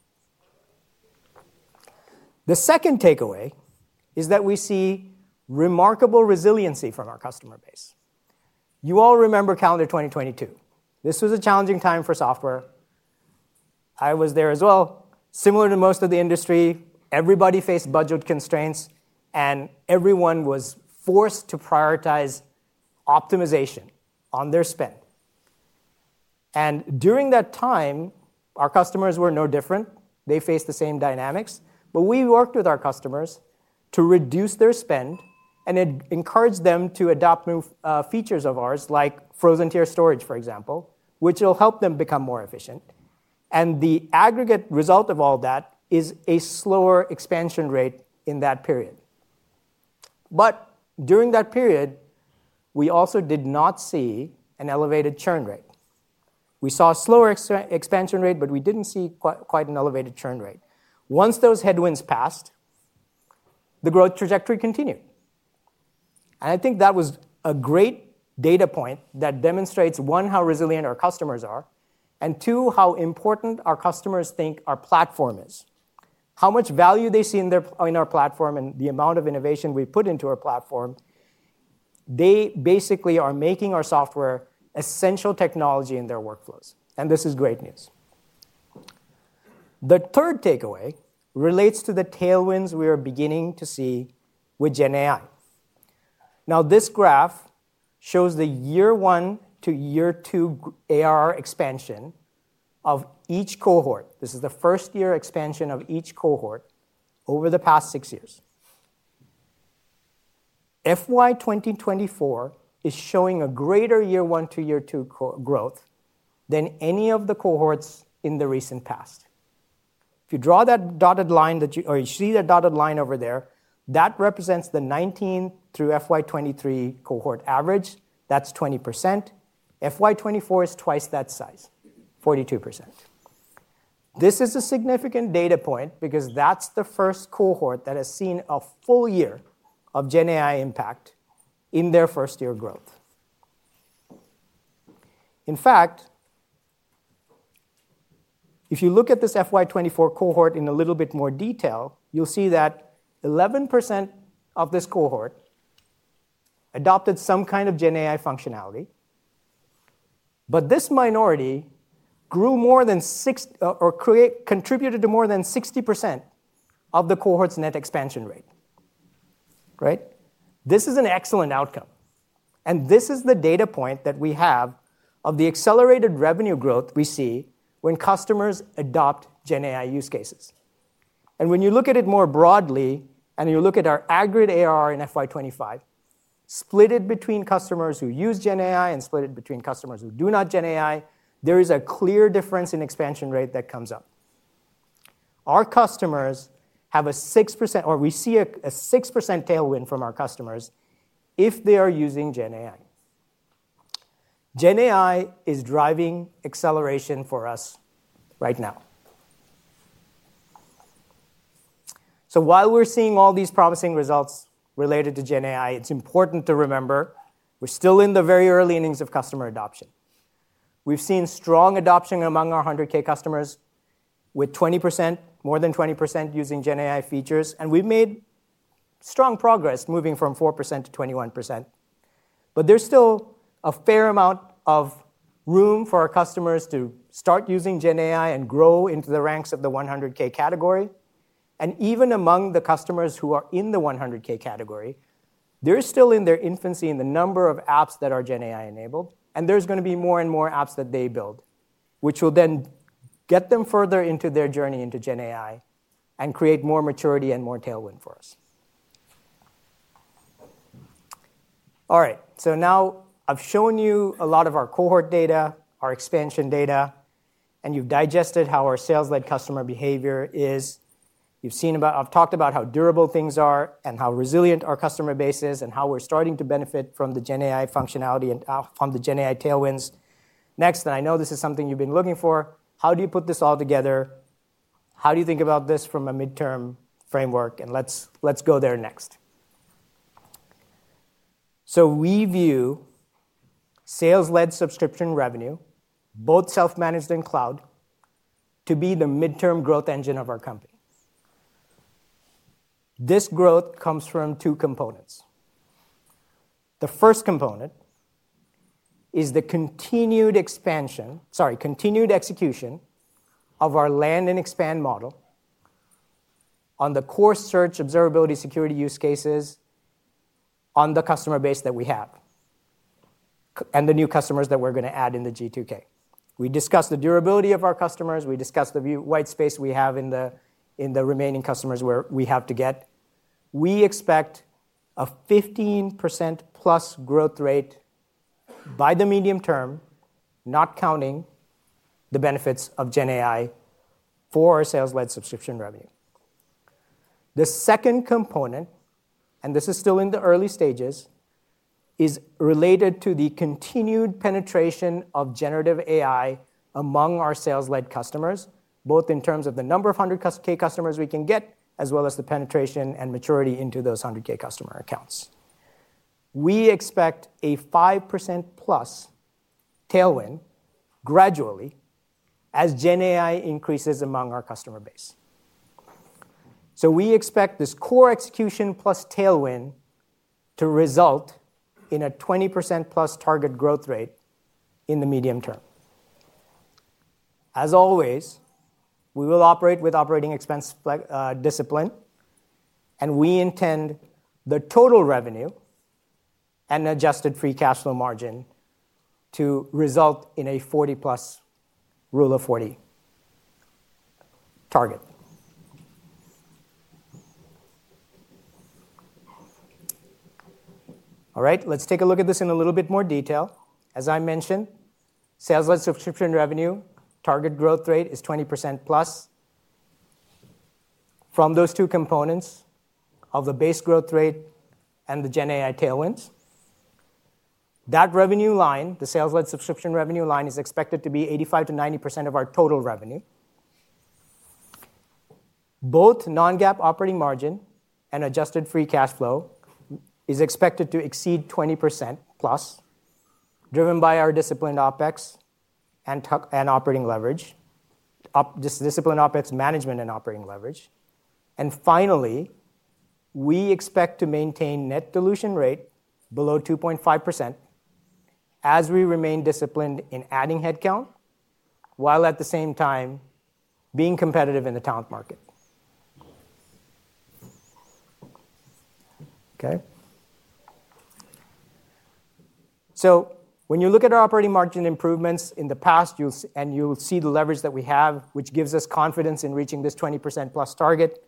S9: The second takeaway is that we see remarkable resiliency from our customer base. You all remember calendar 2022. This was a challenging time for software. I was there as well. Similar to most of the industry, everybody faced budget constraints, and everyone was forced to prioritize optimization on their spend. During that time, our customers were no different. They faced the same dynamics. We worked with our customers to reduce their spend and encourage them to adopt new features of ours, like frozen tier storage, for example, which will help them become more efficient. The aggregate result of all that is a slower expansion rate in that period. During that period, we also did not see an elevated churn rate. We saw a slower expansion rate, but we didn't see quite an elevated churn rate. Once those headwinds passed, the growth trajectory continued. I think that was a great data point that demonstrates, one, how resilient our customers are, and two, how important our customers think our platform is. How much value they see in our platform and the amount of innovation we put into our platform, they basically are making our software essential technology in their workflows. This is great news. The third takeaway relates to the tailwinds we are beginning to see with GenAI. Now, this graph shows the year one to year two ARR expansion of each cohort. This is the first year expansion of each cohort over the past six years. FY 2024 is showing a greater year one to year two growth than any of the cohorts in the recent past. If you draw that dotted line that you see, that dotted line over there, that represents the 2019 through FY 2023 cohort average. That's 20%. FY 2024 is twice that size, 42%. This is a significant data point because that's the first cohort that has seen a full year of GenAI impact in their first year growth. In fact, if you look at this FY 2024 cohort in a little bit more detail, you'll see that 11% of this cohort adopted some kind of GenAI functionality. This minority grew more than 60% or contributed to more than 60% of the cohort's net expansion rate. This is an excellent outcome. This is the data point that we have of the accelerated revenue growth we see when customers adopt GenAI use cases. When you look at it more broadly, and you look at our aggregate ARR in FY 2025 split between customers who use GenAI and split between customers who do not use GenAI, there is a clear difference in expansion rate that comes up. Our customers have a 6%, or we see a 6% tailwind from our customers if they are using GenAI. GenAI is driving acceleration for us right now. While we're seeing all these promising results related to GenAI, it's important to remember we're still in the very early innings of customer adoption. We've seen strong adoption among our $100,000 customers with more than 20% using GenAI features. We've made strong progress moving from 4% to 21%. There's still a fair amount of room for our customers to start using GenAI and grow into the ranks of the $100,000 category. Even among the customers who are in the $100,000 category, they're still in their infancy in the number of apps that are GenAI enabled. There are going to be more and more apps that they build, which will then get them further into their journey into GenAI and create more maturity and more tailwind for us. All right. Now I've shown you a lot of our cohort data, our expansion data, and you've digested how our sales-led customer behavior is. You've seen about, I've talked about how durable things are and how resilient our customer base is and how we're starting to benefit from the GenAI functionality and from the GenAI tailwinds. Next, and I know this is something you've been looking for, how do you put this all together? How do you think about this from a midterm framework? Let's go there next. We view sales-led subscription revenue, both self-managed and cloud, to be the midterm growth engine of our company. This growth comes from two components. The first component is the continued execution of our land and expand model on the core Search, Observability, and Security use cases on the customer base that we have and the new customers that we're going to add in the G2K. We discussed the durability of our customers. We discussed the white space we have in the remaining customers where we have to get. We expect a 15%+ growth rate by the medium term, not counting the benefits of GenAI for our sales-led subscription revenue. The second component, and this is still in the early stages, is related to the continued penetration of generative AI among our sales-led customers, both in terms of the number of $100,000 customers we can get, as well as the penetration and maturity into those $100,000 customer accounts. We expect a 5%+ tailwind gradually as generative AI increases among our customer base. We expect this core execution plus tailwind to result in a 20%+ target growth rate in the medium term. As always, we will operate with operating expense discipline, and we intend the total revenue and adjusted free cash flow margin to result in a 40%+ Rule of 40 target. Let's take a look at this in a little bit more detail. As I mentioned, sales-led subscription revenue target growth rate is 20%+. From those two components of the base growth rate and the generative AI tailwinds, that revenue line, the sales-led subscription revenue line, is expected to be 85%-90% of our total revenue. Both non-GAAP operating margin and adjusted free cash flow are expected to exceed 20%+, driven by our disciplined OpEx and operating leverage, disciplined OpEx management and operating leverage. Finally, we expect to maintain net dilution rate below 2.5% as we remain disciplined in adding headcount while at the same time being competitive in the talent market. When you look at our operating margin improvements in the past, you'll see the leverage that we have, which gives us confidence in reaching this 20%+ target.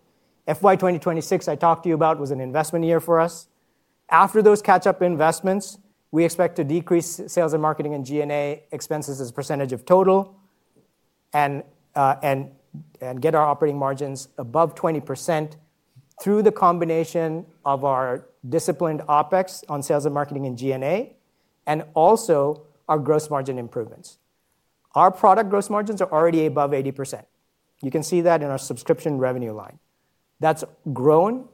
S9: FY 2026 I talked to you about was an investment year for us. After those catch-up investments, we expect to decrease sales and marketing and G&A expenses as a percentage of total and get our operating margins above 20% through the combination of our disciplined OpEx on sales and marketing and G&A and also our gross margin improvements. Our product gross margins are already above 80%. You can see that in our subscription revenue line. That's grown,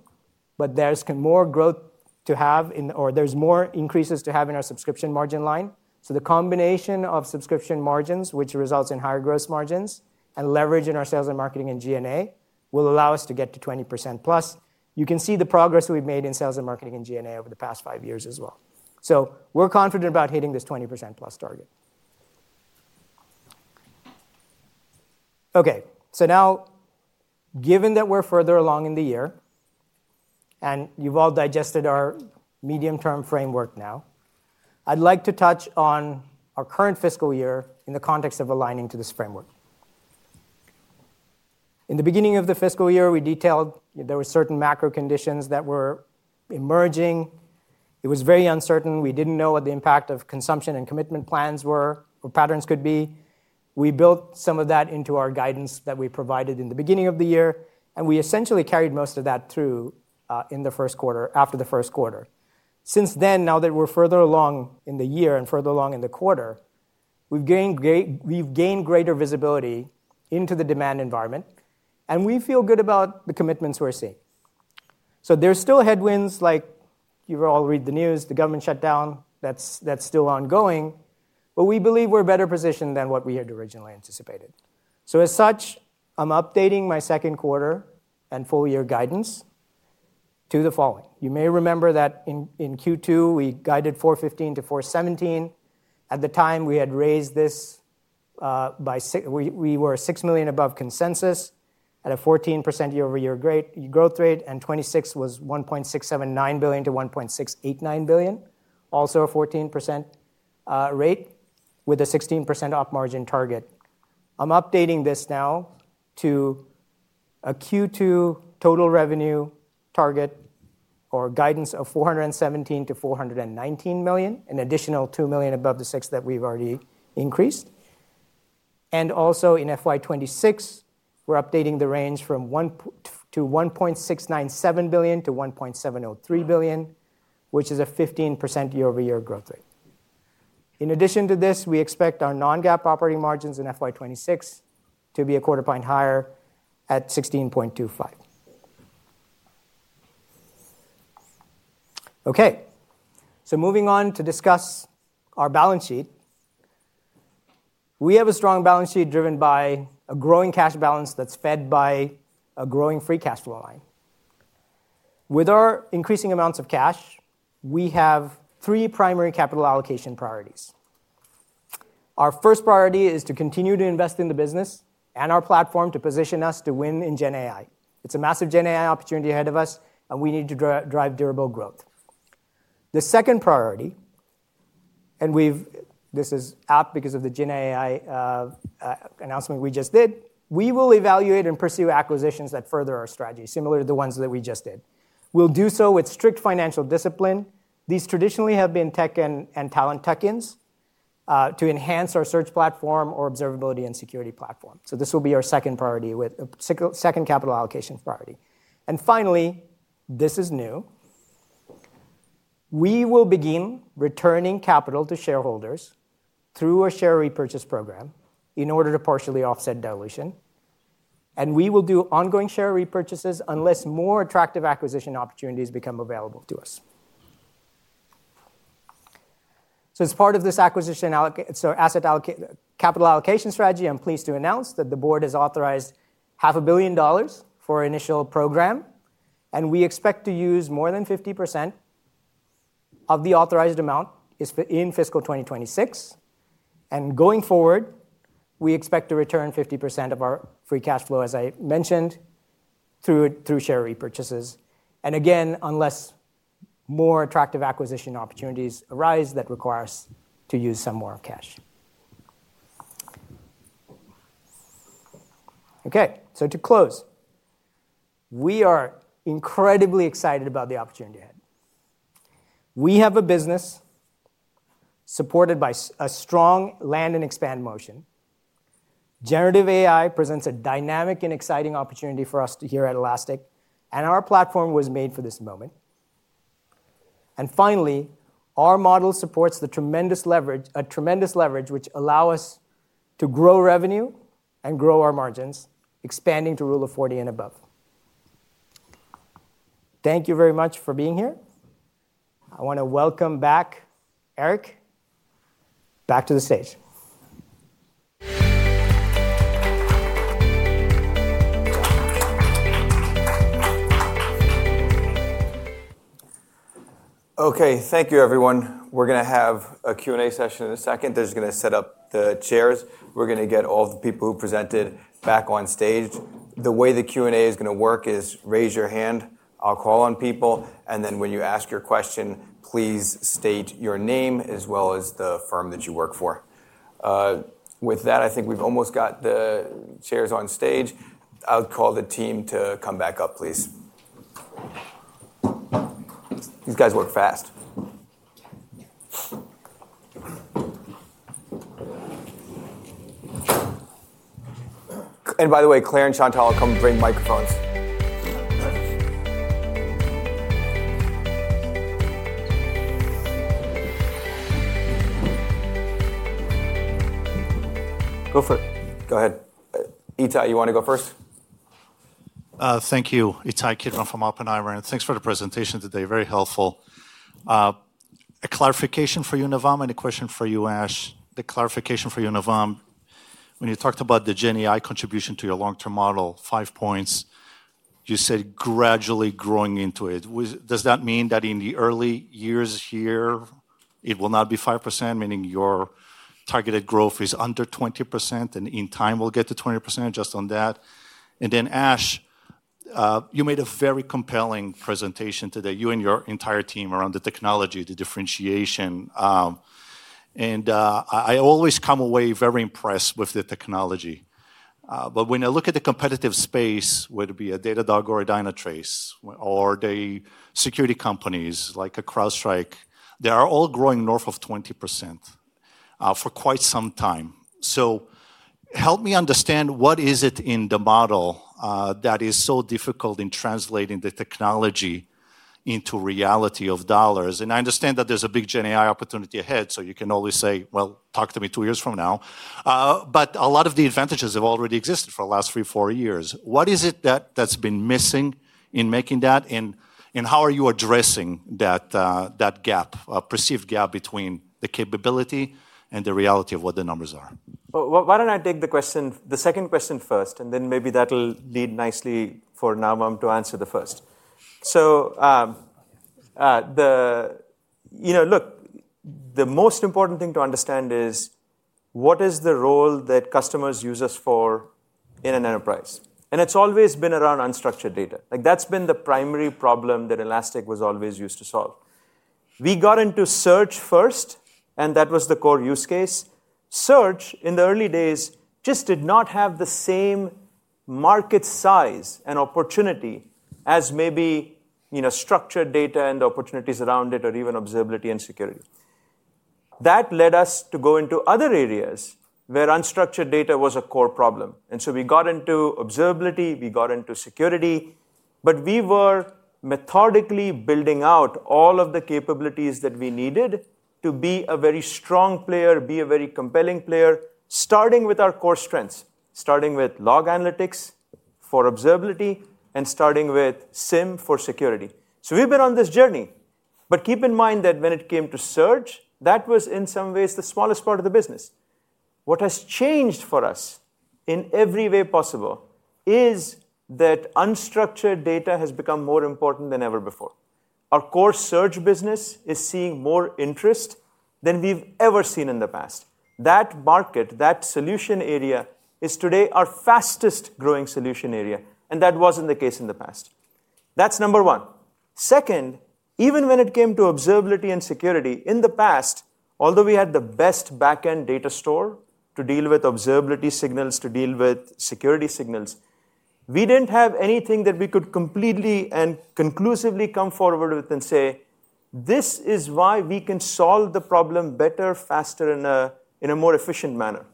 S9: but there's more growth to have in, or there's more increases to have in our subscription margin line. The combination of subscription margins, which results in higher gross margins and leverage in our sales and marketing and G&A, will allow us to get to 20%+. You can see the progress we've made in sales and marketing and G&A over the past five years as well. We're confident about hitting this 20%+ target. Now, given that we're further along in the year, and you've all digested our medium-term framework, I'd like to touch on our current fiscal year in the context of aligning to this framework. In the beginning of the fiscal year, we detailed there were certain macro conditions that were emerging. It was very uncertain. We didn't know what the impact of consumption and commitment plans were, what patterns could be. We built some of that into our guidance that we provided in the beginning of the year. We essentially carried most of that through in the first quarter, after the first quarter. Since then, now that we're further along in the year and further along in the quarter, we've gained greater visibility into the demand environment. We feel good about the commitments we're seeing. There's still headwinds, like you've all read the news, the government shutdown. That's still ongoing. We believe we're better positioned than what we had originally anticipated. As such, I'm updating my second quarter and full-year guidance to the following. You may remember that in Q2, we guided $415 million-$417 million. At the time, we had raised this by, we were $6 million above consensus at a 14% year-over-year growth rate, and 2026 was $1.679 billion-$1.689 billion, also a 14% rate with a 16% op margin target. I'm updating this now to a Q2 total revenue target or guidance of $417 million-$419 million, an additional $2 million above the $6 million that we've already increased. Also in FY 2026, we're updating the range from $1.697 billion-$1.703 billion, which is a 15% year-over-year growth rate. In addition to this, we expect our non-GAAP operating margins in FY 2026 to be a quarter point higher at 16.25%. Moving on to discuss our balance sheet. We have a strong balance sheet driven by a growing cash balance that's fed by a growing free cash flow line. With our increasing amounts of cash, we have three primary capital allocation priorities. Our first priority is to continue to invest in the business and our platform to position us to win in GenAI. It's a massive GenAI opportunity ahead of us, and we need to drive durable growth. The second priority, and this is apt because of the GenAI announcement we just did, we will evaluate and pursue acquisitions that further our strategy, similar to the ones that we just did. We'll do so with strict financial discipline. These traditionally have been tech and talent tech-ins to enhance our Search platform or Observability and Security platform. This will be our second priority with a second capital allocation priority. Finally, this is new, we will begin returning capital to shareholders through a share repurchase program in order to partially offset dilution. We will do ongoing share repurchases unless more attractive acquisition opportunities become available to us. As part of this acquisition, as part of this capital allocation strategy, I'm pleased to announce that the board has authorized $500 million for an initial program. We expect to use more than 50% of the authorized amount in fiscal 2026. Going forward, we expect to return 50% of our free cash flow, as I mentioned, through share repurchases, unless more attractive acquisition opportunities arise that require us to use some more cash. We are incredibly excited about the opportunity ahead. We have a business supported by a strong land and expand motion. Generative AI presents a dynamic and exciting opportunity for us here at Elastic. Our platform was made for this moment. Our model supports tremendous leverage, which allows us to grow revenue and grow our margins, expanding to Rule of 40 and above. Thank you very much for being here. I want to welcome back Eric, back to the stage.
S1: OK. Thank you, everyone. We're going to have a Q&A session in a second. This is going to set up the chairs. We're going to get all the people who presented back on stage. The way the Q&A is going to work is raise your hand. I'll call on people. When you ask your question, please state your name as well as the firm that you work for. With that, I think we've almost got the chairs on stage. I'll call the team to come back up, please. These guys work fast. By the way, Claire and Chantal, I'll come bring microphones. Go for it. Go ahead. Ittai, you want to go first?
S10: Thank you, Ittai Kidron from Oppenheimer. Thanks for the presentation today. Very helpful. A clarification for you, Navam. And a question for you, Ash. The clarification for you, Navam, when you talked about the GenAI contribution to your long-term model, five points, you said gradually growing into it. Does that mean that in the early years here, it will not be 5%, meaning your targeted growth is under 20%? In time, we'll get to 20% just on that. Ash, you made a very compelling presentation today. You and your entire team around the technology, the differentiation. I always come away very impressed with the technology. When I look at the competitive space, whether it be a Datadog or a Dynatrace, or the security companies like a CrowdStrike, they are all growing north of 20% for quite some time. Help me understand what is it in the model that is so difficult in translating the technology into reality of dollars. I understand that there's a big GenAI opportunity ahead. You can always say, talk to me two years from now. A lot of the advantages have already existed for the last three, four years. What is it that's been missing in making that? How are you addressing that gap, perceived gap between the capability and the reality of what the numbers are?
S2: Why don't I take the question, the second question first? Maybe that'll lead nicely for Navam to answer the first. The most important thing to understand is what is the role that customers use us for in an enterprise? It's always been around unstructured data. That's been the primary problem that Elastic was always used to solve. We got into search first, and that was the core use case. Search, in the early days, just did not have the same market size and opportunity as maybe structured data and opportunities around it, or even Observability and Security. That led us to go into other areas where unstructured data was a core problem. We got into Observability. We got into Security. We were methodically building out all of the capabilities that we needed to be a very strong player, a very compelling player, starting with our core strengths, starting with log analytics for Observability and starting with SIEM for Security. We've been on this journey. Keep in mind that when it came to search, that was, in some ways, the smallest part of the business. What has changed for us in every way possible is that unstructured data has become more important than ever before. Our core search business is seeing more interest than we've ever seen in the past. That market, that solution area, is today our fastest growing solution area. That wasn't the case in the past. That's number one. Second, even when it came to Observability and Security, in the past, although we had the best backend data store to deal with Observability signals, to deal with Security signals, we didn't have anything that we could completely and conclusively come forward with and say, this is why we can solve the problem better, faster, and in a more efficient manner.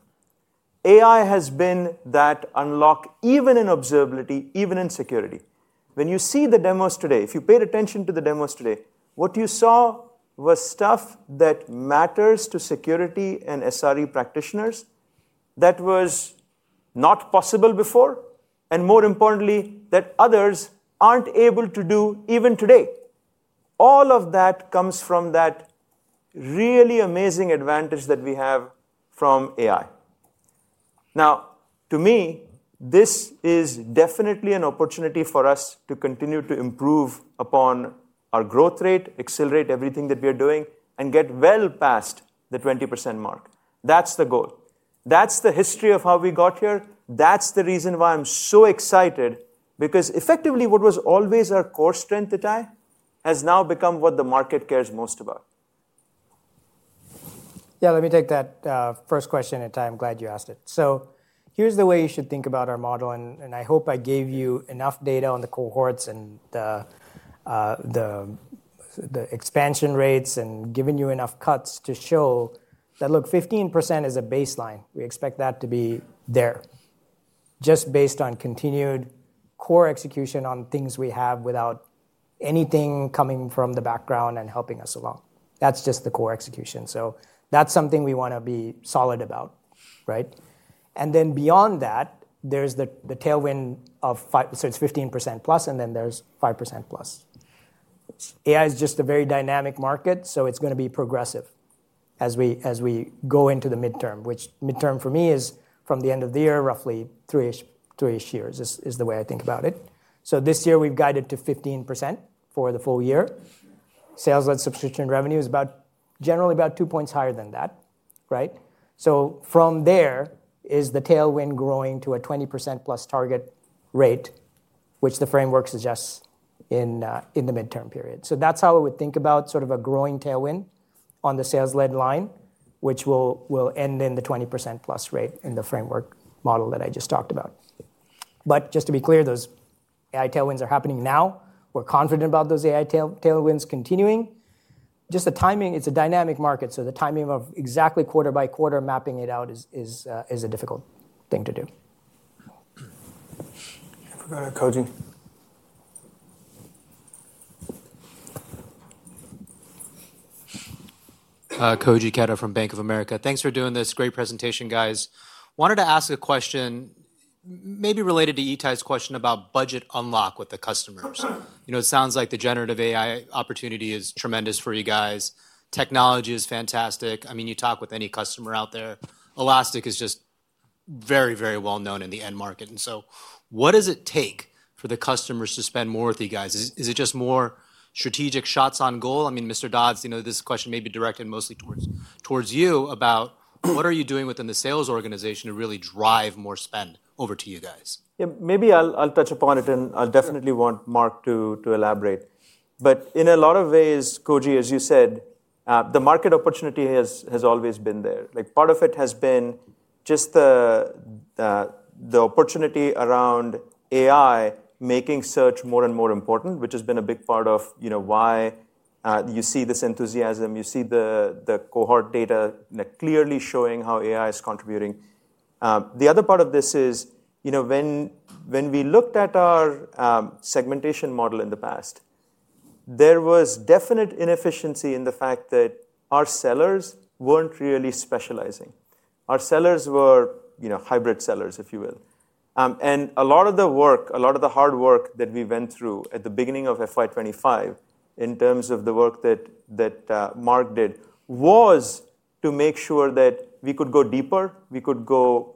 S2: AI has been that unlock, even in Observability, even in Security. When you see the demos today, if you paid attention to the demos today, what you saw was stuff that matters to Security and SRE practitioners that was not possible before, and more importantly, that others aren't able to do even today. All of that comes from that really amazing advantage that we have from AI. To me, this is definitely an opportunity for us to continue to improve upon our growth rate, accelerate everything that we are doing, and get well past the 20% mark. That's the goal. That's the history of how we got here. That's the reason why I'm so excited, because effectively, what was always our core strength, Ittai, has now become what the market cares most about.
S9: Let me take that first question, Ittai. I'm glad you asked it. Here's the way you should think about our model. I hope I gave you enough data on the cohorts and the expansion rates and given you enough cuts to show that, look, 15% is a baseline. We expect that to be there, just based on continued core execution on things we have without anything coming from the background and helping us along. That's just the core execution. That's something we want to be solid about, right? Beyond that, there's the tailwind of, so it's 15%+, and then there's 5%+. AI is just a very dynamic market. It's going to be progressive as we go into the midterm, which midterm for me is from the end of the year, roughly three-ish years is the way I think about it. This year, we've guided to 15% for the full year. Sales-led subscription revenue is generally about two points higher than that, right? From there is the tailwind growing to a 20%+ target rate, which the framework suggests in the midterm period. That's how I would think about sort of a growing tailwind on the sales-led line, which will end in the 20%+ rate in the framework model that I just talked about. Just to be clear, those AI tailwinds are happening now. We're confident about those AI tailwinds continuing. The timing, it's a dynamic market. The timing of exactly quarter by quarter mapping it out is a difficult thing to do.
S11: Koji Ikeda from Bank of America. Thanks for doing this. Great presentation, guys. Wanted to ask a question maybe related to Ittai's question about budget unlock with the customers. It sounds like the generative AI opportunity is tremendous for you guys. Technology is fantastic. I mean, you talk with any customer out there. Elastic is just very, very well known in the end market. What does it take for the customers to spend more with you guys? Is it just more strategic shots on goal? Mr. Dodds, this question may be directed mostly towards you about what are you doing within the sales organization to really drive more spend over to you guys?
S2: Maybe I'll touch upon it, and I'll definitely want Mark to elaborate. In a lot of ways, Koji, as you said, the market opportunity has always been there. Part of it has been just the opportunity around AI making search more and more important, which has been a big part of why you see this enthusiasm. You see the cohort data clearly showing how AI is contributing. The other part of this is, you know, when we looked at our segmentation model in the past, there was definite inefficiency in the fact that our sellers weren't really specializing. Our sellers were hybrid sellers, if you will. A lot of the work, a lot of the hard work that we went through at the beginning of FY 2025 in terms of the work that Mark did was to make sure that we could go deeper. We could go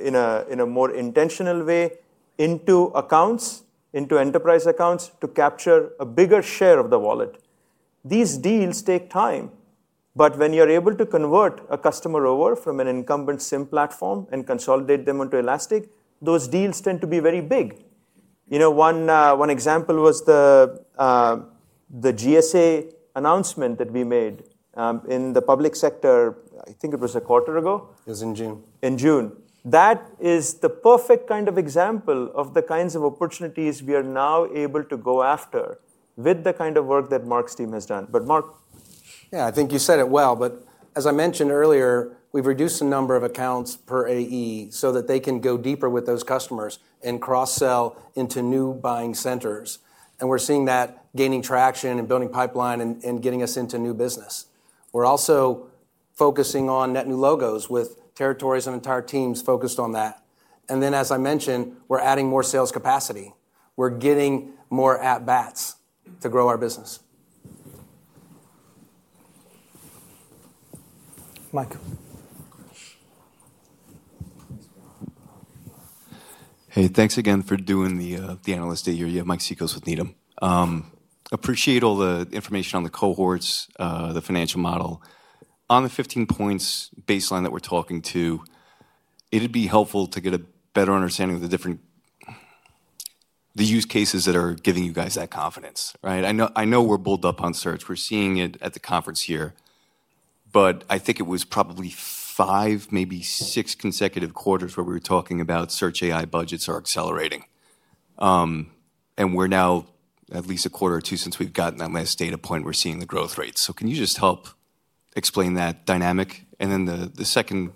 S2: in a more intentional way into accounts, into enterprise accounts to capture a bigger share of the wallet. These deals take time. When you're able to convert a customer over from an incumbent SIEM platform and consolidate them onto Elastic, those deals tend to be very big. One example was the GSA announcement that we made in the public sector. I think it was a quarter ago.
S8: It was in June.
S2: In June, that is the perfect kind of example of the kinds of opportunities we are now able to go after with the kind of work that Mark's team has done. Mark.
S8: Yeah, I think you said it well. As I mentioned earlier, we've reduced the number of accounts per AE so that they can go deeper with those customers and cross-sell into new buying centers. We're seeing that gaining traction, building pipeline, and getting us into new business. We're also focusing on net new logos with territories and entire teams focused on that. As I mentioned, we're adding more sales capacity. We're getting more at-bats to grow our business.
S12: Hey, thanks again for doing the analyst interview of Mike Cikos with Needham. Appreciate all the information on the cohorts, the financial model. On the 15 points baseline that we're talking to, it'd be helpful to get a better understanding of the different use cases that are giving you guys that confidence. Right? I know we're bold up on search. We're seeing it at the conference here. I think it was probably five, maybe six consecutive quarters where we were talking about search AI budgets are accelerating. We're now at least a quarter or two since we've gotten that last data point. We're seeing the growth rates. Can you just help explain that dynamic? The second,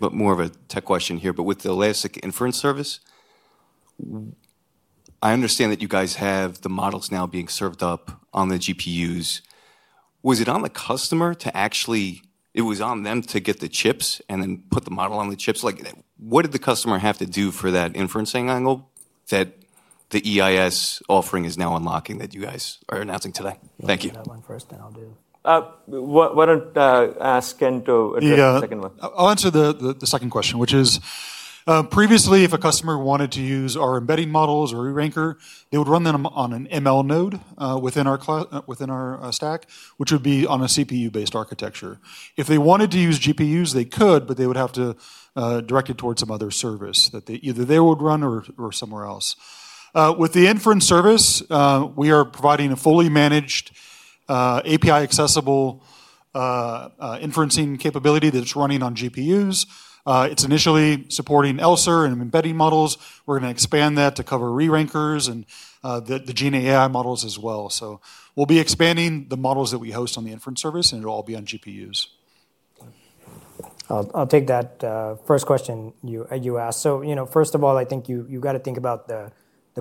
S12: but more of a tech question here. With the Elastic Inference Service, I understand that you guys have the models now being served up on the GPUs. Was it on the customer to actually, it was on them to get the chips and then put the model on the chips? What did the customer have to do for that inferencing angle that the EIS offering is now unlocking that you guys are announcing today? Thank you.
S9: That one first, then I'll do.
S2: Why don't I ask Ken to answer the second one?
S3: I'll answer the second question, which is, previously, if a customer wanted to use our embedding models or re-ranker, they would run them on an ML node within our stack, which would be on a CPU-based architecture. If they wanted to use GPUs, they could, but they would have to direct it towards some other service that either they would run or somewhere else. With the Inference Service, we are providing a fully managed API-accessible inferencing capability that's running on GPUs. It's initially supporting ELSER and embedding models. We're going to expand that to cover re-rankers and the GenAI models as well. We will be expanding the models that we host on the Inference Service, and it'll all be on GPUs.
S9: I'll take that first question you asked. First of all, I think you've got to think about the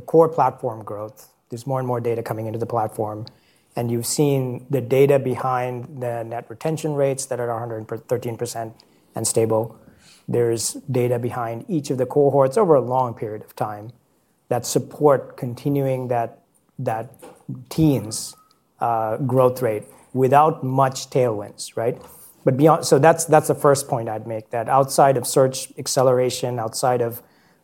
S9: core platform growth. There's more and more data coming into the platform, and you've seen the data behind the net retention rates that are 113% and stable. There's data behind each of the cohorts over a long period of time that support continuing that team's growth rate without much tailwinds. That's the first point I'd make that outside of search acceleration, outside of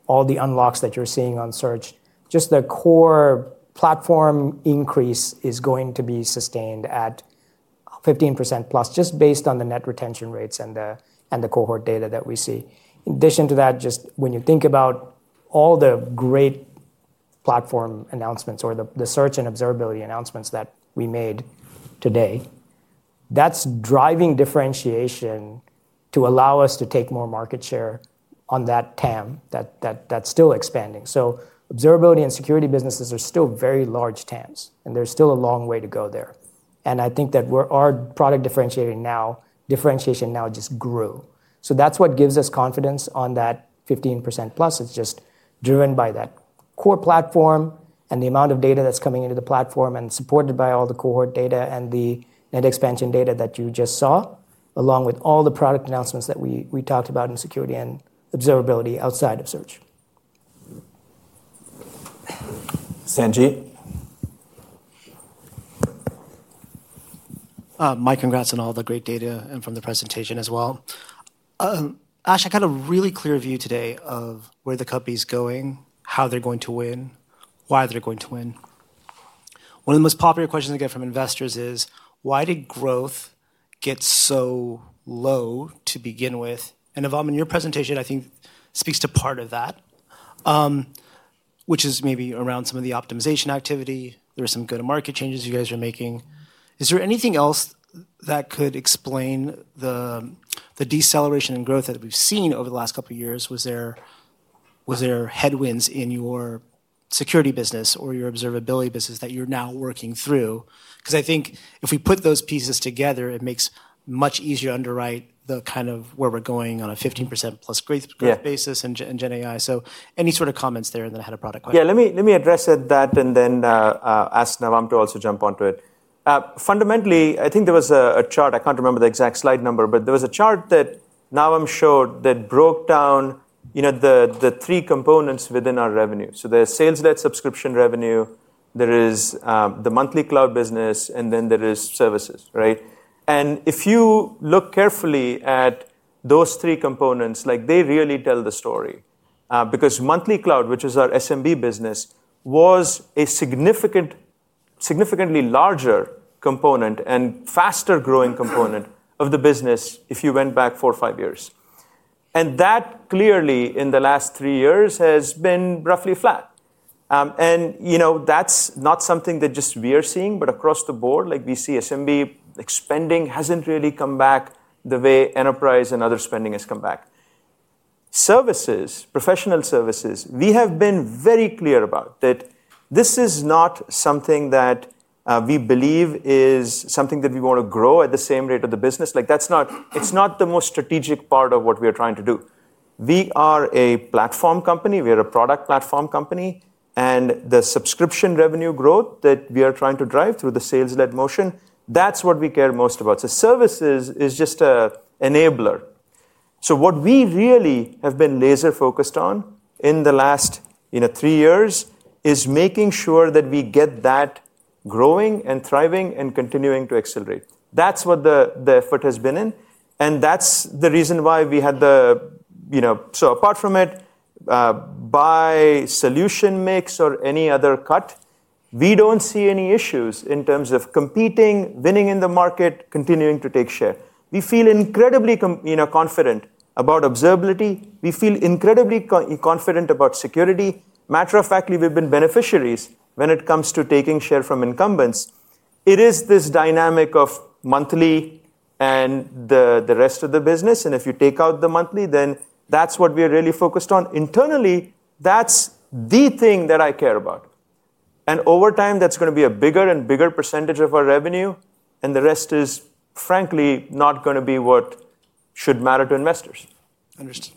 S9: all the unlocks that you're seeing on search, just the core platform increase is going to be sustained at 15%+, just based on the net retention rates and the cohort data that we see. In addition to that, when you think about all the great platform announcements or the search and Observability announcements that we made today, that's driving differentiation to allow us to take more market share on that TAM that's still expanding. Observability and Security businesses are still very large TAMs, and there's still a long way to go there. I think that our product differentiation now just grew. That's what gives us confidence on that 15%+. It's just driven by that core platform and the amount of data that's coming into the platform and supported by all the cohort data and the net expansion data that you just saw, along with all the product announcements that we talked about in Security and Observability outside of search.
S13: My congrats on all the great data and from the presentation as well. Ash, I got a really clear view today of where the company is going, how they're going to win, why they're going to win. One of the most popular questions I get from investors is, why did growth get so low to begin with? Navam, in your presentation, I think speaks to part of that, which is maybe around some of the optimization activity. There are some good market changes you guys are making. Is there anything else that could explain the deceleration in growth that we've seen over the last couple of years? Was there headwinds in your Security business or your Observability business that you're now working through? I think if we put those pieces together, it makes much easier to underwrite the kind of where we're going on a 15%+ growth basis in GenAI. Any sort of comments there in the Head of Product?
S2: Yeah, let me address that and then ask Navam to also jump onto it. Fundamentally, I think there was a chart. I can't remember the exact slide number, but there was a chart that Navam showed that broke down the three components within our revenue. There's sales-led subscription revenue, there is the monthly cloud business, and then there are services. If you look carefully at those three components, they really tell the story. Because monthly cloud, which is our SMB business, was a significantly larger component and faster growing component of the business if you went back four or five years. That clearly in the last three years has been roughly flat. That's not something that just we are seeing, but across the board, like we see SMB spending hasn't really come back the way enterprise and other spending has come back. Services, professional services, we have been very clear about that this is not something that we believe is something that we want to grow at the same rate of the business. That's not, it's not the most strategic part of what we are trying to do. We are a platform company. We are a product platform company. The subscription revenue growth that we are trying to drive through the sales-led motion, that's what we care most about. Services is just an enabler. What we really have been laser-focused on in the last three years is making sure that we get that growing and thriving and continuing to accelerate. That's what the effort has been in. That's the reason why we had the, you know, so apart from it, by solution mix or any other cut, we don't see any issues in terms of competing, winning in the market, continuing to take share. We feel incredibly confident about Observability. We feel incredibly confident about Security. Matter of fact, we've been beneficiaries when it comes to taking share from incumbents. It is this dynamic of monthly and the rest of the business. If you take out the monthly, then that's what we are really focused on. Internally, that's the thing that I care about. Over time, that's going to be a bigger and bigger percentage of our revenue. The rest is, frankly, not going to be what should matter to investors.
S13: Understood.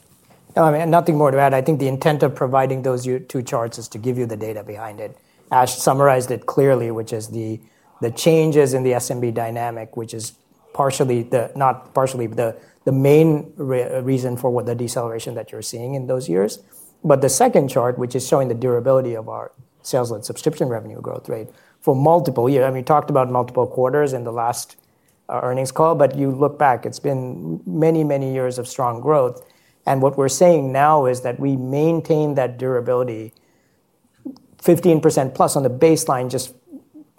S9: Nothing more to add. I think the intent of providing those two charts is to give you the data behind it. Ash summarized it clearly, which is the changes in the SMB dynamic, which is partially, not partially, the main reason for the deceleration that you're seeing in those years. The second chart, which is showing the durability of our sales and subscription revenue growth rate for multiple years, I mean, we talked about multiple quarters in the last earnings call. You look back, it's been many, many years of strong growth. What we're saying now is that we maintain that durability, 15%+ on the baseline, just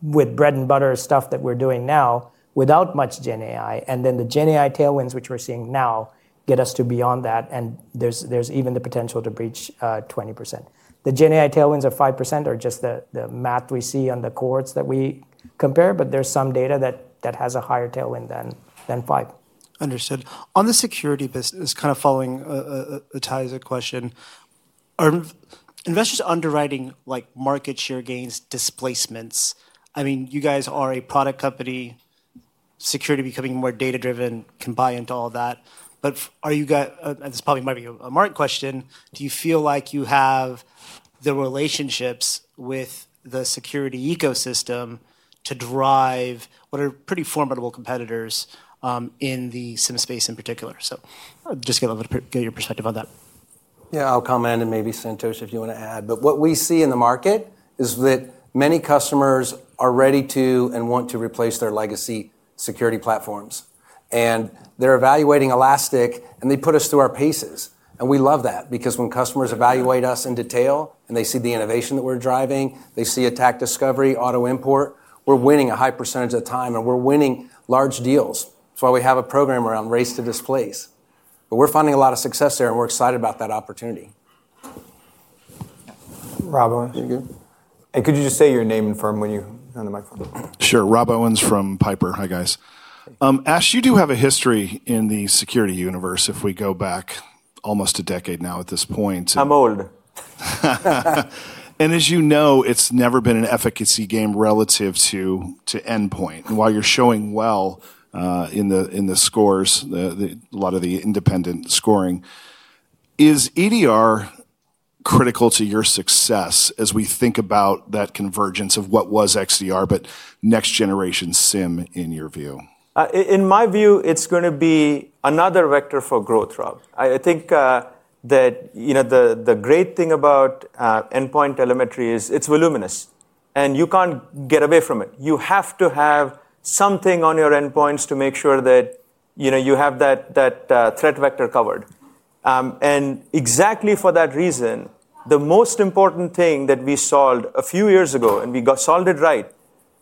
S9: with bread and butter stuff that we're doing now without much GenAI. The GenAI tailwinds, which we're seeing now, get us to beyond that. There's even the potential to breach 20%. The GenAI tailwinds of 5% are just the math we see on the cohorts that we compare. There's some data that has a higher tailwind than 5%.
S13: Understood. On the Security business, kind of following Ittai's question, are investors underwriting like market share gains, displacements? I mean, you guys are a product company, Security becoming more data-driven, compliant, all that. Are you guys, and this probably might be a Mark question, do you feel like you have the relationships with the Security ecosystem to drive what are pretty formidable competitors in the SIEM space in particular? I'd just love to get your perspective on that.
S8: Yeah, I'll comment, and maybe Santosh, if you want to add. What we see in the market is that many customers are ready to and want to replace their legacy Security platforms. They're evaluating Elastic, and they put us through our paces. We love that because when customers evaluate us in detail and they see the innovation that we're driving, they see Attack Discovery, Automatic Import, we're winning a high percentage of the time, and we're winning large deals. That's why we have a program around Race to Displace. We're finding a lot of success there, and we're excited about that opportunity.
S1: Could you just say your name and firm when you're on the microphone?
S14: Sure. Rob Owens from Piper. Hi, guys. Ash, you do have a history in the Security universe if we go back almost a decade now at this point.
S2: I'm old.
S14: It has never been an efficacy game relative to endpoint. While you're showing well in the scores, a lot of the independent scoring, is EDR critical to your success as we think about that convergence of what was XDR, but next-generation SIEM in your view?
S2: In my view, it's going to be another vector for growth, Rob. I think that the great thing about endpoint Telemetry is it's voluminous, and you can't get away from it. You have to have something on your endpoints to make sure that you have that threat vector covered. Exactly for that reason, the most important thing that we solved a few years ago, and we solved it right,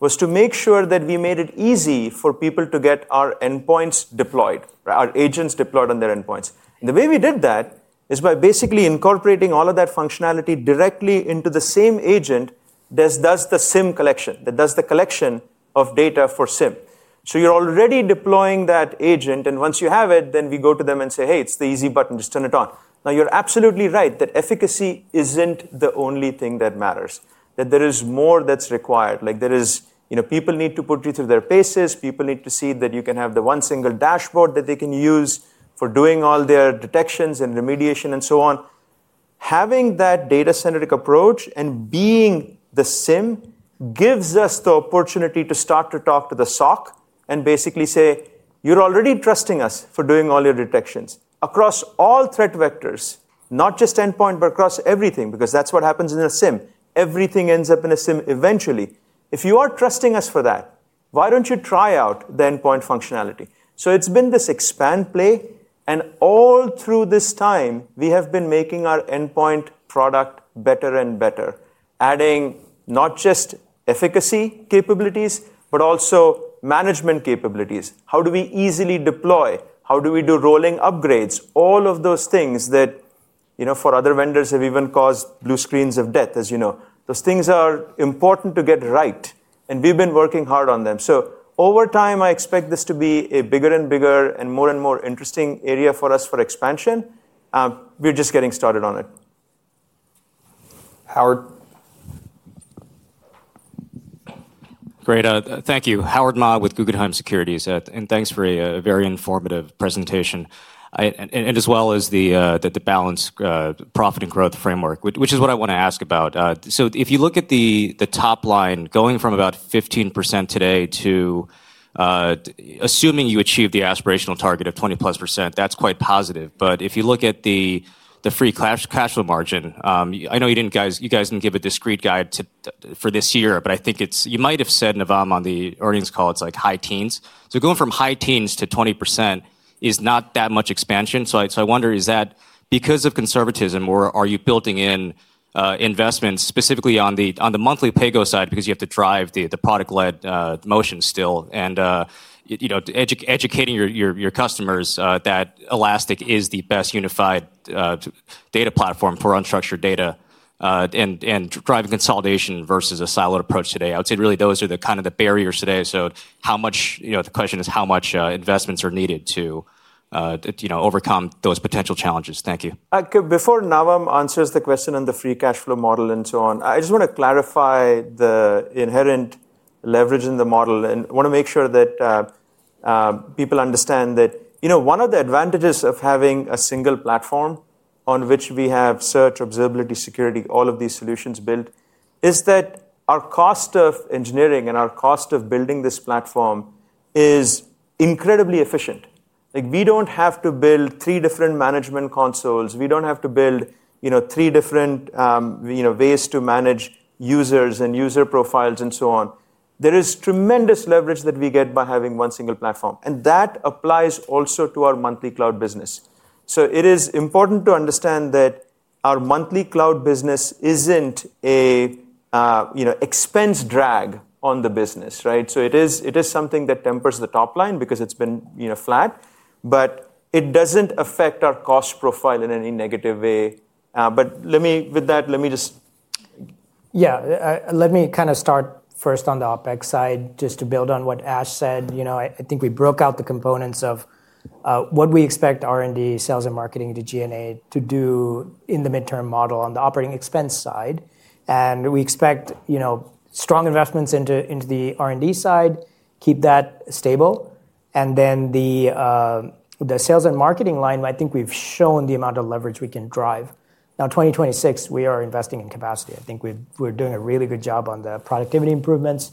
S2: was to make sure that we made it easy for people to get our endpoints deployed, our agents deployed on their endpoints. The way we did that is by basically incorporating all of that functionality directly into the same agent that does the SIEM collection, that does the collection of data for SIEM. You're already deploying that agent, and once you have it, then we go to them and say, hey, it's the easy button. Just turn it on. Now, you're absolutely right that efficacy isn't the only thing that matters, that there is more that's required. People need to put you through their paces. People need to see that you can have the one single dashboard that they can use for doing all their detections and remediation and so on. Having that data-centric approach and being the SIEM gives us the opportunity to start to talk to the SOC and basically say, you're already trusting us for doing all your detections across all threat vectors, not just endpoint, but across everything, because that's what happens in a SIEM. Everything ends up in a SIEM eventually. If you are trusting us for that, why don't you try out the endpoint functionality? It's been this expand play. All through this time, we have been making our endpoint product better and better, adding not just efficacy capabilities, but also management capabilities. How do we easily deploy? How do we do rolling upgrades? All of those things that, for other vendors, have even caused blue screens of death, as you know. Those things are important to get right, and we've been working hard on them. Over time, I expect this to be a bigger and bigger and more and more interesting area for us for expansion. We're just getting started on it.
S15: Great. Thank you. Howard Ma with Guggenheim Securities. Thanks for a very informative presentation, as well as the balanced profit and growth framework, which is what I want to ask about. If you look at the top line going from about 15% today to, assuming you achieve the aspirational target of 20%+, that's quite positive. If you look at the free cash flow margin, I know you guys didn't give a discrete guide for this year. I think you might have said, Navam, on the earnings call, it's like high teens. Going from high teens to 20% is not that much expansion. I wonder, is that because of conservatism, or are you building in investments specifically on the monthly pay-go side because you have to drive the product-led motion still and educating your customers that Elastic is the best unified data platform for unstructured data and driving consolidation versus a siloed approach today? I would say really those are kind of the barriers today. The question is how much investments are needed to overcome those potential challenges. Thank you.
S2: Before Navam answers the question on the free cash flow model and so on, I just want to clarify the inherent leverage in the model and want to make sure that people understand that one of the advantages of having a single platform on which we have Search, Observability, Security, all of these solutions built is that our cost of engineering and our cost of building this platform is incredibly efficient. We don't have to build three different management consoles. We don't have to build three different ways to manage users and user profiles and so on. There is tremendous leverage that we get by having one single platform. That applies also to our monthly cloud business. It is important to understand that our monthly cloud business isn't an expense drag on the business. It is something that tempers the top line because it's been flat. It doesn't affect our cost profile in any negative way. With that, let me just.
S9: Yeah, let me kind of start first on the OpEx side, just to build on what Ash said. I think we broke out the components of what we expect R&D, sales and marketing, to G&A to do in the midterm model on the operating expense side. We expect strong investments into the R&D side, keep that stable. The sales and marketing line, I think we've shown the amount of leverage we can drive. In 2026, we are investing in capacity. I think we're doing a really good job on the productivity improvements.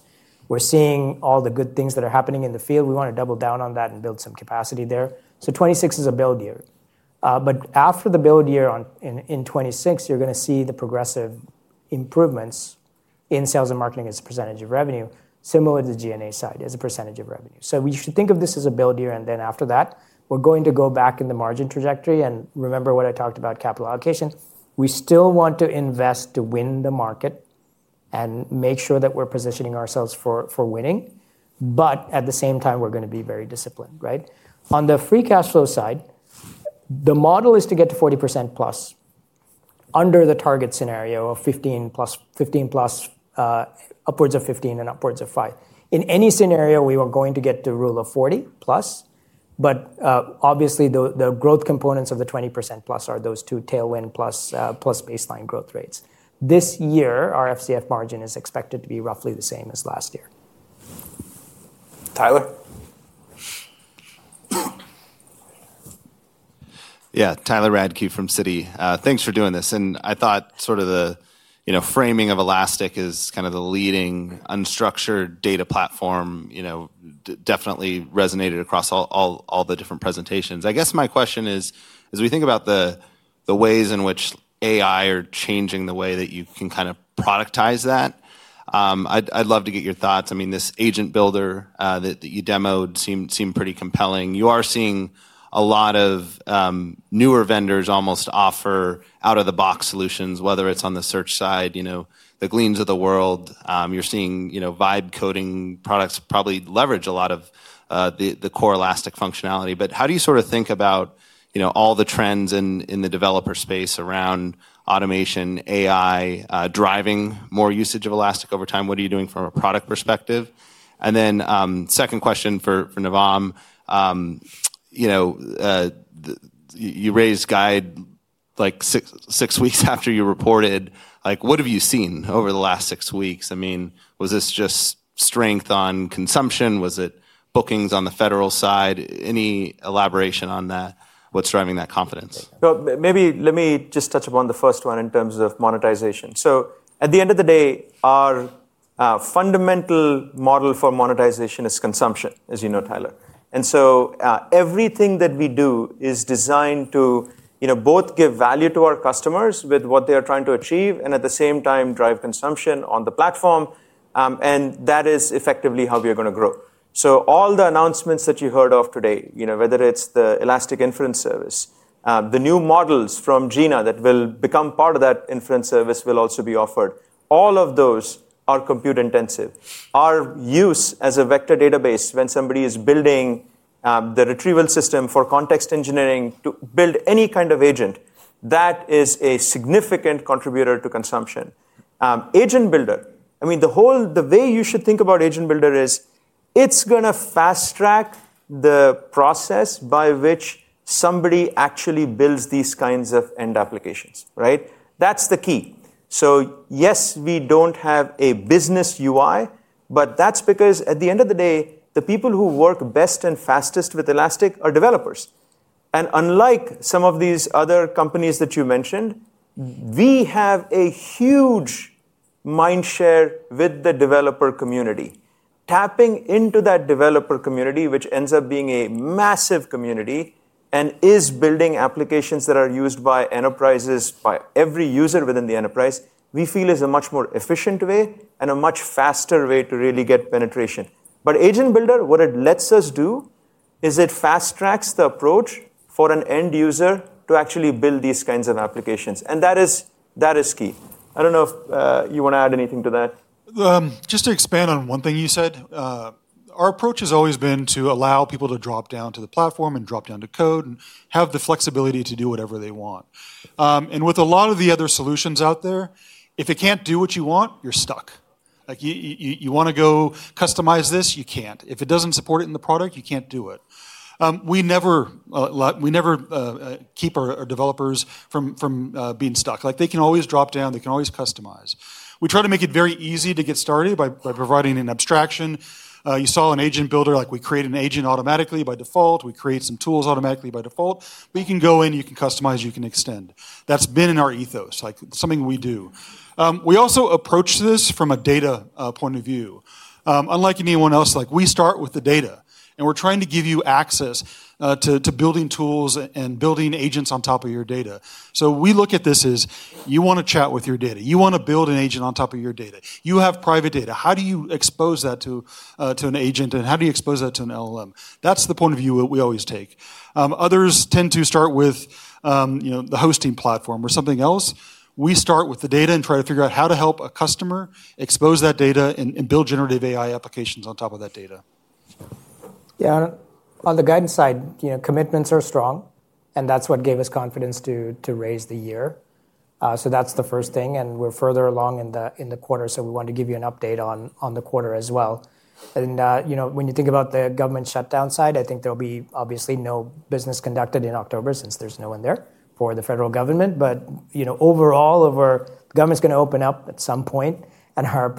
S9: We're seeing all the good things that are happening in the field. We want to double down on that and build some capacity there. 2026 is a build year. After the build year in 2026, you're going to see the progressive improvements in sales and marketing as a percentage of revenue, similar to the G&A side as a percentage of revenue. We should think of this as a build year. After that, we're going to go back in the margin trajectory. Remember what I talked about, capital allocation. We still want to invest to win the market and make sure that we're positioning ourselves for winning. At the same time, we're going to be very disciplined. On the free cash flow side, the model is to get to 40%+ under the target scenario of 15+, upwards of 15, and upwards of 5. In any scenario, we were going to get to Rule of 40+. Obviously, the growth components of the 20%+ are those two tailwind plus baseline growth rates. This year, our FCF margin is expected to be roughly the same as last year.
S16: Yeah, Tyler Radke from Citi. Thanks for doing this. I thought sort of the framing of Elastic as kind of the leading unstructured data platform definitely resonated across all the different presentations. I guess my question is, as we think about the ways in which AI are changing the way that you can kind of productize that, I'd love to get your thoughts. I mean, this Agent Builder that you demoed seemed pretty compelling. You are seeing a lot of newer vendors almost offer out-of-the-box solutions, whether it's on the search side, the gleams of the world. You're seeing vibe coding products probably leverage a lot of the core Elastic functionality. How do you sort of think about all the trends in the developer space around automation, AI, driving more usage of Elastic over time? What are you doing from a product perspective? Second question for Navam. You raised guide like six weeks after you reported. What have you seen over the last six weeks? Was this just strength on consumption? Was it bookings on the federal side? Any elaboration on that? What's driving that confidence?
S2: Maybe let me just touch upon the first one in terms of monetization. At the end of the day, our fundamental model for monetization is consumption, as you know, Tyler. Everything that we do is designed to both give value to our customers with what they are trying to achieve, and at the same time, drive consumption on the platform. That is effectively how we are going to grow. All the announcements that you heard of today, whether it's the Elastic Inference Service, the new models from Jina that will become part of that inference service, will also be offered. All of those are compute intensive. Our use as a vector database when somebody is building the retrieval system for context engineering to build any kind of agent, that is a significant contributor to consumption. Agent Builder, the way you should think about Agent Builder is it's going to fast-track the process by which somebody actually builds these kinds of end applications. That's the key. We don't have a business UI, but that's because at the end of the day, the people who work best and fastest with Elastic are developers. Unlike some of these other companies that you mentioned, we have a huge mind share with the developer community. Tapping into that developer community, which ends up being a massive community and is building applications that are used by enterprises, by every user within the enterprise, we feel is a much more efficient way and a much faster way to really get penetration. Agent Builder, what it lets us do is it fast-tracks the approach for an end user to actually build these kinds of applications. That is key. I don't know if you want to add anything to that.
S3: Just to expand on one thing you said, our approach has always been to allow people to drop down to the platform and drop down to code and have the flexibility to do whatever they want. With a lot of the other solutions out there, if it can't do what you want, you're stuck. Like you want to go customize this, you can't. If it doesn't support it in the product, you can't do it. We never keep our developers from being stuck. They can always drop down. They can always customize. We try to make it very easy to get started by providing an abstraction. You saw an Agent Builder, like we create an agent automatically by default. We create some tools automatically by default. You can go in, you can customize, you can extend. That's been in our ethos, like something we do. We also approach this from a data point of view. Unlike anyone else, we start with the data. We're trying to give you access to building tools and building agents on top of your data. We look at this as you want to chat with your data. You want to build an agent on top of your data. You have private data. How do you expose that to an agent? How do you expose that to an LLM? That's the point of view we always take. Others tend to start with the hosting platform or something else. We start with the data and try to figure out how to help a customer expose that data and build generative AI applications on top of that data.
S9: Yeah, on the guidance side, commitments are strong. That's what gave us confidence to raise the year. That's the first thing. We're further along in the quarter, so we wanted to give you an update on the quarter as well. When you think about the government shutdown side, I think there'll be obviously no business conducted in October since there's no one there for the federal government. Overall, the government's going to open up at some point, and our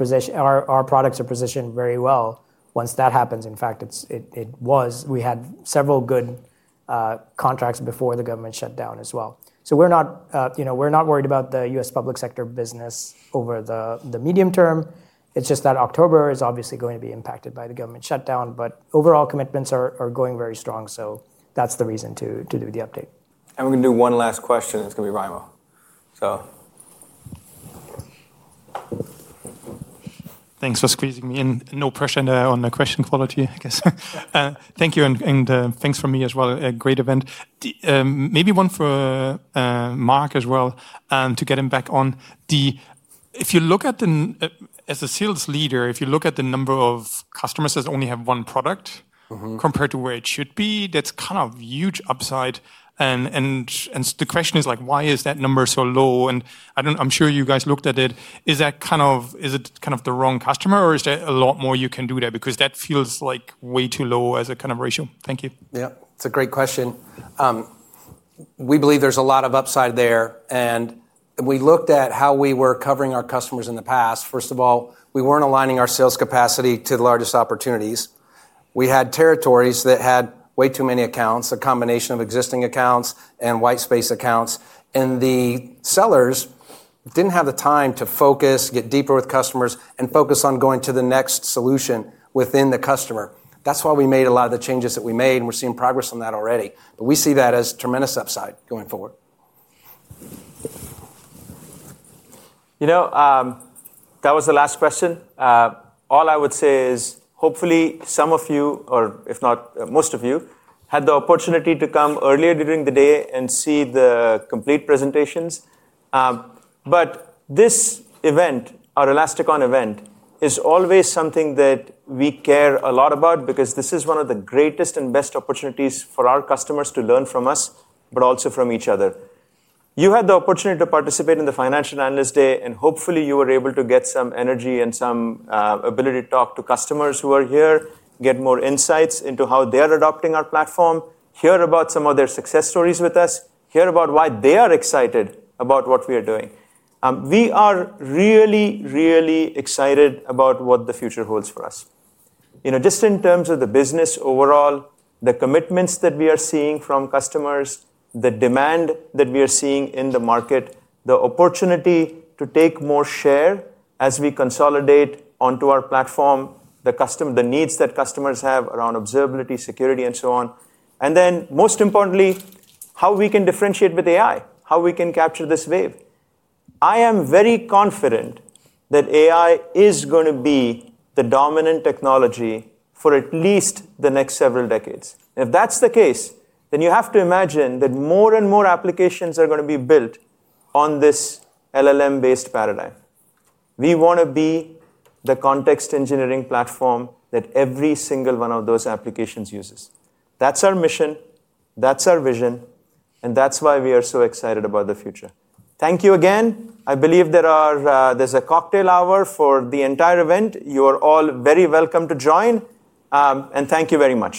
S9: products are positioned very well once that happens. In fact, we had several good contracts before the government shut down as well. We're not worried about the U.S. public sector business over the medium term. It's just that October is obviously going to be impacted by the government shutdown. Overall, commitments are going very strong. That's the reason to do the update.
S1: We're going to do one last question. It's going to be Raimo.
S17: Thanks for squeezing me in. No pressure on the question quality, I guess. Thank you. And thanks from me as well. A great event. Maybe one for Mark as well to get him back on. If you look at the, as a sales leader, if you look at the number of customers that only have one product compared to where it should be, that's kind of a huge upside. The question is, why is that number so low? I'm sure you guys looked at it. Is it kind of the wrong customer? Or is there a lot more you can do there? That feels like way too low as a kind of ratio. Thank you.
S8: Yeah, it's a great question. We believe there's a lot of upside there. We looked at how we were covering our customers in the past. First of all, we weren't aligning our sales capacity to the largest opportunities. We had territories that had way too many accounts, a combination of existing accounts and white space accounts. The sellers didn't have the time to focus, get deeper with customers, and focus on going to the next solution within the customer. That is why we made a lot of the changes that we made. We're seeing progress on that already. We see that as tremendous upside going forward.
S2: You know, that was the last question. All I would say is hopefully some of you, or if not most of you, had the opportunity to come earlier during the day and see the complete presentations. This event, our Elastic{ON} event, is always something that we care a lot about because this is one of the greatest and best opportunities for our customers to learn from us, but also from each other. You had the opportunity to participate in the Financial Analyst Day. Hopefully, you were able to get some energy and some ability to talk to customers who are here, get more insights into how they are adopting our platform, hear about some of their success stories with us, hear about why they are excited about what we are doing. We are really, really excited about what the future holds for us. Just in terms of the business overall, the commitments that we are seeing from customers, the demand that we are seeing in the market, the opportunity to take more share as we consolidate onto our platform, the needs that customers have around Observability, Security, and so on. Most importantly, how we can differentiate with AI, how we can capture this wave. I am very confident that AI is going to be the dominant technology for at least the next several decades. If that's the case, then you have to imagine that more and more applications are going to be built on this LLM-based paradigm. We want to be the context engineering platform that every single one of those applications uses. That's our mission. That's our vision. That's why we are so excited about the future. Thank you again. I believe there's a cocktail hour for the entire event. You are all very welcome to join. Thank you very much.